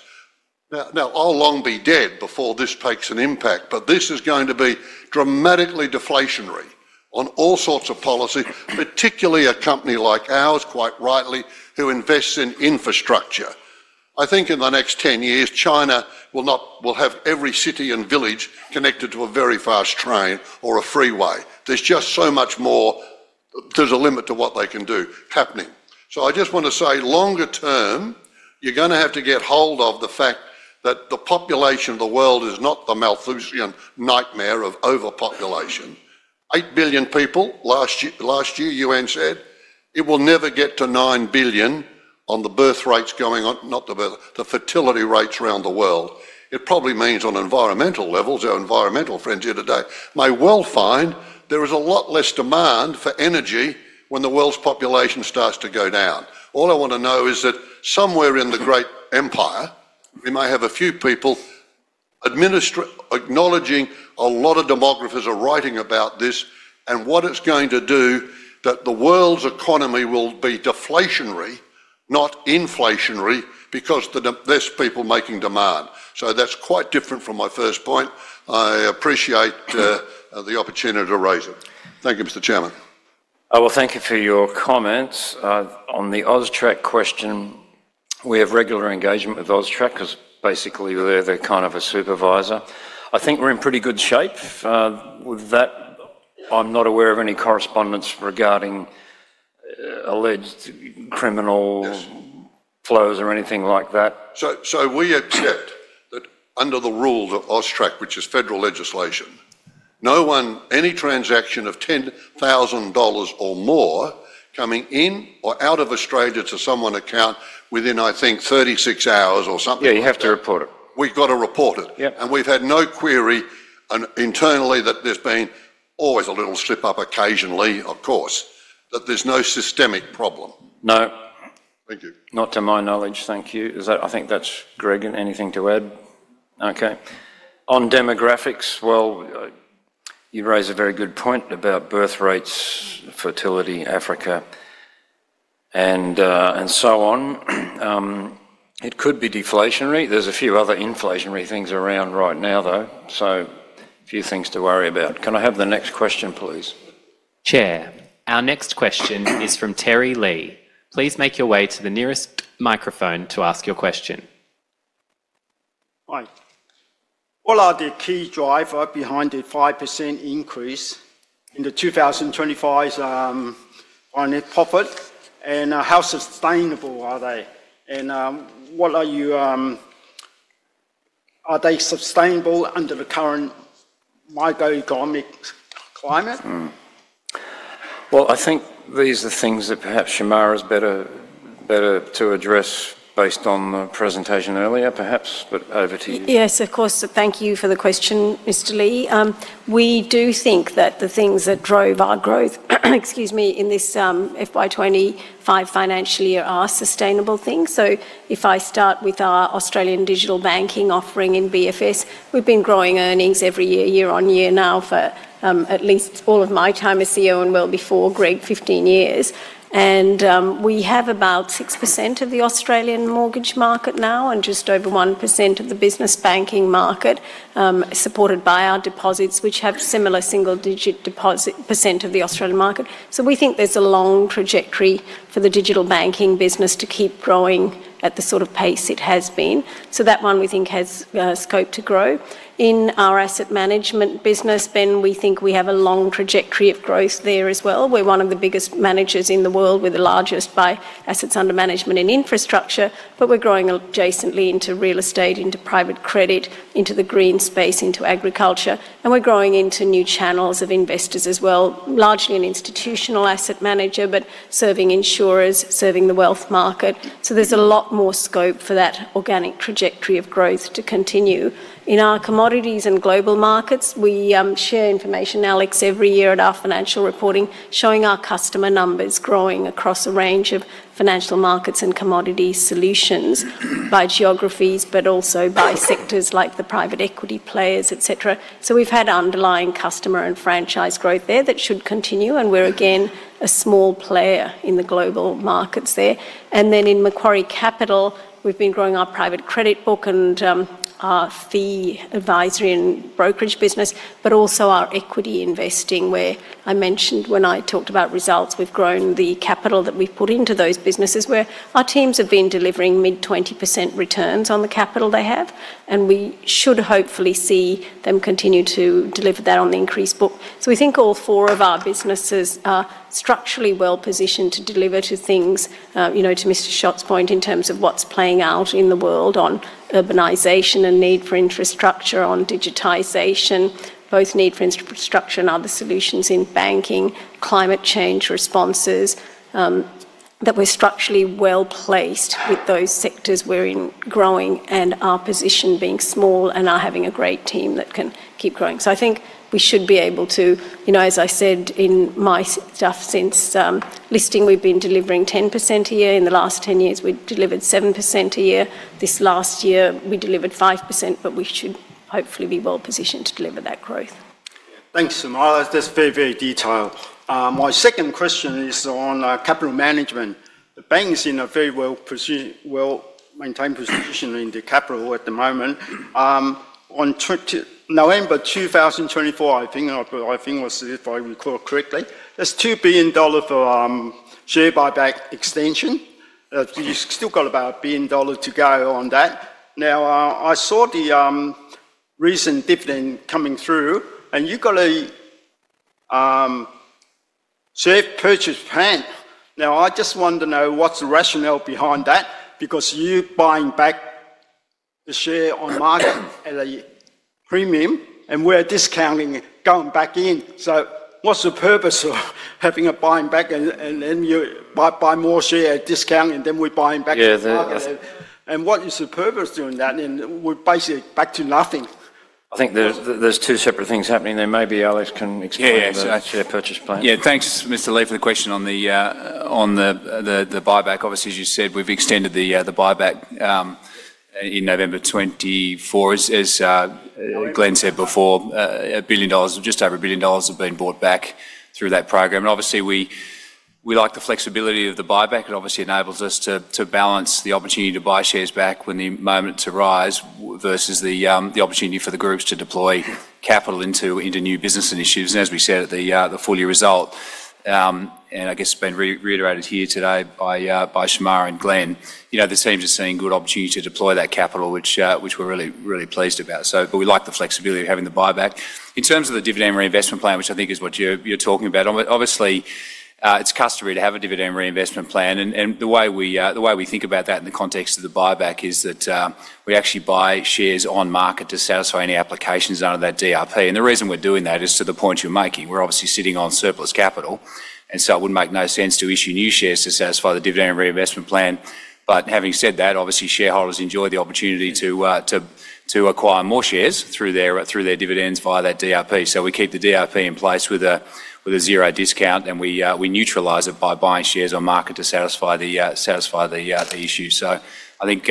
Now, I'll long be dead before this takes an impact, but this is going to be dramatically deflationary on all sorts of policy, particularly a company like ours, quite rightly, who invests in infrastructure. I think in the next 10 years, China will have every city and village connected to a very fast train or a freeway. There's just so much more. There's a limit to what they can do happening. I just want to say, longer term, you're going to have to get hold of the fact that the population of the world is not the Malthusian nightmare of overpopulation. 8 billion people last year, UN said. It will never get to 9 billion on the birth rates going on, not the fertility rates around the world. It probably means on environmental levels, our environmental frontier today may well find there is a lot less demand for energy when the world's population starts to go down. All I want to know is that somewhere in the great empire, we may have a few people. Acknowledging a lot of demographers are writing about this and what it's going to do that the world's economy will be deflationary, not inflationary, because there's people making demand. That's quite different from my first point. I appreciate the opportunity to raise it. Thank you, Mr. Chairman. Thank you for your comments. On the AUSTRAC question, we have regular engagement with AUSTRAC because basically, they're kind of a supervisor. I think we're in pretty good shape. With that, I'm not aware of any correspondence regarding alleged criminal flows or anything like that. We accept that under the rules of AUSTRAC, which is federal legislation, any transaction of 10,000 dollars or more coming in or out of Australia to someone's account within, I think, 36 hours or something, you have to report it. We've got to report it. We've had no query internally that there's been—always a little slip-up occasionally, of course—but there's no systemic problem. No. Thank you. Not to my knowledge. Thank you. I think that's Greg, anything to add? Okay. On demographics, well. You raise a very good point about birth rates, fertility, Africa, and so on. It could be deflationary. There's a few other inflationary things around right now, though. A few things to worry about. Can I have the next question, please? Chair, our next question is from Terry Lee. Please make your way to the nearest microphone to ask your question. Hi. What are the key drivers behind the 5% increase in the 2025 net profit? And how sustainable are they? And what are you. Are they sustainable under the current microeconomic climate? I think these are things that perhaps Shemara is better to address based on the presentation earlier, perhaps. Over to you. Yes, of course. Thank you for the question, Mr. Lee. We do think that the things that drove our growth, excuse me, in this FY25 financial year are sustainable things. If I start with our Australian digital banking offering in BFS, we've been growing earnings every year, year on year now for at least all of my time as CEO and well before Greg, 15 years. We have about 6% of the Australian mortgage market now and just over 1% of the business banking market. Supported by our deposits, which have similar single-digit % of the Australian market. We think there's a long trajectory for the digital banking business to keep growing at the sort of pace it has been. That one we think has scope to grow. In our asset management business, Ben, we think we have a long trajectory of growth there as well. We're one of the biggest managers in the world, with the largest by assets under management in infrastructure. We're growing adjacently into real estate, into private credit, into the green space, into agriculture. We're growing into new channels of investors as well, largely an institutional asset manager, but serving insurers, serving the wealth market. There's a lot more scope for that organic trajectory of growth to continue. In our Commodities and Global Markets, we share information, Alex, every year at our financial reporting, showing our customer numbers growing across a range of financial markets and commodity solutions by geographies, but also by sectors like the private equity players, etc. We've had underlying customer and franchise growth there that should continue. We're again a small player in the global markets there. In Macquarie Capital, we've been growing our private credit book and. Our fee advisory and brokerage business, but also our equity investing, where I mentioned when I talked about results, we've grown the capital that we've put into those businesses where our teams have been delivering mid-20% returns on the capital they have. We should hopefully see them continue to deliver that on the increased book. We think all four of our businesses are structurally well positioned to deliver to things, to Mr. Shott's point, in terms of what's playing out in the world on urbanization and need for infrastructure, on digitization, both need for infrastructure and other solutions in banking, climate change responses. We're structurally well placed with those sectors we're in growing and our position being small and our having a great team that can keep growing. I think we should be able to, as I said in my stuff since listing, we've been delivering 10% a year. In the last 10 years, we delivered 7% a year. This last year, we delivered 5%, but we should hopefully be well positioned to deliver that growth. Thanks, Sumayla. That's very, very detailed. My second question is on capital management. The bank is in a very well maintained position in the capital at the moment. On November 2024, I think it was, if I recall correctly, there's 2 billion dollars for share buyback extension. You've still got about 1 billion dollars to go on that. Now, I saw the recent dividend coming through, and you've got a share purchase plan. Now, I just want to know what's the rationale behind that, because you're buying back the share on market at a premium, and we're discounting it, going back in. What's the purpose of having a buyback and then you buy more share discount, and then we're buying back to the market? What is the purpose doing that? We're basically back to nothing. I think there's two separate things happening there. Maybe Alex can explain that share purchase plan. Yeah, thanks, Mr. Lee, for the question on the buyback. Obviously, as you said, we've extended the buyback. In November 2024, as Glenn said before, a billion dollars, just over a billion dollars, have been bought back through that program. Obviously, we like the flexibility of the buyback. It enables us to balance the opportunity to buy shares back when the moments arise versus the opportunity for the groups to deploy capital into new business initiatives. As we said, the full year result. I guess it's been reiterated here today by Shemara and Glenn, the teams are seeing good opportunity to deploy that capital, which we're really, really pleased about. We like the flexibility of having the buyback. In terms of the dividend reinvestment plan, which I think is what you're talking about, obviously, it's customary to have a dividend reinvestment plan. The way we think about that in the context of the buyback is that we actually buy shares on market to satisfy any applications under that DRP. The reason we're doing that is to the points you're making. We're obviously sitting on surplus capital, and so it would make no sense to issue new shares to satisfy the dividend reinvestment plan. Having said that, obviously, shareholders enjoy the opportunity to acquire more shares through their dividends via that DRP. We keep the DRP in place with a zero discount, and we neutralize it by buying shares on market to satisfy the issue. I think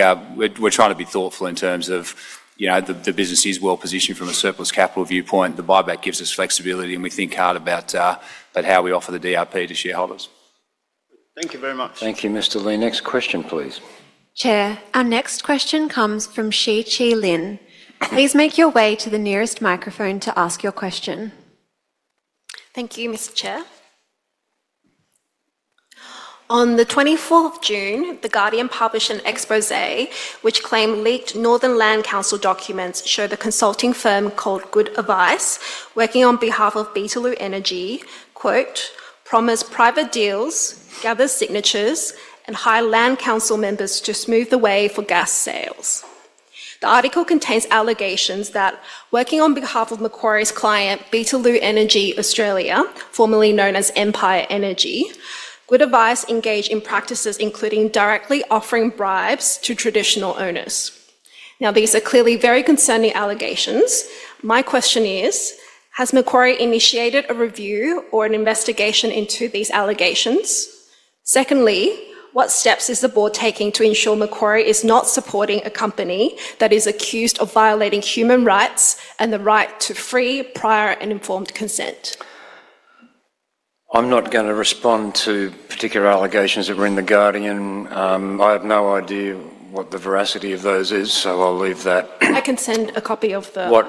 we're trying to be thoughtful in terms of the business is well positioned from a surplus capital viewpoint. The buyback gives us flexibility, and we think hard about how we offer the DRP to shareholders. Thank you very much. Thank you, Mr. Lee. Next question, please. Chair, our next question comes from Xi Qilin. Please make your way to the nearest microphone to ask your question. Thank you, Mr. Chair. On the 24th of June, The Guardian published an exposé which claimed leaked Northern Land Council documents show the consulting firm called Good Advice, working on behalf of Beetaloo Energy, "promised private deals, gathered signatures, and hired land council members to smooth the way for gas sales." The article contains allegations that, working on behalf of Macquarie's client, Beetaloo Energy Australia, formerly known as Empire Energy, Good Advice engaged in practices including directly offering bribes to traditional owners. Now, these are clearly very concerning allegations. My question is, has Macquarie initiated a review or an investigation into these allegations? Secondly, what steps is the board taking to ensure Macquarie is not supporting a company that is accused of violating human rights and the right to free, prior, and informed consent? I'm not going to respond to particular allegations that were in The Guardian. I have no idea what the veracity of those is, so I'll leave that. I can send a copy of the. What.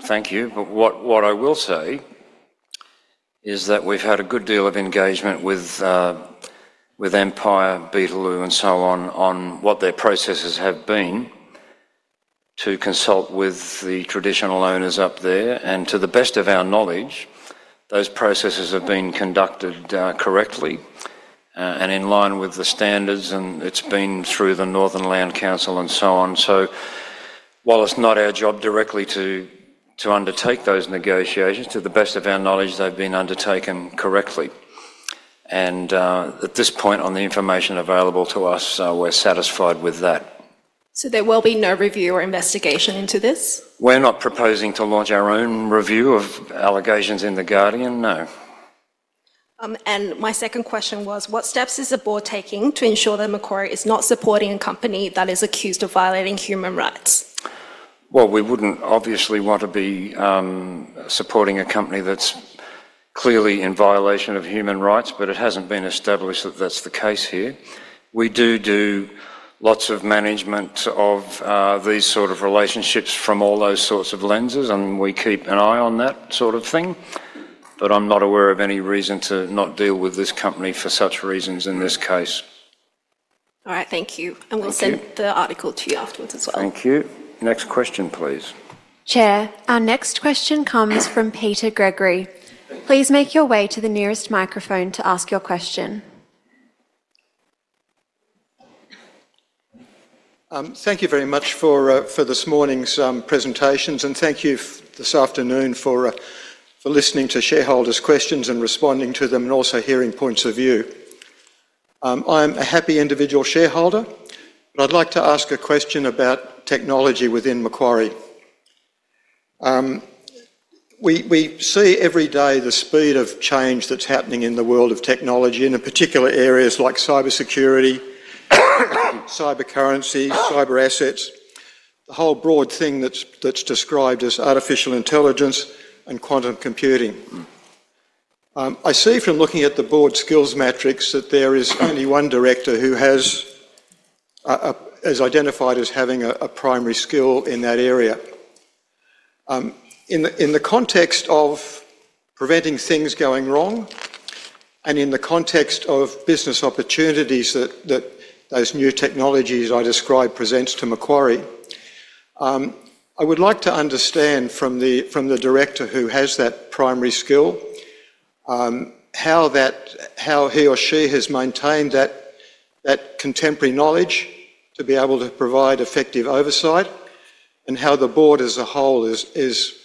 Thank you. What I will say is that we've had a good deal of engagement with Empire, Beetaloo, and so on on what their processes have been to consult with the traditional owners up there. To the best of our knowledge, those processes have been conducted correctly and in line with the standards, and it's been through the Northern Land Council and so on. While it's not our job directly to undertake those negotiations, to the best of our knowledge, they've been undertaken correctly. At this point, on the information available to us, we're satisfied with that. There will be no review or investigation into this? We're not proposing to launch our own review of allegations in The Guardian, no. My second question was, what steps is the board taking to ensure that Macquarie is not supporting a company that is accused of violating human rights? We would not obviously want to be supporting a company that is clearly in violation of human rights, but it has not been established that that is the case here. We do lots of management of these sort of relationships from all those sorts of lenses, and we keep an eye on that sort of thing. I am not aware of any reason to not deal with this company for such reasons in this case. Thank you. We will send the article to you afterwards as well. Thank you. Next question, please. Chair, our next question comes from Peter Gregory. Please make your way to the nearest microphone to ask your question. Thank you very much for this morning's presentations, and thank you this afternoon for listening to shareholders' questions and responding to them and also hearing points of view. I'm a happy individual shareholder, but I'd like to ask a question about technology within Macquarie. We see every day the speed of change that's happening in the world of technology in particular areas like cybersecurity, cyber currency, cyber assets, the whole broad thing that's described as artificial intelligence and quantum computing. I see from looking at the board skills matrix that there is only one director who has identified as having a primary skill in that area. In the context of preventing things going wrong, and in the context of business opportunities that those new technologies I described present to Macquarie, I would like to understand from the director who has that primary skill how he or she has maintained that. Contemporary knowledge to be able to provide effective oversight, and how the board as a whole is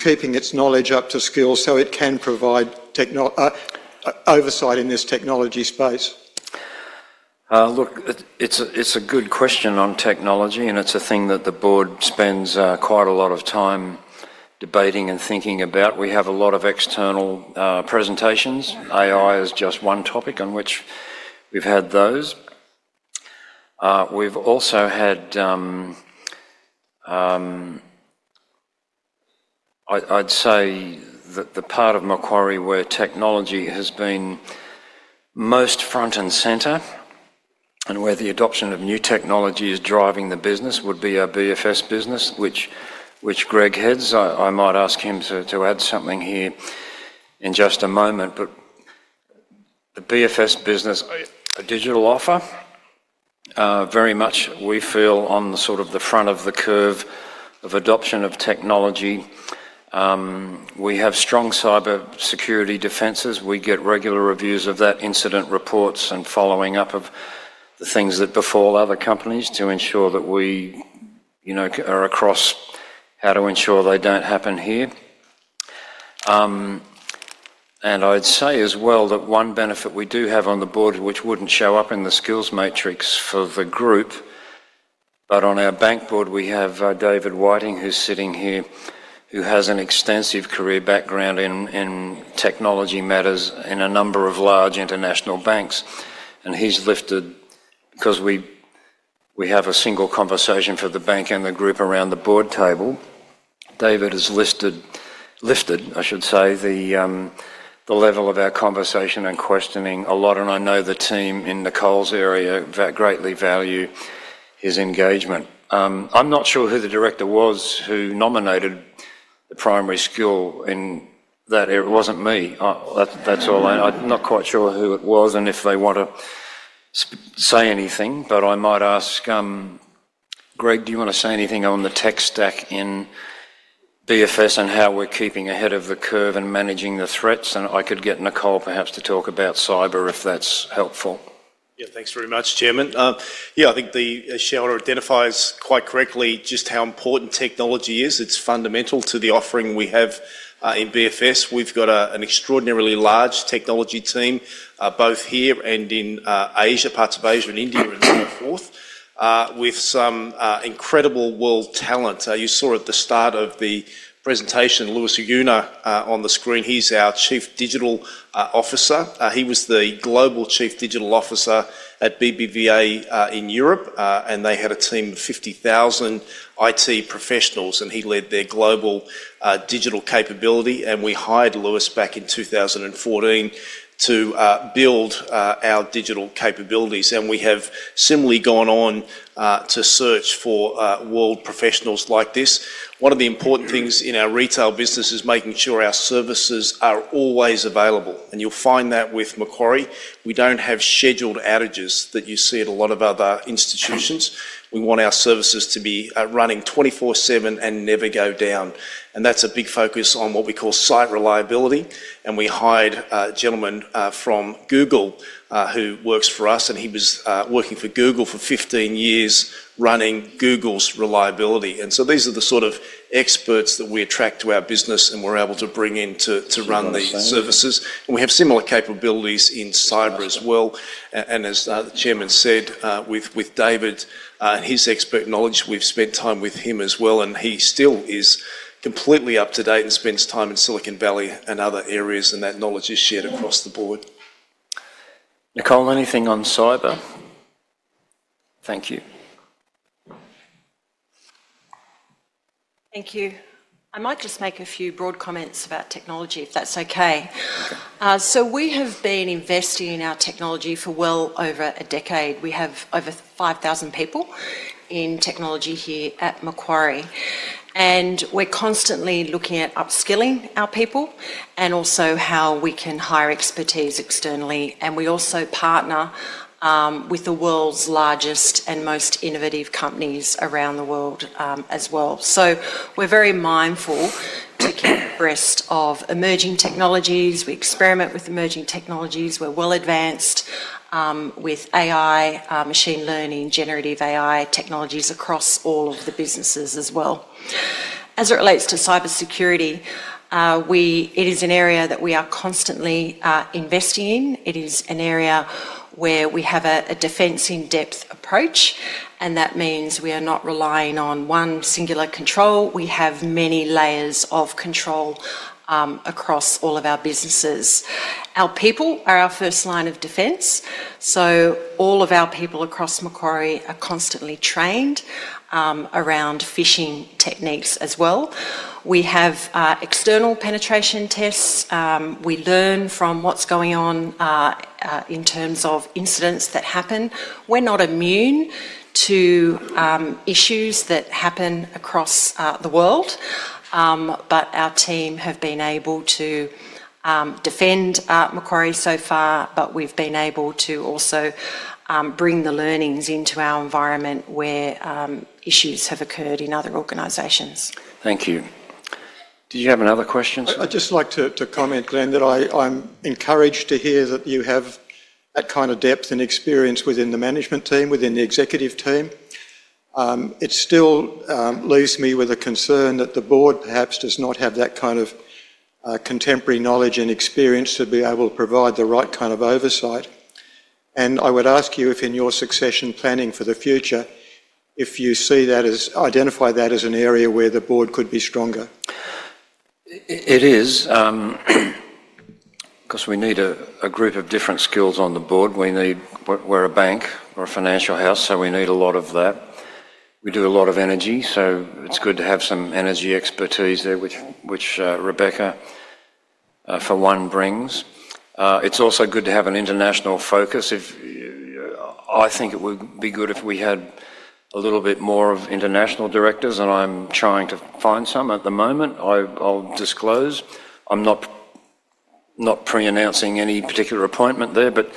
keeping its knowledge up to skill so it can provide oversight in this technology space. Look, it's a good question on technology, and it's a thing that the board spends quite a lot of time debating and thinking about. We have a lot of external presentations. AI is just one topic on which we've had those. We've also had, I'd say, the part of Macquarie where technology has been most front and center, and where the adoption of new technology is driving the business would be our BFS business, which Greg heads. I might ask him to add something here in just a moment. The BFS business, a digital offer, very much we feel on the sort of the front of the curve of adoption of technology. We have strong cyber security defenses. We get regular reviews of that, incident reports, and following up of the things that befall other companies to ensure that we are across how to ensure they do not happen here. I would say as well that one benefit we do have on the board, which would not show up in the skills matrix for the group, but on our bank board, we have David Whiting, who is sitting here, who has an extensive career background in technology matters in a number of large international banks. He has lifted, because we have a single conversation for the bank and the group around the board table, David has lifted, I should say, the level of our conversation and questioning a lot. I know the team in the Coles area greatly value his engagement. I'm not sure who the director was who nominated the primary skill in that area. It wasn't me. That's all. I'm not quite sure who it was and if they want to say anything, but I might ask. Greg, do you want to say anything on the tech stack in BFS and how we're keeping ahead of the curve and managing the threats? I could get Nicole perhaps to talk about cyber if that's helpful. Yeah, thanks very much, Chairman. Yeah, I think the shareholder identifies quite correctly just how important technology is. It's fundamental to the offering we have in BFS. We've got an extraordinarily large technology team, both here and in Asia, parts of Asia and India and so forth, with some incredible world talent. You saw at the start of the presentation Louis Ayuna on the screen. He's our Chief Digital Officer. He was the Global Chief Digital Officer at BBVA in Europe, and they had a team of 50,000 IT professionals, and he led their global digital capability. We hired Louis back in 2014 to build our digital capabilities. We have similarly gone on to search for world professionals like this. One of the important things in our retail business is making sure our services are always available. You will find that with Macquarie. We do not have scheduled outages that you see at a lot of other institutions. We want our services to be running 24/7 and never go down. That is a big focus on what we call site reliability. We hired a gentleman from Google who works for us, and he was working for Google for 15 years running Google's reliability. These are the sort of experts that we attract to our business and we are able to bring in to run the services. We have similar capabilities in cyber as well. As the Chairman said, with David and his expert knowledge, we have spent time with him as well, and he still is completely up to date and spends time in Silicon Valley and other areas, and that knowledge is shared across the board. Nicole, anything on cyber? Thank you. Thank you. I might just make a few broad comments about technology, if that is okay. We have been investing in our technology for well over a decade. We have over 5,000 people in technology here at Macquarie. We are constantly looking at upskilling our people and also how we can hire expertise externally. We also partner. With the world's largest and most innovative companies around the world as well. We are very mindful to keep abreast of emerging technologies. We experiment with emerging technologies. We are well advanced with AI, machine learning, generative AI technologies across all of the businesses as well. As it relates to cyber security, it is an area that we are constantly investing in. It is an area where we have a defense-in-depth approach, and that means we are not relying on one singular control. We have many layers of control across all of our businesses. Our people are our first line of defense. All of our people across Macquarie are constantly trained around phishing techniques as well. We have external penetration tests. We learn from what is going on in terms of incidents that happen. We are not immune to issues that happen across the world. Our team has been able to. Defend Macquarie so far, but we've been able to also bring the learnings into our environment where issues have occurred in other organizations. Thank you. Did you have another question? I'd just like to comment, Glenn, that I'm encouraged to hear that you have that kind of depth and experience within the management team, within the executive team. It still leaves me with a concern that the board perhaps does not have that kind of contemporary knowledge and experience to be able to provide the right kind of oversight. I would ask you if in your succession planning for the future, if you see that as, identify that as an area where the board could be stronger. It is, because we need a group of different skills on the board. We're a bank or a financial house, so we need a lot of that. We do a lot of energy, so it's good to have some energy expertise there, which Rebecca, for one, brings. It's also good to have an international focus. I think it would be good if we had a little bit more of international directors, and I'm trying to find some at the moment. I'll disclose I'm not pre-announcing any particular appointment there, but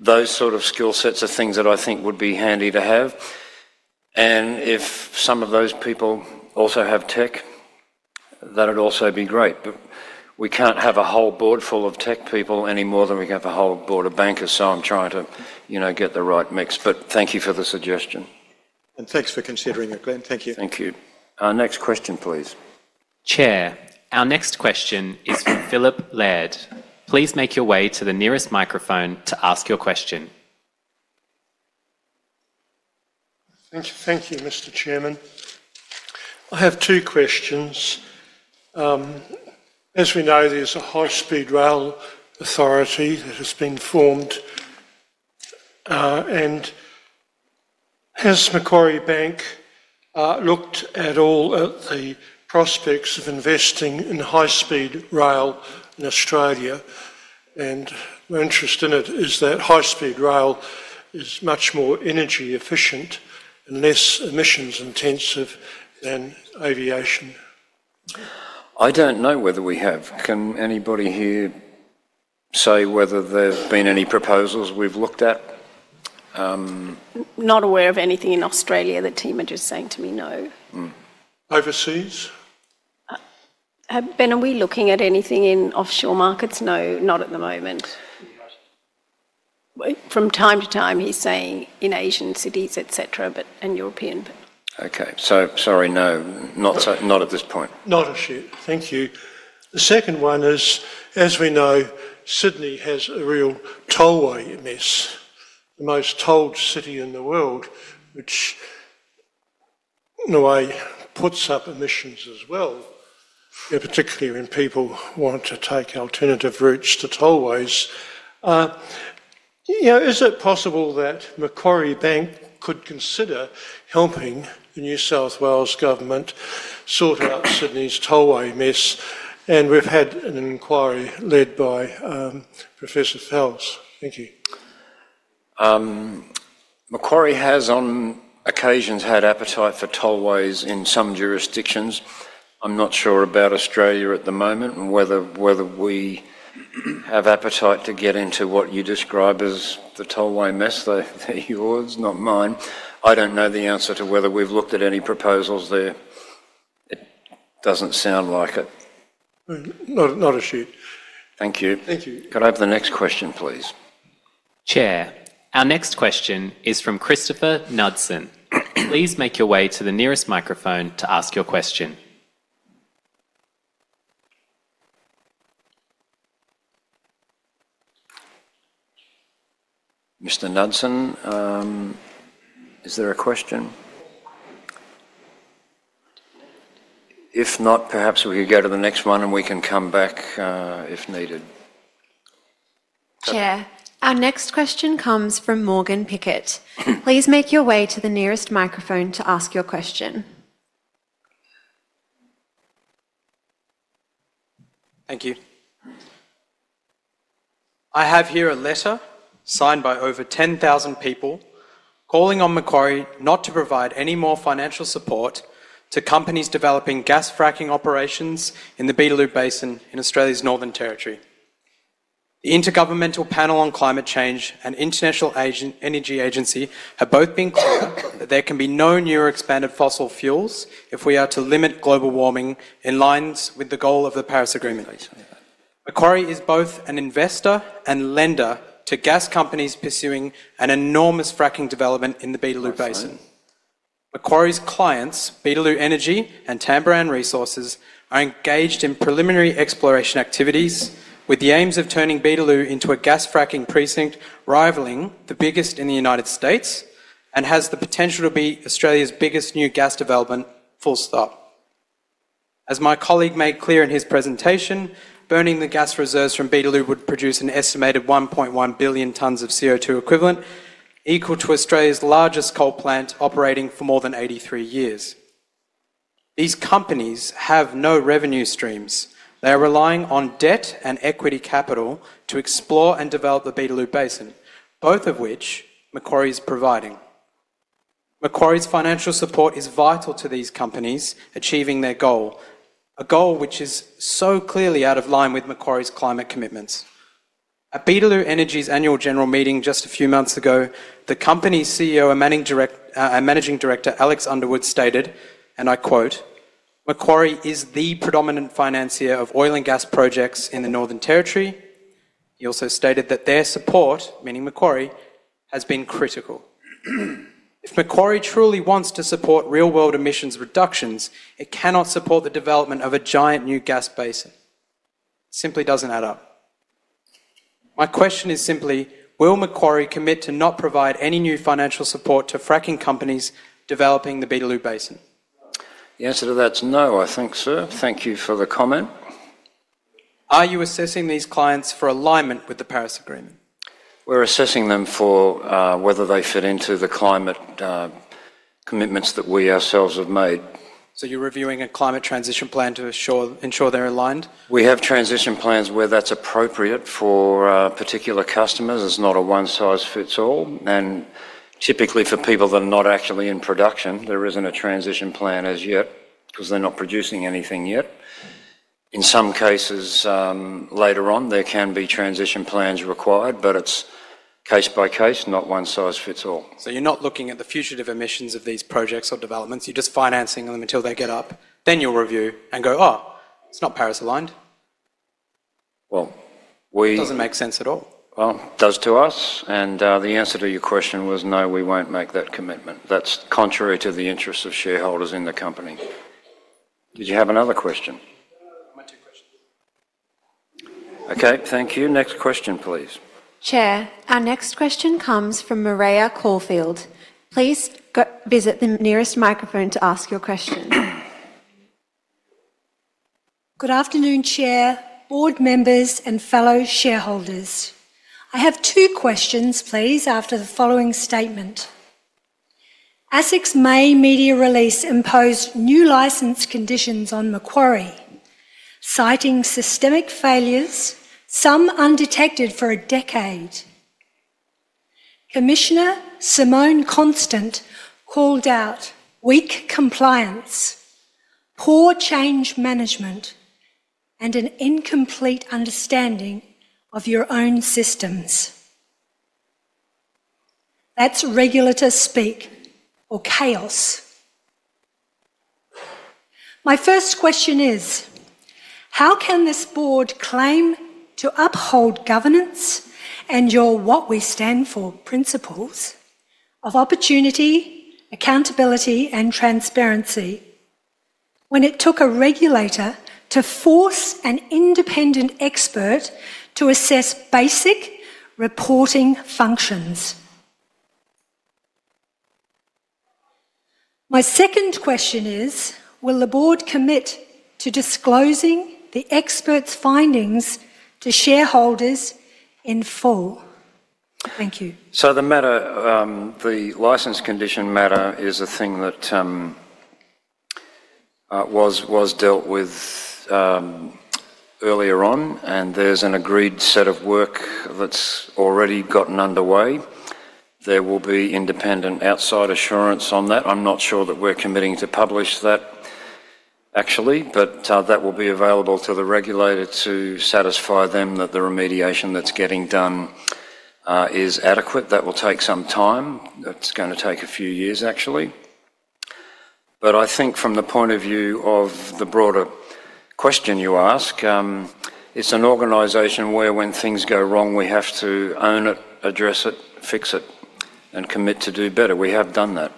those sort of skill sets are things that I think would be handy to have. If some of those people also have tech, that would also be great. We can't have a whole board full of tech people any more than we can have a whole board of bankers, so I'm trying to get the right mix. Thank you for the suggestion. Thanks for considering it, Glenn. Thank you. Thank you. Our next question, please. Chair, our next question is from Philip Laird. Please make your way to the nearest microphone to ask your question. Thank you, Mr. Chairman. I have two questions. As we know, there is a high-speed rail authority that has been formed. Has Macquarie Bank looked at all at the prospects of investing in high-speed rail in Australia? My interest in it is that high-speed rail is much more energy efficient and less emissions-intensive than aviation. I do not know whether we have. Can anybody here say whether there have been any proposals we have looked at? Not aware of anything in Australia. The team are just saying to me, no. Overseas? Ben, are we looking at anything in offshore markets? No, not at the moment. From time to time, he is saying in Asian cities, etc., and European. Okay. Sorry, no. Not at this point. Not a shit. Thank you. The second one is, as we know, Sydney has a real tollway mess, the most tolled city in the world, which, in a way, puts up emissions as well. Particularly when people want to take alternative routes to tollways. Is it possible that Macquarie Bank could consider helping the New South Wales government sort out Sydney's tollway mess? And we've had an inquiry led by Professor Phelps. Thank you. Macquarie has on occasions had appetite for tollways in some jurisdictions. I'm not sure about Australia at the moment and whether we have appetite to get into what you describe as the tollway mess. They're yours, not mine. I don't know the answer to whether we've looked at any proposals there. It doesn't sound like it. Not a shit. Thank you. Thank you. Could I have the next question, please? Chair, our next question is from Christopher Nudson. Please make your way to the nearest microphone to ask your question. Mr. Nudson. Is there a question? If not, perhaps we could go to the next one, and we can come back if needed. Chair, our next question comes from Morgan Picket. Please make your way to the nearest microphone to ask your question. Thank you. I have here a letter signed by over 10,000 people, calling on Macquarie not to provide any more financial support to companies developing gas fracking operations in the Beetaloo Sub-basin in Australia's Northern Territory. The Intergovernmental Panel on Climate Change and International Energy Agency have both been clear that there can be no new or expanded fossil fuels if we are to limit global warming in line with the goal of the Paris Agreement. Macquarie is both an investor and lender to gas companies pursuing an enormous fracking development in the Beetaloo Sub-basin. Macquarie's clients, Beetaloo Energy and Tamboran Resources, are engaged in preliminary exploration activities with the aims of turning Beetaloo into a gas fracking precinct rivaling the biggest in the United States and has the potential to be Australia's biggest new gas development. As my colleague made clear in his presentation, burning the gas reserves from Beetaloo would produce an estimated 1.1 billion tons of CO2 equivalent equal to Australia's largest coal plant operating for more than 83 years. These companies have no revenue streams. They are relying on debt and equity capital to explore and develop the Beetaloo Sub-basin, both of which Macquarie is providing. Macquarie's financial support is vital to these companies achieving their goal, a goal which is so clearly out of line with Macquarie's climate commitments. At Beetaloo Energy's annual general meeting just a few months ago, the company's CEO and Managing Director, Alex Underwood, stated, and I quote, "Macquarie is the predominant financier of oil and gas projects in the Northern Territory." He also stated that their support, meaning Macquarie, has been critical. If Macquarie truly wants to support real-world emissions reductions, it cannot support the development of a giant new gas basin. It simply doesn't add up. My question is simply, will Macquarie commit to not provide any new financial support to fracking companies developing the Beetaloo Basin? The answer to that's no, I think, sir. Thank you for the comment. Are you assessing these clients for alignment with the Paris Agreement? We're assessing them for whether they fit into the climate commitments that we ourselves have made. So you're reviewing a climate transition plan to ensure they're aligned? We have transition plans where that's appropriate for particular customers. It's not a one-size-fits-all. Typically for people that are not actually in production, there isn't a transition plan as yet because they're not producing anything yet. In some cases, later on, there can be transition plans required, but it's case by case, not one-size-fits-all. You're not looking at the future of emissions of these projects or developments. You're just financing them until they get up. Then you'll review and go, "Oh, it's not Paris-aligned." It doesn't make sense at all. It does to us. The answer to your question was no, we won't make that commitment. That's contrary to the interests of shareholders in the company. Did you have another question? Okay, thank you. Next question, please. Chair, our next question comes from Mireya Caulfield. Please visit the nearest microphone to ask your question. Good afternoon, Chair, board members, and fellow shareholders. I have two questions, please, after the following statement. ASIC's May media release imposed new license conditions on Macquarie. Citing systemic failures, some undetected for a decade. Commissioner Simone Constant called out weak compliance. Poor change management. And an incomplete understanding of your own systems. That's regulator speak or chaos. My first question is. How can this board claim to uphold governance and your "what we stand for" principles of opportunity, accountability, and transparency, when it took a regulator to force an independent expert to assess basic reporting functions? My second question is, will the board commit to disclosing the expert's findings to shareholders in full? Thank you. The matter, the license condition matter, is a thing that was dealt with earlier on, and there's an agreed set of work that's already gotten underway. There will be independent outside assurance on that. I'm not sure that we're committing to publish that, actually, but that will be available to the regulator to satisfy them that the remediation that's getting done is adequate. That will take some time. It's going to take a few years, actually. I think from the point of view of the broader question you ask, it's an organization where when things go wrong, we have to own it, address it, fix it, and commit to do better. We have done that.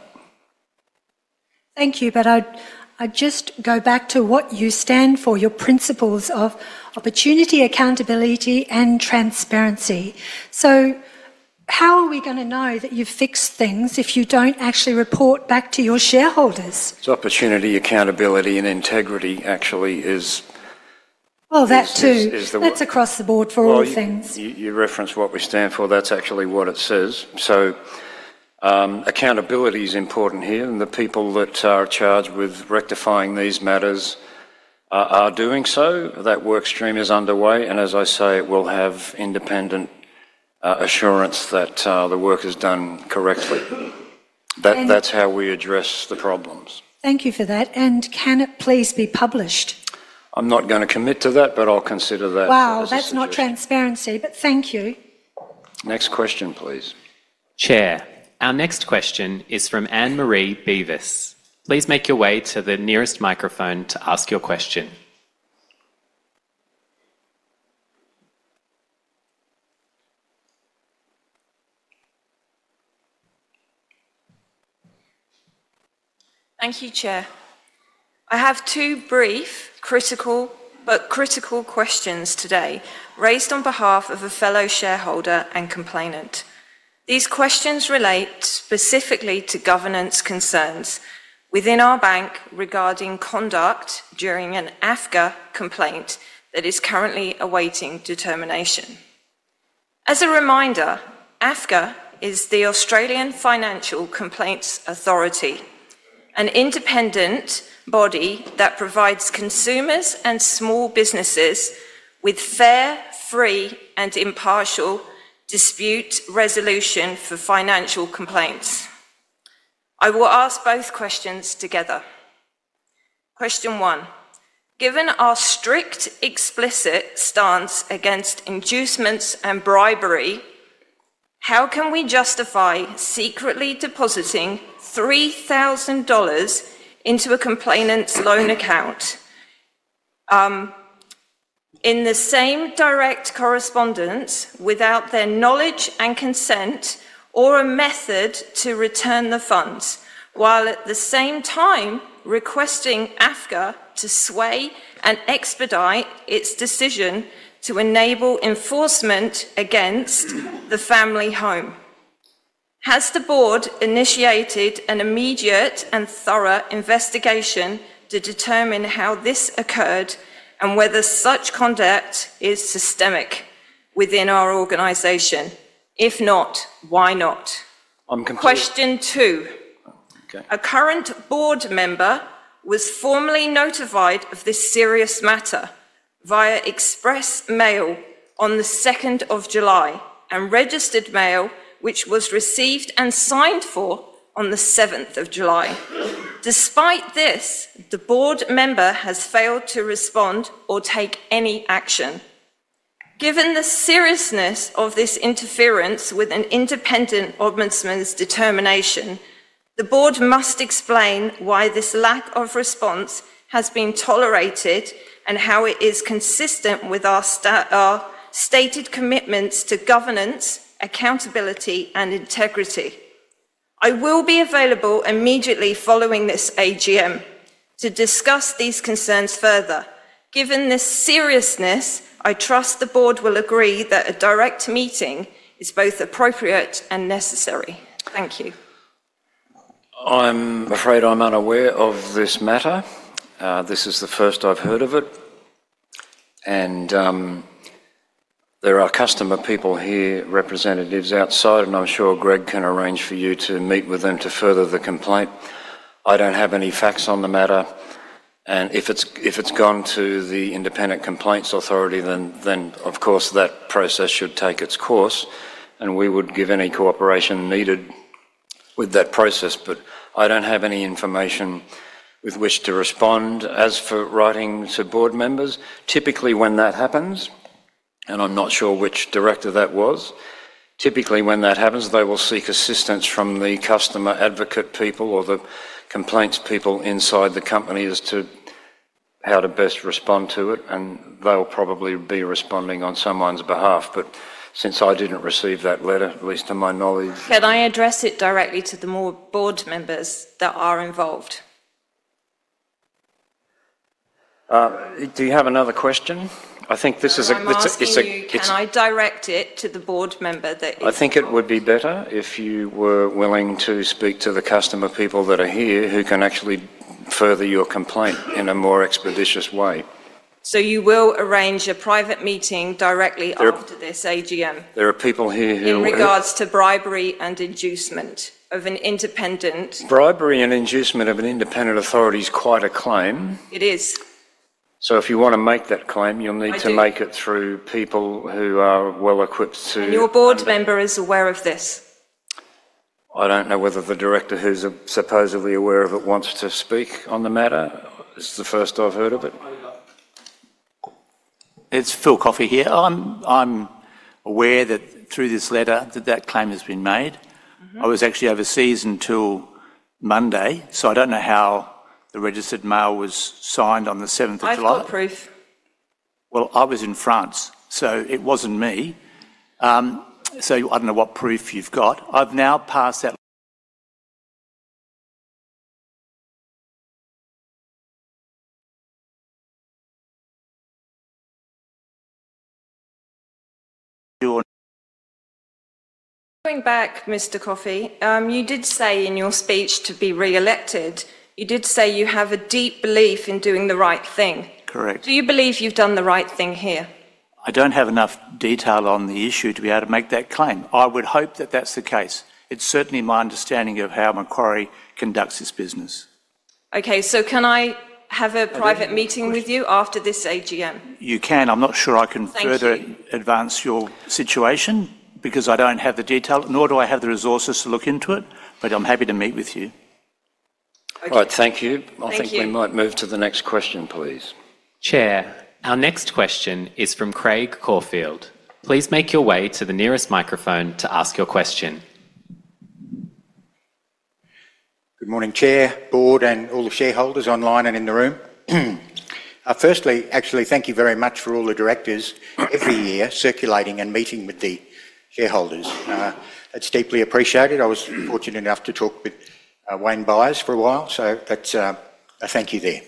Thank you. I just go back to what you stand for, your principles of opportunity, accountability, and transparency. How are we going to know that you've fixed things if you don't actually report back to your shareholders? Opportunity, accountability, and integrity actually is. That too. That's across the board for all things. You referenced what we stand for. That's actually what it says. Accountability is important here, and the people that are charged with rectifying these matters are doing so. That work stream is underway. As I say, it will have independent assurance that the work is done correctly. That's how we address the problems. Thank you for that. Can it please be published? I'm not going to commit to that, but I'll consider that. Wow, that's not transparency, but thank you. Next question, please. Chair, our next question is from Anne Marie Beavis. Please make your way to the nearest microphone to ask your question. Thank you, Chair. I have two brief, but critical questions today raised on behalf of a fellow shareholder and complainant. These questions relate specifically to governance concerns within our bank regarding conduct during an AFCA complaint that is currently awaiting determination. As a reminder, AFCA is the Australian Financial Complaints Authority, an independent body that provides consumers and small businesses with fair, free, and impartial dispute resolution for financial complaints. I will ask both questions together. Question one, given our strict explicit stance against inducements and bribery, how can we justify secretly depositing 3,000 dollars into a complainant's loan account in the same direct correspondence without their knowledge and consent or a method to return the funds, while at the same time requesting AFCA to sway and expedite its decision to enable enforcement against the family home? Has the board initiated an immediate and thorough investigation to determine how this occurred and whether such conduct is systemic within our organization? If not, why not? I'm confused. Question two. A current board member was formally notified of this serious matter via express mail on the 2nd of July and registered mail, which was received and signed for on the 7th of July. Despite this, the board member has failed to respond or take any action. Given the seriousness of this interference with an independent ombudsman's determination, the board must explain why this lack of response has been tolerated and how it is consistent with our stated commitments to governance, accountability, and integrity. I will be available immediately following this AGM to discuss these concerns further. Given this seriousness, I trust the board will agree that a direct meeting is both appropriate and necessary. Thank you. I'm afraid I'm unaware of this matter. This is the first I've heard of it. There are customer people here, representatives outside, and I'm sure Greg can arrange for you to meet with them to further the complaint. I don't have any facts on the matter. If it's gone to the Independent Complaints Authority, then of course that process should take its course, and we would give any cooperation needed with that process. I don't have any information with which to respond. As for writing to board members, typically when that happens, and I'm not sure which director that was, typically when that happens, they will seek assistance from the customer advocate people or the complaints people inside the companies to how to best respond to it. They'll probably be responding on someone's behalf. Since I didn't receive that letter, at least to my knowledge, can I address it directly to the more board members that are involved? Do you have another question? I think this is a. I direct it to the board member that. I think it would be better if you were willing to speak to the customer people that are here who can actually further your complaint in a more expeditious way. You will arrange a private meeting directly after this AGM? There are people here who. In regards to bribery and inducement of an independent. Bribery and inducement of an independent authority is quite a claim. It is. If you want to make that claim, you'll need to make it through people who are well equipped to. Your board member is aware of this. I don't know whether the director, who's supposedly aware of it, wants to speak on the matter. It's the first I've heard of it. It's Phil Coffey here. I'm aware that through this letter that claim has been made. I was actually overseas until Monday, so I don't know how the registered mail was signed on the 7th of July. I've got proof. I was in France, so it wasn't me. I don't know what proof you've got. I've now passed that. Going back, Mr. Coffey, you did say in your speech to be re-elected, you did say you have a deep belief in doing the right thing. Correct. Do you believe you've done the right thing here? I don't have enough detail on the issue to be able to make that claim. I would hope that that's the case. It's certainly my understanding of how Macquarie conducts its business. Okay, can I have a private meeting with you after this AGM? You can. I'm not sure I can further advance your situation because I don't have the detail, nor do I have the resources to look into it, but I'm happy to meet with you. All right, thank you. I think we might move to the next question, please. Chair, our next question is from Craig Caulfield. Please make your way to the nearest microphone to ask your question. Good morning, Chair, board, and all the shareholders online and in the room. Firstly, actually, thank you very much for all the directors every year circulating and meeting with the shareholders. That's deeply appreciated. I was fortunate enough to talk with Wayne Byres for a while, so that's a thank you there.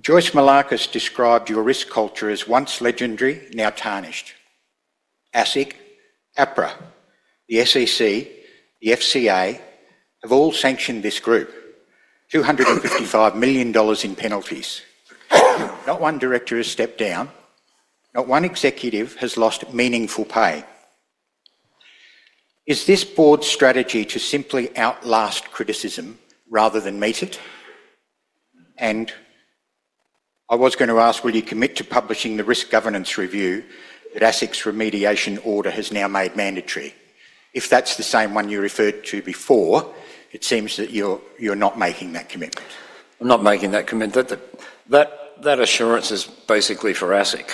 Joyce Malarkus described your risk culture as once legendary, now tarnished. ASIC, APRA, the SEC, the FCA have all sanctioned this group. $255 million in penalties. Not one director has stepped down. Not one executive has lost meaningful pay. Is this board's strategy to simply outlast criticism rather than meet it? I was going to ask, will you commit to publishing the risk governance review that ASIC's remediation order has now made mandatory? If that's the same one you referred to before, it seems that you're not making that commitment. I'm not making that commitment. That assurance is basically for ASIC.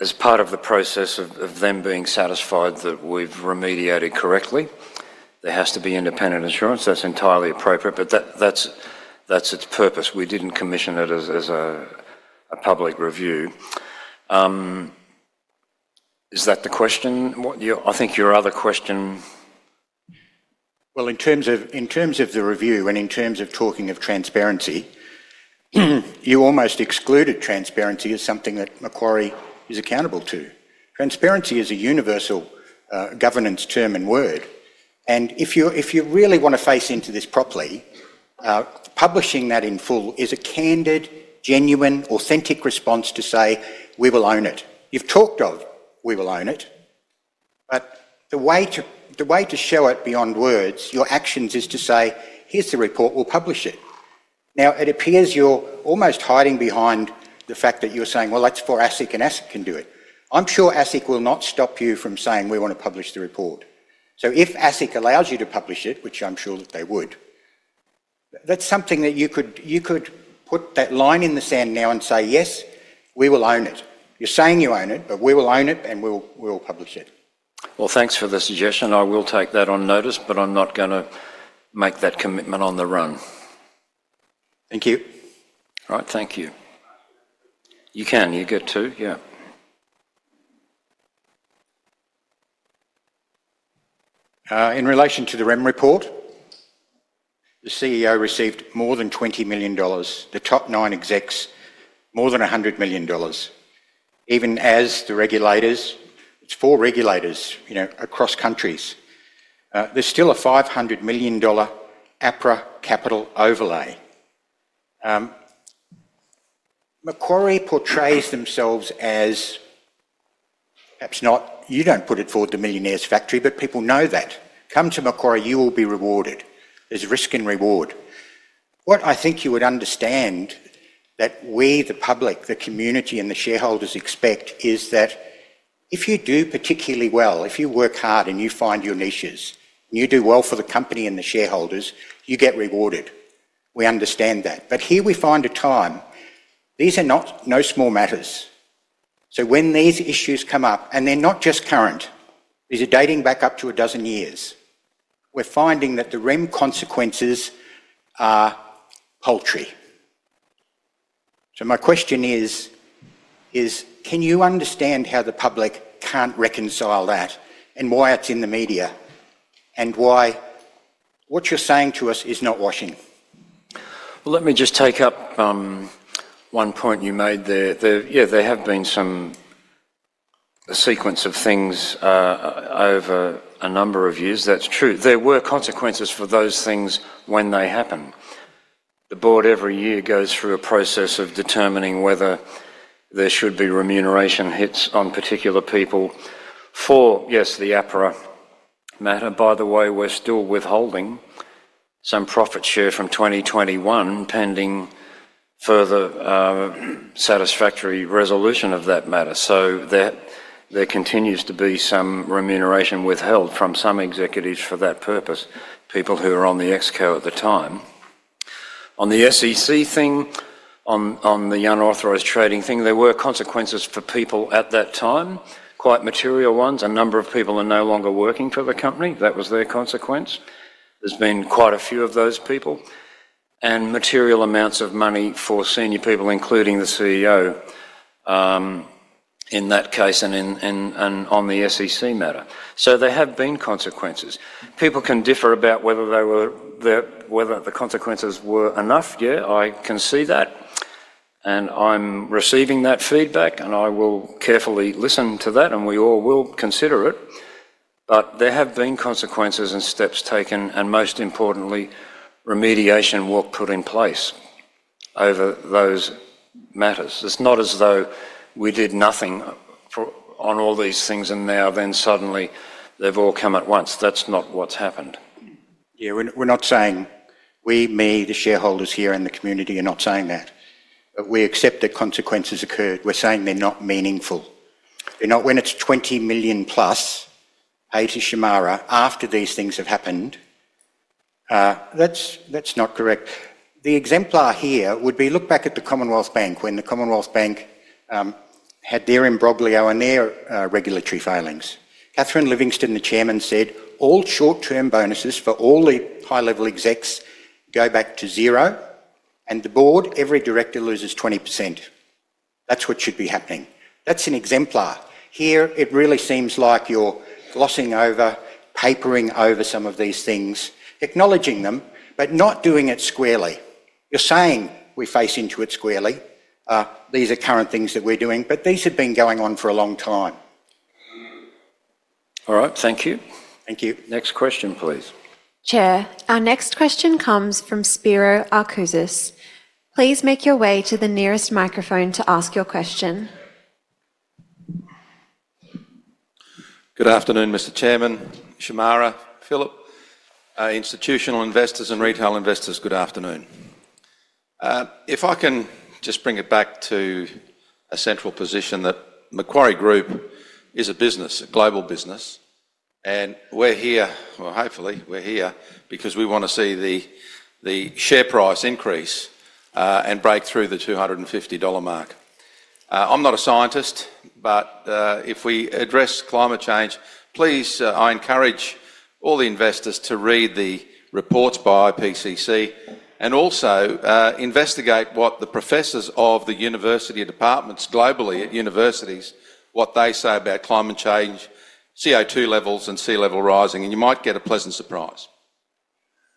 As part of the process of them being satisfied that we've remediated correctly, there has to be independent assurance. That's entirely appropriate, but that's its purpose. We didn't commission it as a public review. Is that the question? I think your other question. In terms of the review and in terms of talking of transparency, you almost excluded transparency as something that Macquarie is accountable to. Transparency is a universal governance term and word. If you really want to face into this properly, publishing that in full is a candid, genuine, authentic response to say, "We will own it." You've talked of, "We will own it." The way to show it beyond words, your actions, is to say, "Here's the report. We'll publish it." It appears you're almost hiding behind the fact that you're saying, "Well, that's for ASIC, and ASIC can do it." I'm sure ASIC will not stop you from saying, "We want to publish the report." If ASIC allows you to publish it, which I'm sure that they would, that's something that you could put that line in the sand now and say, "Yes, we will own it." You're saying you own it, but we will own it, and we will publish it. Thanks for the suggestion. I will take that on notice, but I'm not going to make that commitment on the run. Thank you. All right, thank you. You can. You get to, yeah. In relation to the REM report. The CEO received more than $20 million, the top nine execs more than $100 million. Even as the regulators, it's four regulators across countries. There's still a $500 million APRA capital overlay. Macquarie portrays themselves as. Perhaps not, you don't put it forward the millionaire's factory, but people know that. Come to Macquarie, you will be rewarded. There's risk and reward. What I think you would understand. That we, the public, the community, and the shareholders expect is that. If you do particularly well, if you work hard and you find your niches, and you do well for the company and the shareholders, you get rewarded. We understand that. But here we find a time. These are not no small matters. So when these issues come up, and they're not just current. These are dating back up to a dozen years. We're finding that the REM consequences are paltry. So my question is. Can you understand how the public can't reconcile that and why it's in the media? And why what you're saying to us is not washing. Let me just take up one point you made there. Yeah, there have been some, a sequence of things, over a number of years. That's true. There were consequences for those things when they happen. The board every year goes through a process of determining whether there should be remuneration hits on particular people. For, yes, the APRA matter, by the way, we're still withholding some profit share from 2021 pending further satisfactory resolution of that matter. There continues to be some remuneration withheld from some executives for that purpose, people who are on the exco at the time. On the SEC thing, on the unauthorized trading thing, there were consequences for people at that time, quite material ones. A number of people are no longer working for the company. That was their consequence. There have been quite a few of those people. And material amounts of money for senior people, including the CEO. In that case and on the SEC matter. So there have been consequences. People can differ about whether they were the consequences were enough. Yeah, I can see that. I am receiving that feedback, and I will carefully listen to that, and we all will consider it. There have been consequences and steps taken, and most importantly, remediation work put in place over those matters. It's not as though we did nothing. On all these things, and now then suddenly they've all come at once. That's not what's happened. Yeah, we're not saying we, me, the shareholders here in the community are not saying that. But we accept that consequences occurred. We're saying they're not meaningful. When it's 20 million plus. Hays and Shemara after these things have happened. That's not correct. The exemplar here would be look back at the Commonwealth Bank when the Commonwealth Bank had their imbroglio and their regulatory failings. Kathryn Livingston, the chairman, said, "All short-term bonuses for all the high-level execs go back to zero, and the board, every director loses 20%." That's what should be happening. That's an exemplar. Here, it really seems like you're glossing over, papering over some of these things, acknowledging them, but not doing it squarely. You're saying we face into it squarely. These are current things that we're doing, but these have been going on for a long time. All right, thank you. Thank you. Next question, please. Chair, our next question comes from Spiro Arcusis. Please make your way to the nearest microphone to ask your question. Good afternoon, Mr. Chairman. Shemara, Phillip. Institutional investors and retail investors, good afternoon. If I can just bring it back to a central position that Macquarie Group is a business, a global business. We're here, or hopefully we're here because we want to see the share price increase and break through the $250 mark. I'm not a scientist, but if we address climate change, please, I encourage all the investors to read the reports by IPCC and also investigate what the professors of the university departments globally at universities, what they say about climate change, CO2 levels, and sea level rising. You might get a pleasant surprise.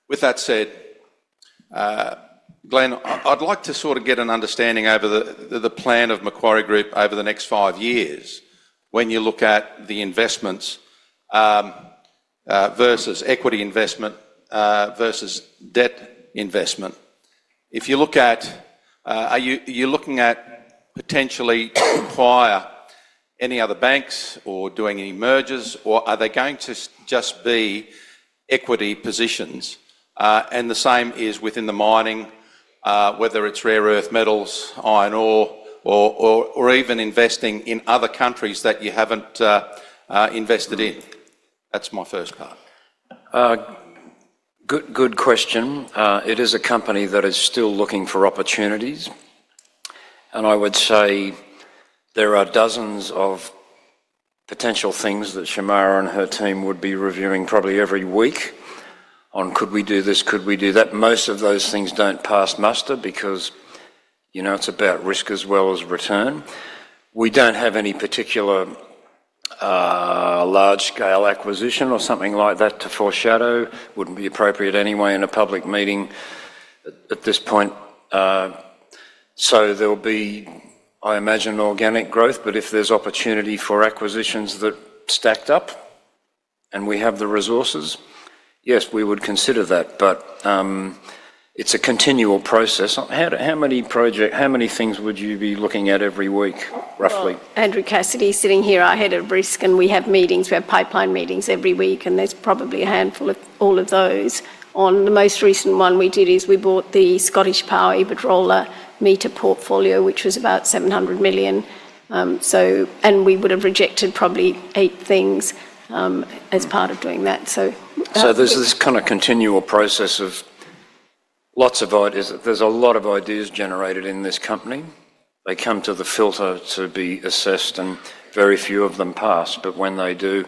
With that said, Glenn, I'd like to sort of get an understanding over the plan of Macquarie Group over the next five years when you look at the investments versus equity investment versus debt investment. If you look at, are you looking at potentially acquiring any other banks or doing any mergers, or are they going to just be equity positions? The same is within the mining, whether it's rare earth metals, iron ore, or even investing in other countries that you haven't invested in. That's my first part. Good question. It is a company that is still looking for opportunities. I would say there are dozens of potential things that Shemara and her team would be reviewing probably every week on, could we do this, could we do that? Most of those things don't pass muster because. It's about risk as well as return. We don't have any particular large-scale acquisition or something like that to foreshadow. Wouldn't be appropriate anyway in a public meeting at this point. There'll be, I imagine, organic growth, but if there's opportunity for acquisitions that stacked up and we have the resources, yes, we would consider that. It's a continual process. How many things would you be looking at every week, roughly? Andrew Cassidy is sitting here. I head of risk, and we have meetings. We have pipeline meetings every week, and there's probably a handful of all of those. On the most recent one we did is we bought the Scottish Power Iberdrola meter portfolio, which was about 700 million. We would have rejected probably eight things as part of doing that. There's this kind of continual process of lots of ideas. There's a lot of ideas generated in this company. They come to the filter to be assessed, and very few of them pass. When they do, you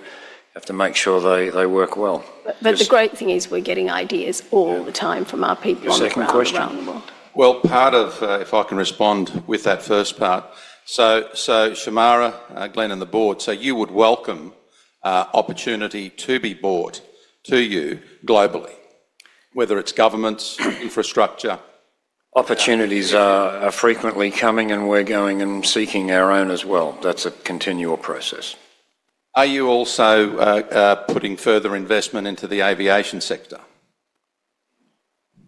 have to make sure they work well. The great thing is we're getting ideas all the time from our people around the world. Second question. If I can respond with that first part. Shimara, Glenn, and the board, you would welcome opportunity to be brought to you globally, whether it's governments, infrastructure. Opportunities are frequently coming, and we're going and seeking our own as well. That's a continual process. Are you also putting further investment into the aviation sector?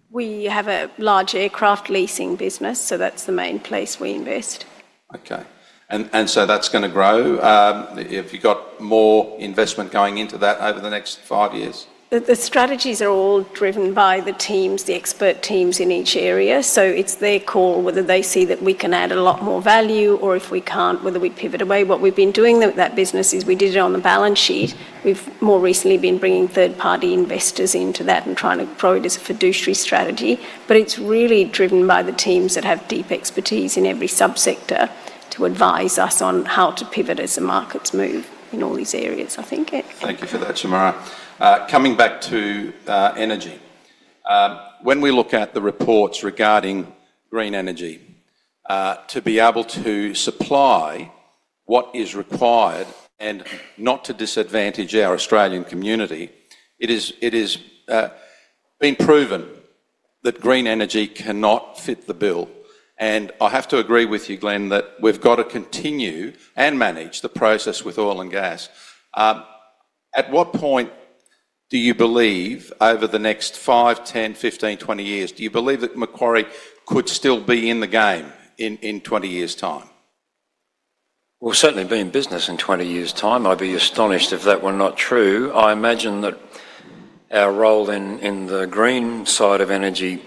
We have a large aircraft leasing business, so that's the main place we invest. Okay. That's going to grow. Have you got more investment going into that over the next five years? The strategies are all driven by the teams, the expert teams in each area. So it's their call whether they see that we can add a lot more value or if we can't, whether we pivot away. What we've been doing with that business is we did it on the balance sheet. We've more recently been bringing third-party investors into that and trying to grow it as a fiduciary strategy. But it's really driven by the teams that have deep expertise in every subsector to advise us on how to pivot as the markets move in all these areas, I think. Thank you for that, Shemara. Coming back to energy. When we look at the reports regarding green energy. To be able to supply what is required and not to disadvantage our Australian community, it has been proven that green energy cannot fit the bill. I have to agree with you, Glenn, that we've got to continue and manage the process with oil and gas. At what point do you believe, over the next 5, 10, 15, 20 years, do you believe that Macquarie could still be in the game in 20 years' time? We'll certainly be in business in 20 years' time. I'd be astonished if that were not true. I imagine that our role in the green side of energy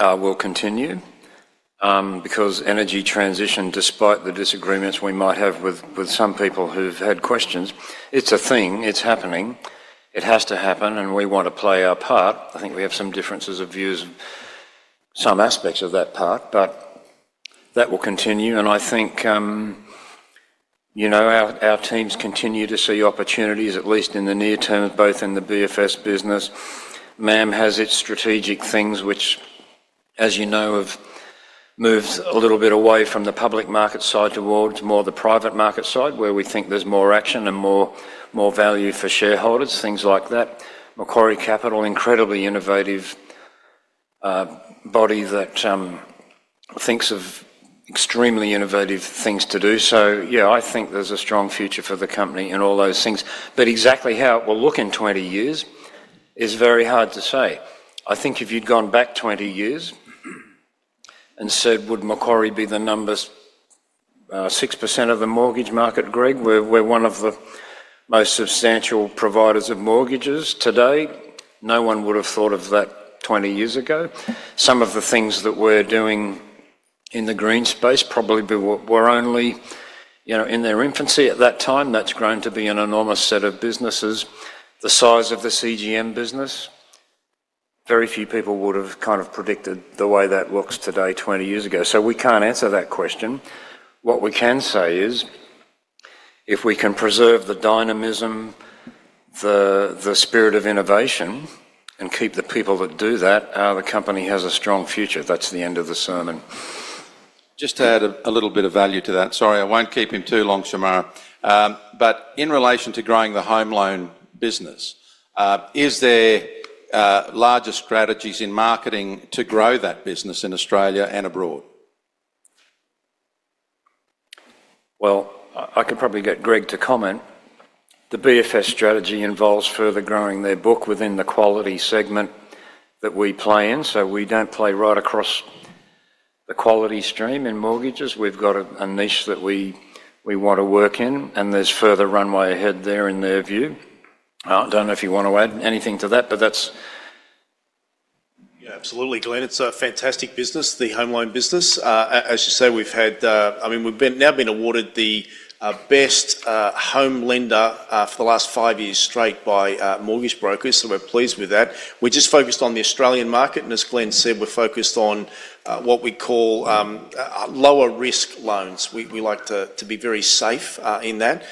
will continue, because energy transition, despite the disagreements we might have with some people who've had questions, it's a thing. It's happening. It has to happen, and we want to play our part. I think we have some differences of views, some aspects of that part, but that will continue. I think our teams continue to see opportunities, at least in the near term, both in the BFS business. MAM has its strategic things, which, as you know, have moved a little bit away from the public market side towards more the private market side, where we think there's more action and more value for shareholders, things like that. Macquarie Capital, incredibly innovative body that thinks of extremely innovative things to do. Yeah, I think there's a strong future for the company and all those things. Exactly how it will look in 20 years is very hard to say. I think if you'd gone back 20 years and said, would Macquarie be the number 6% of the mortgage market, Greg? We're one of the most substantial providers of mortgages today. No one would have thought of that 20 years ago. Some of the things that we're doing in the green space probably were only in their infancy at that time. That's grown to be an enormous set of businesses. The size of the CGM business. Very few people would have kind of predicted the way that looks today 20 years ago. So we can't answer that question. What we can say is, if we can preserve the dynamism, the spirit of innovation, and keep the people that do that, the company has a strong future. That's the end of the sermon. Just to add a little bit of value to that, sorry, I won't keep him too long, Shemara. In relation to growing the home loan business, is there larger strategies in marketing to grow that business in Australia and abroad? I could probably get Greg to comment. The BFS strategy involves further growing their book within the quality segment that we play in. We don't play right across the quality stream in mortgages. We've got a niche that we want to work in, and there's further runway ahead there in their view. I don't know if you want to add anything to that, but that's. Yeah, absolutely, Glenn. It's a fantastic business, the home loan business. As you say, we've had, I mean, we've now been awarded the best home lender for the last five years straight by mortgage brokers, so we're pleased with that. We're just focused on the Australian market, and as Glenn said, we're focused on what we call lower-risk loans. We like to be very safe in that.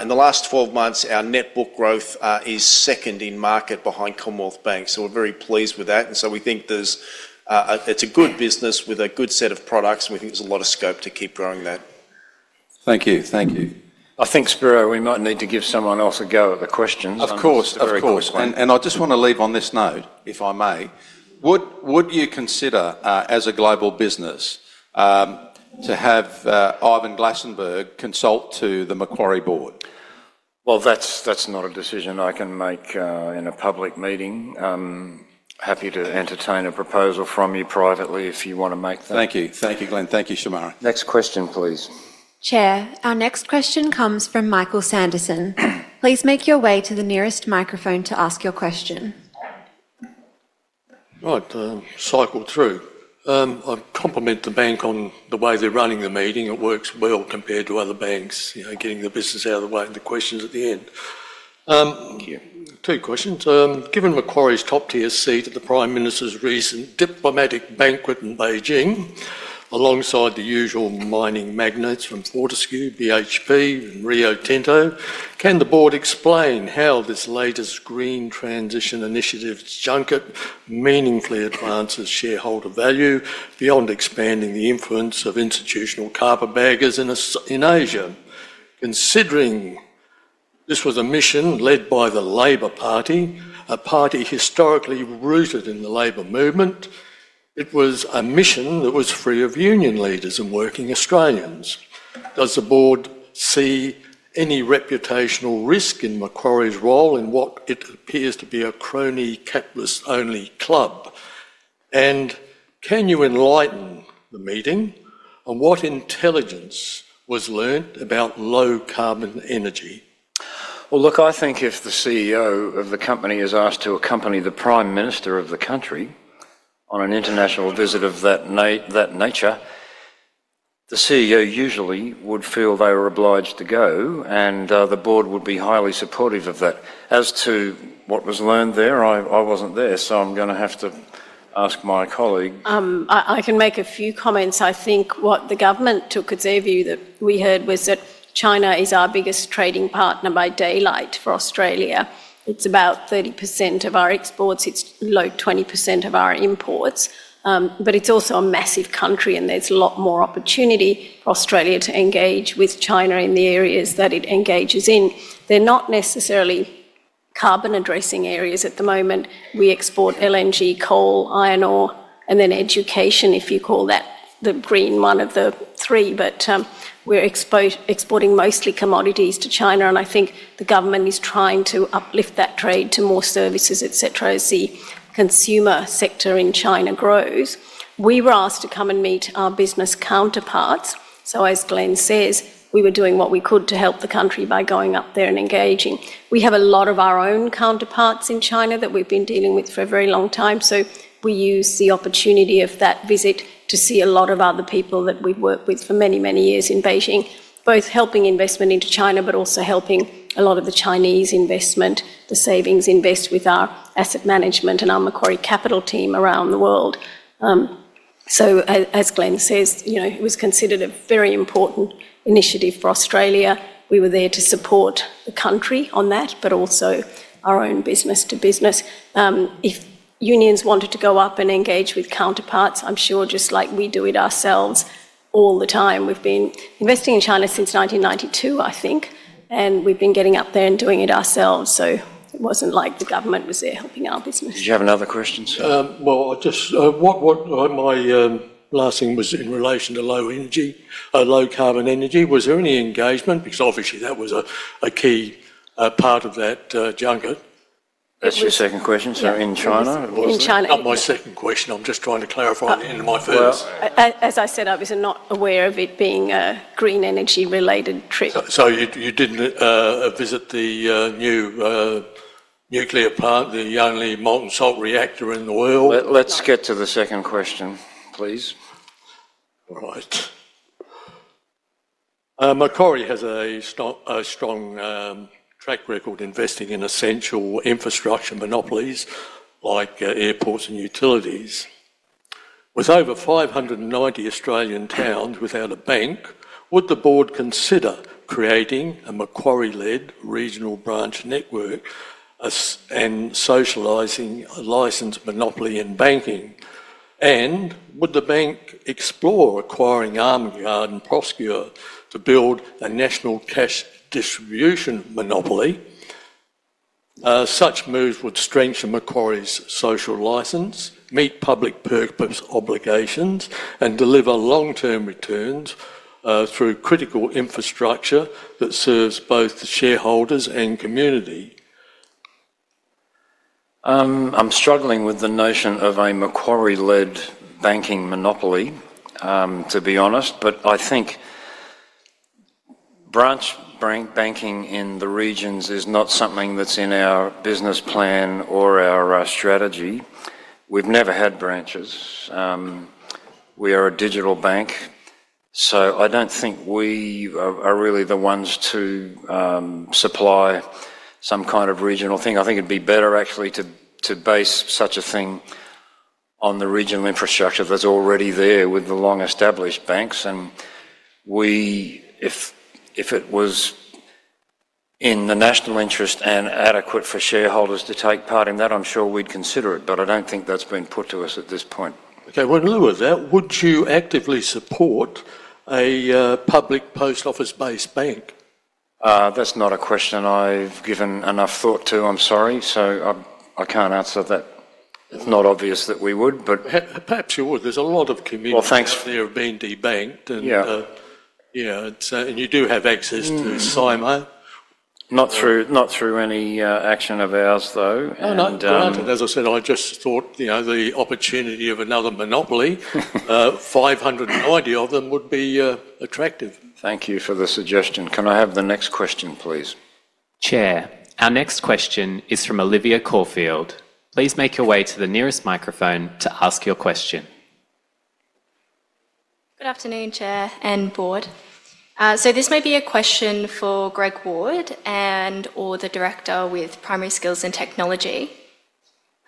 In the last 12 months, our net book growth is second in market behind Commonwealth Bank, so we're very pleased with that. We think it's a good business with a good set of products, and we think there's a lot of scope to keep growing that. Thank you. Thank you. I think, Spiro, we might need to give someone else a go at the questions. Of course. Of course. I just want to leave on this note, if I may. Would you consider as a global business to have Ivan Glassenberg consult to the Macquarie Board? That is not a decision I can make in a public meeting. Happy to entertain a proposal from you privately if you want to make that. Thank you. Thank you, Glenn. Thank you, Shemara. Next question, please. Chair, our next question comes from Michael Sanderson. Please make your way to the nearest microphone to ask your question. All right, cycle through. I compliment the bank on the way they're running the meeting. It works well compared to other banks, getting the business out of the way and the questions at the end. Two questions. Given Macquarie's top-tier seat at the Prime Minister's recent diplomatic banquet in Beijing, alongside the usual mining magnates from Fortescue, BHP, and Rio Tinto, can the board explain how this latest green transition initiative's junket meaningfully advances shareholder value beyond expanding the influence of institutional carpetbaggers in Asia? Considering this was a mission led by the Labour Party, a party historically rooted in the Labour movement, it was a mission that was free of union leaders and working Australians. Does the board see any reputational risk in Macquarie's role in what it appears to be a crony-capless-only club? Can you enlighten the meeting on what intelligence was learned about low-carbon energy? I think if the CEO of the company is asked to accompany the Prime Minister of the country on an international visit of that nature, the CEO usually would feel they were obliged to go, and the board would be highly supportive of that. As to what was learned there, I wasn't there, so I'm going to have to ask my colleague. I can make a few comments. I think what the government took as their view that we heard was that China is our biggest trading partner by daylight for Australia. It's about 30% of our exports. It's low 20% of our imports. It's also a massive country, and there's a lot more opportunity for Australia to engage with China in the areas that it engages in. They're not necessarily carbon-addressing areas at the moment. We export LNG, coal, iron ore, and then education, if you call that the green one of the three. We are exporting mostly commodities to China, and I think the government is trying to uplift that trade to more services, etc., as the consumer sector in China grows. We were asked to come and meet our business counterparts. As Glenn says, we were doing what we could to help the country by going up there and engaging. We have a lot of our own counterparts in China that we have been dealing with for a very long time. We used the opportunity of that visit to see a lot of other people that we've worked with for many, many years in Beijing, both helping investment into China, but also helping a lot of the Chinese investment, the savings invest with our asset management and our Macquarie Capital team around the world. As Glenn says, it was considered a very important initiative for Australia. We were there to support the country on that, but also our own business-to-business. If unions wanted to go up and engage with counterparts, I'm sure just like we do it ourselves all the time. We've been investing in China since 1992, I think, and we've been getting up there and doing it ourselves. It wasn't like the government was there helping our business. Did you have another question, sir? My last thing was in relation to low-carbon energy. Was there any engagement? Because obviously that was a key part of that junket. That's your second question, sir? In China? In China. Not my second question. I'm just trying to clarify it in my first. As I said, I was not aware of it being a green energy-related trip. So you didn't visit the new nuclear plant, the only molten salt reactor in the world? Let's get to the second question, please. All right. Macquarie has a strong track record investing in essential infrastructure monopolies like airports and utilities. With over 590 Australian towns without a bank, would the board consider creating a Macquarie-led regional branch network and socializing a licensed monopoly in banking? And would the bank explore acquiring Armaguard and Prosegur to build a national cash distribution monopoly? Such moves would strengthen Macquarie's social license, meet public purpose obligations, and deliver long-term returns through critical infrastructure that serves both shareholders and community. I'm struggling with the notion of a Macquarie-led banking monopoly, to be honest, but I think branch banking in the regions is not something that's in our business plan or our strategy. We've never had branches. We are a digital bank. So I don't think we are really the ones to supply some kind of regional thing. I think it'd be better, actually, to base such a thing on the regional infrastructure that's already there with the long-established banks. If it was in the national interest and adequate for shareholders to take part in that, I'm sure we'd consider it, but I don't think that's been put to us at this point. Okay. Louis, would you actively support a public post office-based bank? That's not a question I've given enough thought to, I'm sorry. So I can't answer that. It's not obvious that we would, but. Perhaps you would. There's a lot of communities out there have been debanked. And. You do have access to SIMO. Not through any action of ours, though. Oh, no, granted. As I said, I just thought the opportunity of another monopoly. 590 of them would be attractive. Thank you for the suggestion. Can I have the next question, please? Chair, our next question is from Olivia Caulfield. Please make your way to the nearest microphone to ask your question. Good afternoon, Chair and Board. So this may be a question for Greg Ward and/or the director with Primary Skills and Technology.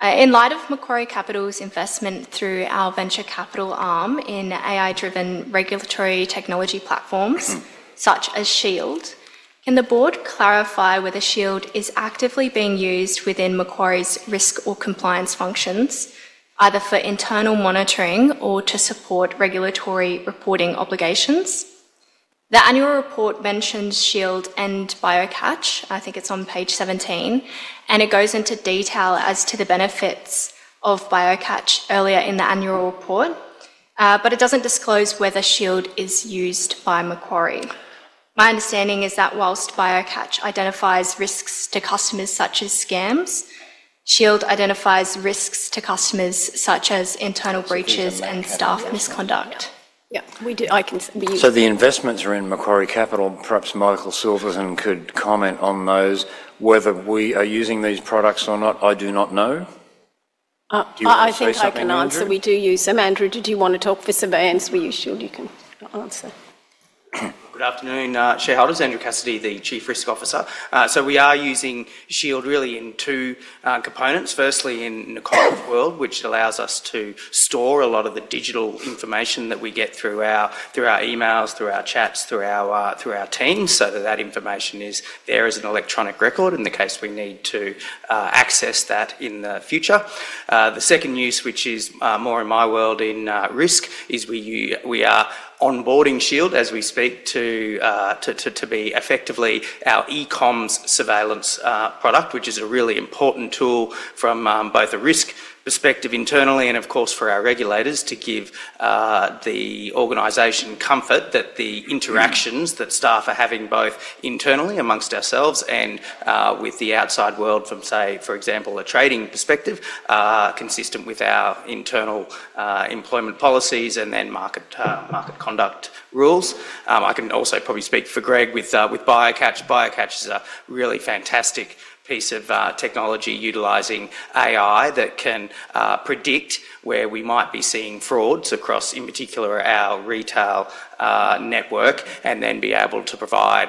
In light of Macquarie Capital's investment through our venture capital arm in AI-driven regulatory technology platforms such as Shield, can the board clarify whether Shield is actively being used within Macquarie's risk or compliance functions, either for internal monitoring or to support regulatory reporting obligations? The annual report mentions Shield and BioCatch. I think it's on page 17, and it goes into detail as to the benefits of BioCatch earlier in the annual report. It doesn't disclose whether Shield is used by Macquarie. My understanding is that whilst BioCatch identifies risks to customers such as scams, Shield identifies risks to customers such as internal breaches and staff misconduct. Yeah, we do. I can. The investments are in Macquarie Capital. Perhaps Michael Silverton could comment on those. Whether we are using these products or not, I do not know. I think I can answer. We do use them. Andrew, did you want to talk for surveillance? We use Shield. You can answer. Good afternoon. Shareholders, Andrew Cassidy, the Chief Risk Officer. So we are using Shield really in two components. Firstly, in the corporate world, which allows us to store a lot of the digital information that we get through our emails, through our chats, through our teams, so that that information is there as an electronic record in the case we need to access that in the future. The second use, which is more in my world in risk, is we are onboarding Shield as we speak to. Be effectively our e-comm surveillance product, which is a really important tool from both a risk perspective internally and, of course, for our regulators to give the organization comfort that the interactions that staff are having both internally amongst ourselves and with the outside world from, say, for example, a trading perspective, are consistent with our internal employment policies and then market conduct rules. I can also probably speak for Greg with BioCatch. BioCatch is a really fantastic piece of technology utilizing AI that can predict where we might be seeing frauds across, in particular, our retail network, and then be able to provide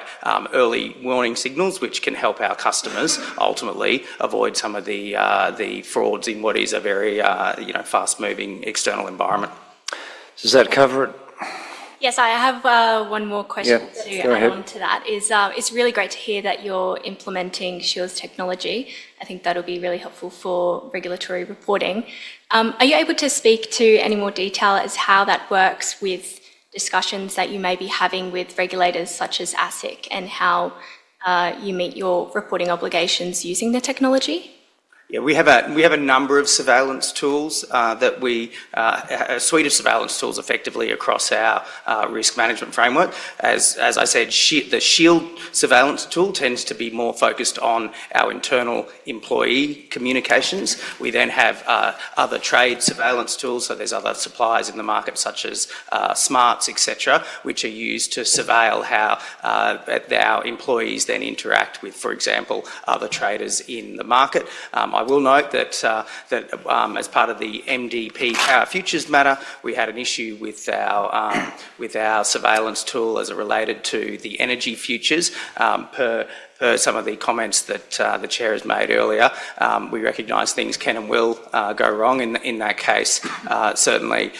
early warning signals, which can help our customers ultimately avoid some of the frauds in what is a very fast-moving external environment. Does that cover it? Yes, I have one more question to add on to that. It's really great to hear that you're implementing Shield's technology. I think that'll be really helpful for regulatory reporting. Are you able to speak to any more detail as to how that works with discussions that you may be having with regulators such as ASIC and how you meet your reporting obligations using the technology? Yeah, we have a number of surveillance tools. A suite of surveillance tools effectively across our risk management framework. As I said, the Shield surveillance tool tends to be more focused on our internal employee communications. We then have other trade surveillance tools. There are other suppliers in the market such as Smarts, etc., which are used to surveil how our employees then interact with, for example, other traders in the market. I will note that as part of the MDP Futures Matter, we had an issue with. Our surveillance tool as it related to the energy futures. Per some of the comments that the Chair has made earlier, we recognize things can and will go wrong in that case. Certainly,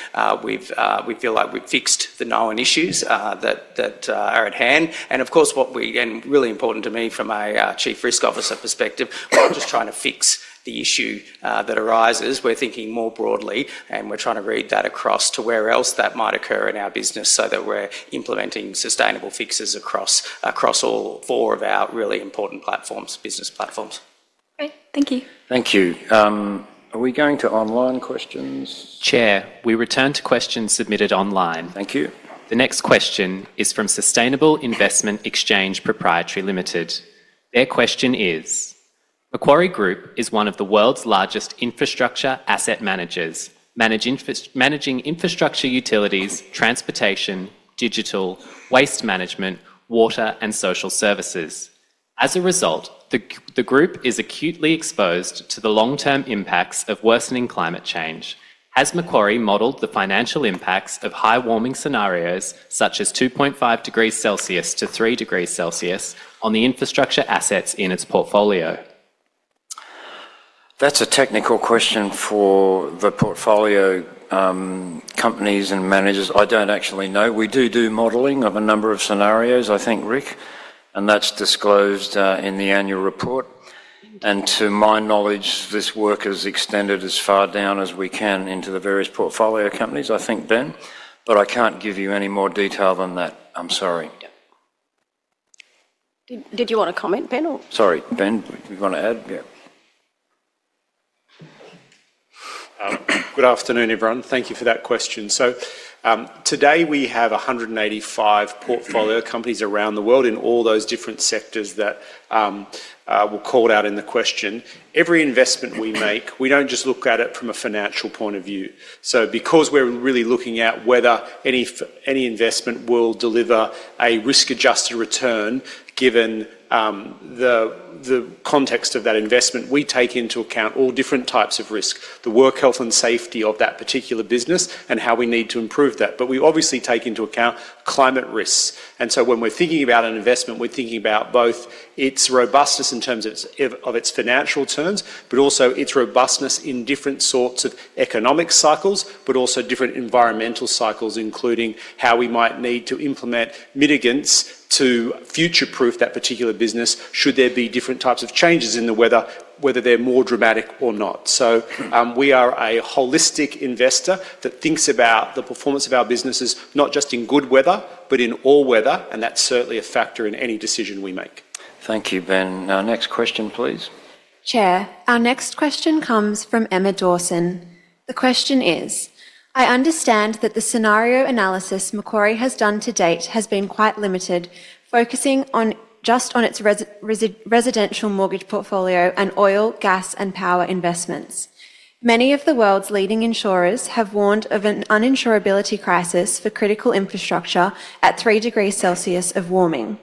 we feel like we've fixed the known issues that are at hand. Of course, what we—and really important to me from a Chief Risk Officer perspective—when we're just trying to fix the issue that arises, we're thinking more broadly, and we're trying to read that across to where else that might occur in our business so that we're implementing sustainable fixes across all four of our really important business platforms. Great. Thank you. Thank you. Are we going to online questions? Chair, we return to questions submitted online. Thank you. The next question is from Sustainable Investment Exchange Proprietary Limited. Their question is. Macquarie Group is one of the world's largest infrastructure asset managers, managing infrastructure utilities, transportation, digital, waste management, water, and social services. As a result, the group is acutely exposed to the long-term impacts of worsening climate change. Has Macquarie modelled the financial impacts of high warming scenarios such as 2.5 degrees Celsius to 3 degrees Celsius on the infrastructure assets in its portfolio?" That's a technical question for the portfolio. Companies and managers. I don't actually know. We do do modelling of a number of scenarios, I think, Rick, and that's disclosed in the annual report. To my knowledge, this work is extended as far down as we can into the various portfolio companies, I think, Ben. I can't give you any more detail than that. I'm sorry. Did you want to comment, Ben? Sorry, Ben, did you want to add? Yeah. Good afternoon, everyone. Thank you for that question. Today we have 185 portfolio companies around the world in all those different sectors that were called out in the question. Every investment we make, we don't just look at it from a financial point of view. Because we're really looking at whether any investment will deliver a risk-adjusted return given the context of that investment, we take into account all different types of risk, the work health and safety of that particular business, and how we need to improve that. We obviously take into account climate risks. When we're thinking about an investment, we're thinking about both its robustness in terms of its financial terms, but also its robustness in different sorts of economic cycles, but also different environmental cycles, including how we might need to implement mitigants to future-proof that particular business should there be different types of changes in the weather, whether they're more dramatic or not. We are a holistic investor that thinks about the performance of our businesses, not just in good weather, but in all weather. That's certainly a factor in any decision we make. Thank you, Ben. Our next question, please. Chair, our next question comes from Emma Dawson. The question is, "I understand that the scenario analysis Macquarie has done to date has been quite limited, focusing just on its residential mortgage portfolio and oil, gas, and power investments. Many of the world's leading insurers have warned of an uninsurability crisis for critical infrastructure at 3 degrees Celsius of warming.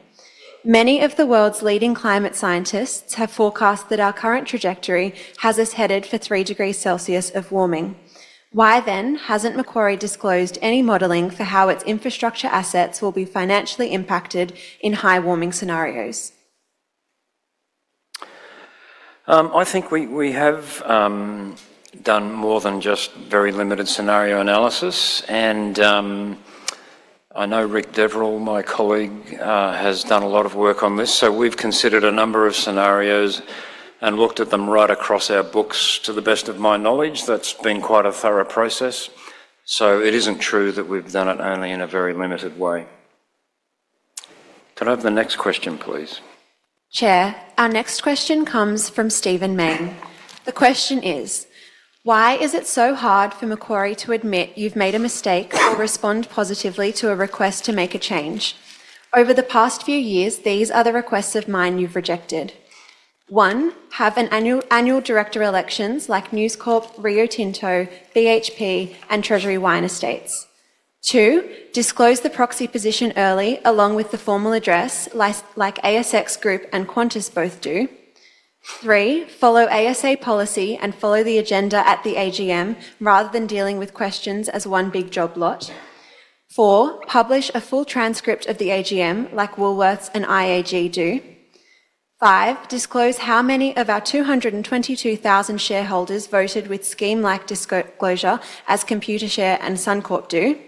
Many of the world's leading climate scientists have forecast that our current trajectory has us headed for 3 degrees Celsius of warming. Why then hasn't Macquarie disclosed any modelling for how its infrastructure assets will be financially impacted in high warming scenarios? I think we have. Done more than just very limited scenario analysis. I know Rick Devereaux, my colleague, has done a lot of work on this. We have considered a number of scenarios and looked at them right across our books. To the best of my knowledge, that's been quite a thorough process. It isn't true that we've done it only in a very limited way. Can I have the next question, please? Chair, our next question comes from Stephen Main. The question is. Why is it so hard for Macquarie to admit you've made a mistake or respond positively to a request to make a change? Over the past few years, these are the requests of mine you've rejected. One, have annual director elections like News Corp, Rio Tinto, BHP, and Treasury Wine Estates. Two, disclose the proxy position early along with the formal address like ASX Limited and Qantas both do. Three, follow ASA policy and follow the agenda at the AGM rather than dealing with questions as one big job lot. Four, publish a full transcript of the AGM like Woolworths and IAG do. Five, disclose how many of our 222,000 shareholders voted with scheme-like disclosure as Computershare and Suncorp do.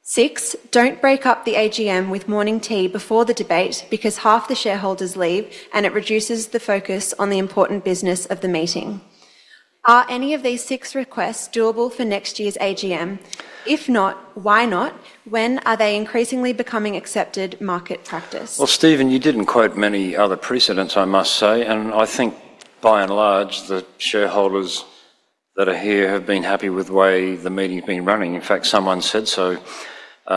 Six, don't break up the AGM with morning tea before the debate because half the shareholders leave and it reduces the focus on the important business of the meeting. Are any of these six requests doable for next year's AGM? If not, why not? When are they increasingly becoming accepted market practice? Stephen, you did not quote many other precedents, I must say. I think by and large, the shareholders that are here have been happy with the way the meeting's been running. In fact, someone said so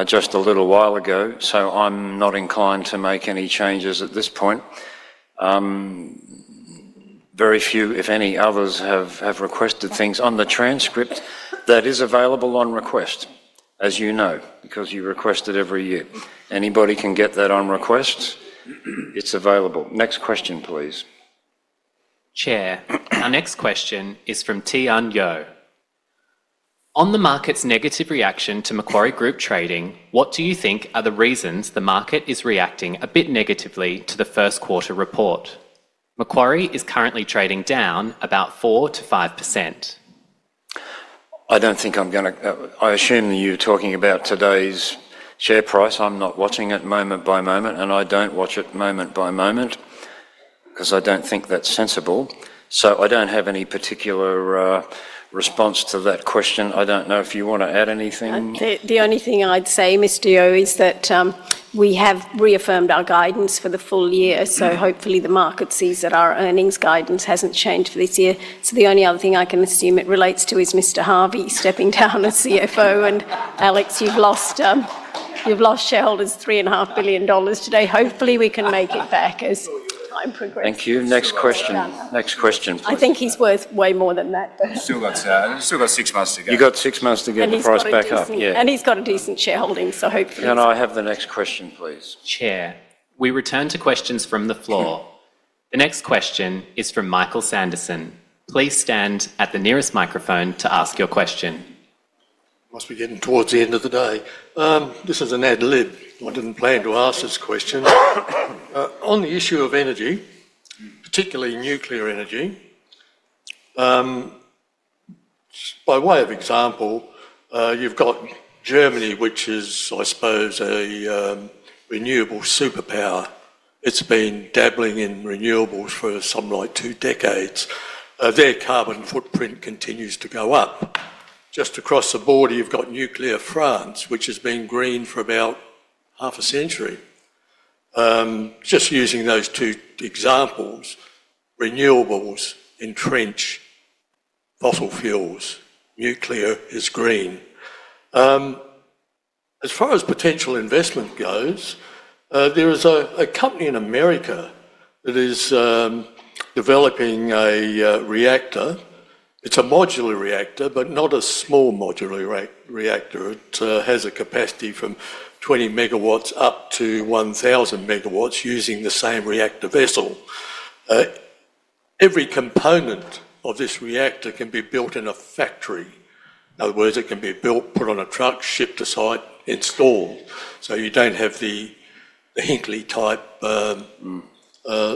just a little while ago. I am not inclined to make any changes at this point. Very few, if any, others have requested things on the transcript that is available on request, as you know, because you request it every year. Anybody can get that on request. It is available. Next question, please. Chair, our next question is from Tianyou. On the market's negative reaction to Macquarie Group trading, what do you think are the reasons the market is reacting a bit negatively to the first quarter report? Macquarie is currently trading down about 4%-5%. I do not think I am going to—I assume that you are talking about today's share price. I am not watching it moment by moment, and I do not watch it moment by moment. Because I do not think that is sensible. So I do not have any particular response to that question. I do not know if you want to add anything. The only thing I would say, Mr. Dio, is that we have reaffirmed our guidance for the full year. Hopefully the market sees that our earnings guidance has not changed for this year. The only other thing I can assume it relates to is Mr. Harvey stepping down as CFO. And Alex, you have lost shareholders $3.5 billion today. Hopefully we can make it back as time progresses. Thank you. Next question. Next question, please. I think he is worth way more than that. He's still got six months to go. You've got six months to get the price back up. And he's got a decent shareholding, so hopefully. Can I have the next question, please? Chair, we return to questions from the floor. The next question is from Michael Sanderson. Please stand at the nearest microphone to ask your question. Must be getting towards the end of the day. This is an ad lib. I didn't plan to ask this question. On the issue of energy, particularly nuclear energy. By way of example, you've got Germany, which is, I suppose, a renewable superpower. It's been dabbling in renewables for something like two decades. Their carbon footprint continues to go up. Just across the border, you've got nuclear France, which has been green for about half a century. Just using those two examples, renewables entrench. Fossil fuels, nuclear is green. As far as potential investment goes, there is a company in America that is developing a reactor. It's a modular reactor, but not a small modular reactor. It has a capacity from 20 megawatts up to 1,000 megawatts using the same reactor vessel. Every component of this reactor can be built in a factory. In other words, it can be built, put on a truck, shipped aside, installed, so you don't have the Hinkley-type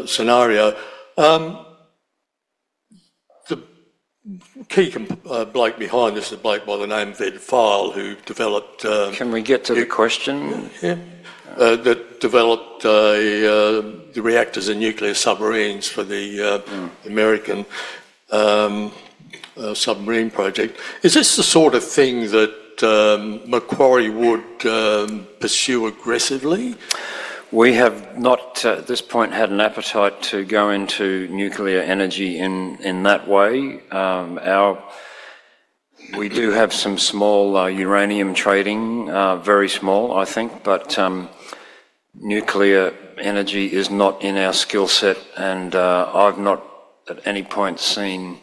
scenario. The key bloke behind this is a bloke by the name of Ed File, who developed— Can we get to the question? Yeah. That developed the reactors and nuclear submarines for the American submarine project. Is this the sort of thing that Macquarie would pursue aggressively? We have not, at this point, had an appetite to go into nuclear energy in that way. We do have some small uranium trading, very small, I think, but. Nuclear energy is not in our skill set. I've not at any point seen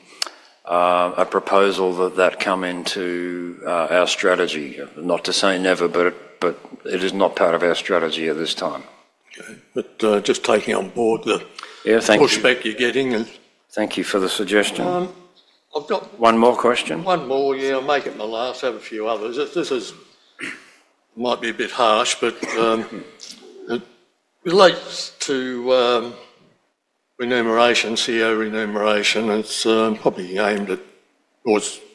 a proposal that that come into our strategy. Not to say never, but it is not part of our strategy at this time. Just taking on board the pushback you're getting. Thank you for the suggestion. I've got one more question. One more, yeah. I'll make it my last. I have a few others. This might be a bit harsh, but it relates to CEO remuneration. It's probably aimed at—question's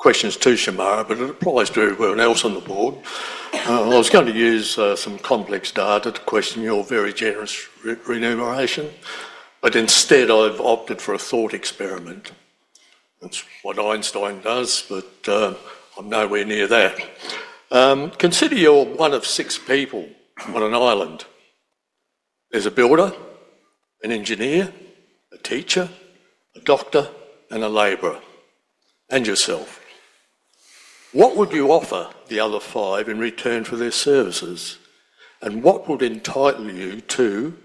to Shemara, but it applies very well else on the board. I was going to use some complex data to question your very generous remuneration, but instead, I've opted for a thought experiment. That's what Einstein does, but I'm nowhere near that. Consider you're one of six people on an island. There's a builder, an engineer, a teacher, a doctor, and a laborer, and yourself. What would you offer the other five in return for their services? What would entitle you to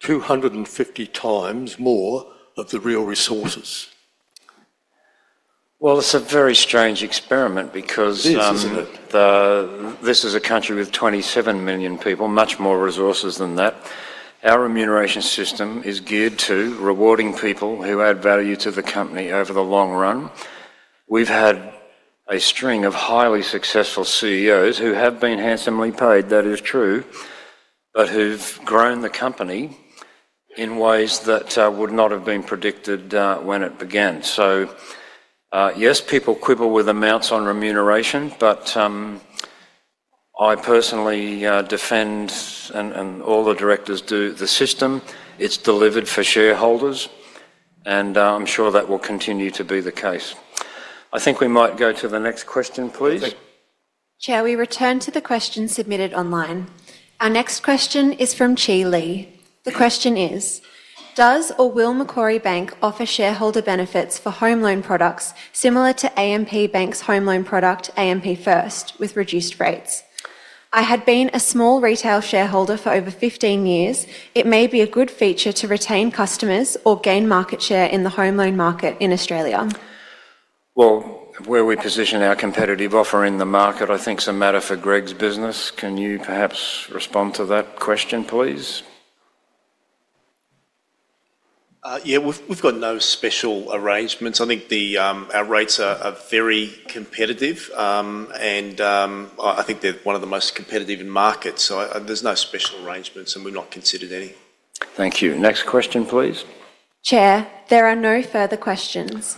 250 times more of the real resources? It is a very strange experiment because this is a country with 27 million people, much more resources than that. Our remuneration system is geared to rewarding people who add value to the company over the long run. We've had a string of highly successful CEOs who have been handsomely paid. That is true, but who've grown the company in ways that would not have been predicted when it began. Yes, people quibble with amounts on remuneration, but I personally defend, and all the directors do, the system. It's delivered for shareholders, and I'm sure that will continue to be the case. I think we might go to the next question, please. Chair, we return to the question submitted online. Our next question is from Qi Li. The question is, "Does or will Macquarie Bank offer shareholder benefits for home loan products similar to A&P Bank's home loan product, A&P First, with reduced rates? I had been a small retail shareholder for over 15 years. It may be a good feature to retain customers or gain market share in the home loan market in Australia." Where we position our competitive offer in the market, I think it's a matter for Greg's business. Can you perhaps respond to that question, please? Yeah, we've got no special arrangements. I think our rates are very competitive, and I think they're one of the most competitive in markets. There's no special arrangements, and we're not considered any. Thank you. Next question, please. Chair, there are no further questions.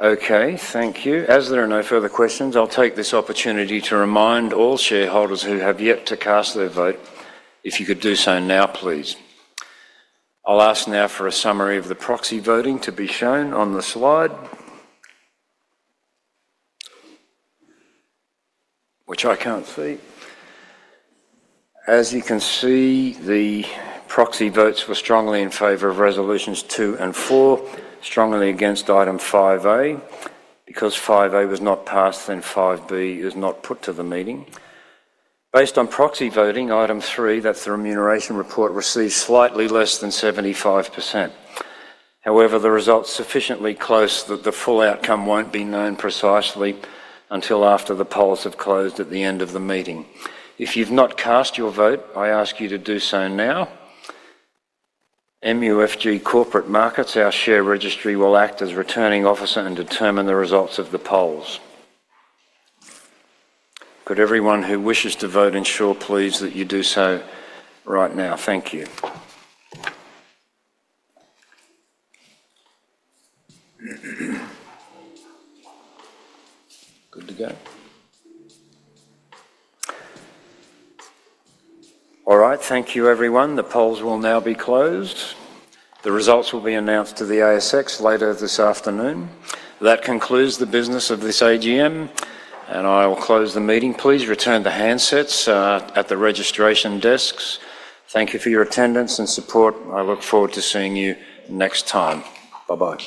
Okay, thank you. As there are no further questions, I'll take this opportunity to remind all shareholders who have yet to cast their vote, if you could do so now, please. I'll ask now for a summary of the proxy voting to be shown on the slide, which I can't see. As you can see, the proxy votes were strongly in favor of resolutions two and four, strongly against item 5A. Because 5A was not passed, then 5B is not put to the meeting. Based on proxy voting, item three, that's the remuneration report, received slightly less than 75%. However, the result's sufficiently close that the full outcome won't be known precisely until after the polls have closed at the end of the meeting. If you've not cast your vote, I ask you to do so now. MUFG Corporate Markets, our share registry, will act as returning officer and determine the results of the polls. Could everyone who wishes to vote ensure, please, that you do so right now? Thank you. Good to go. All right, thank you, everyone. The polls will now be closed. The results will be announced to the ASX later this afternoon. That concludes the business of this AGM, and I'll close the meeting. Please return the handsets at the registration desks. Thank you for your attendance and support. I look forward to seeing you next time. Bye-bye.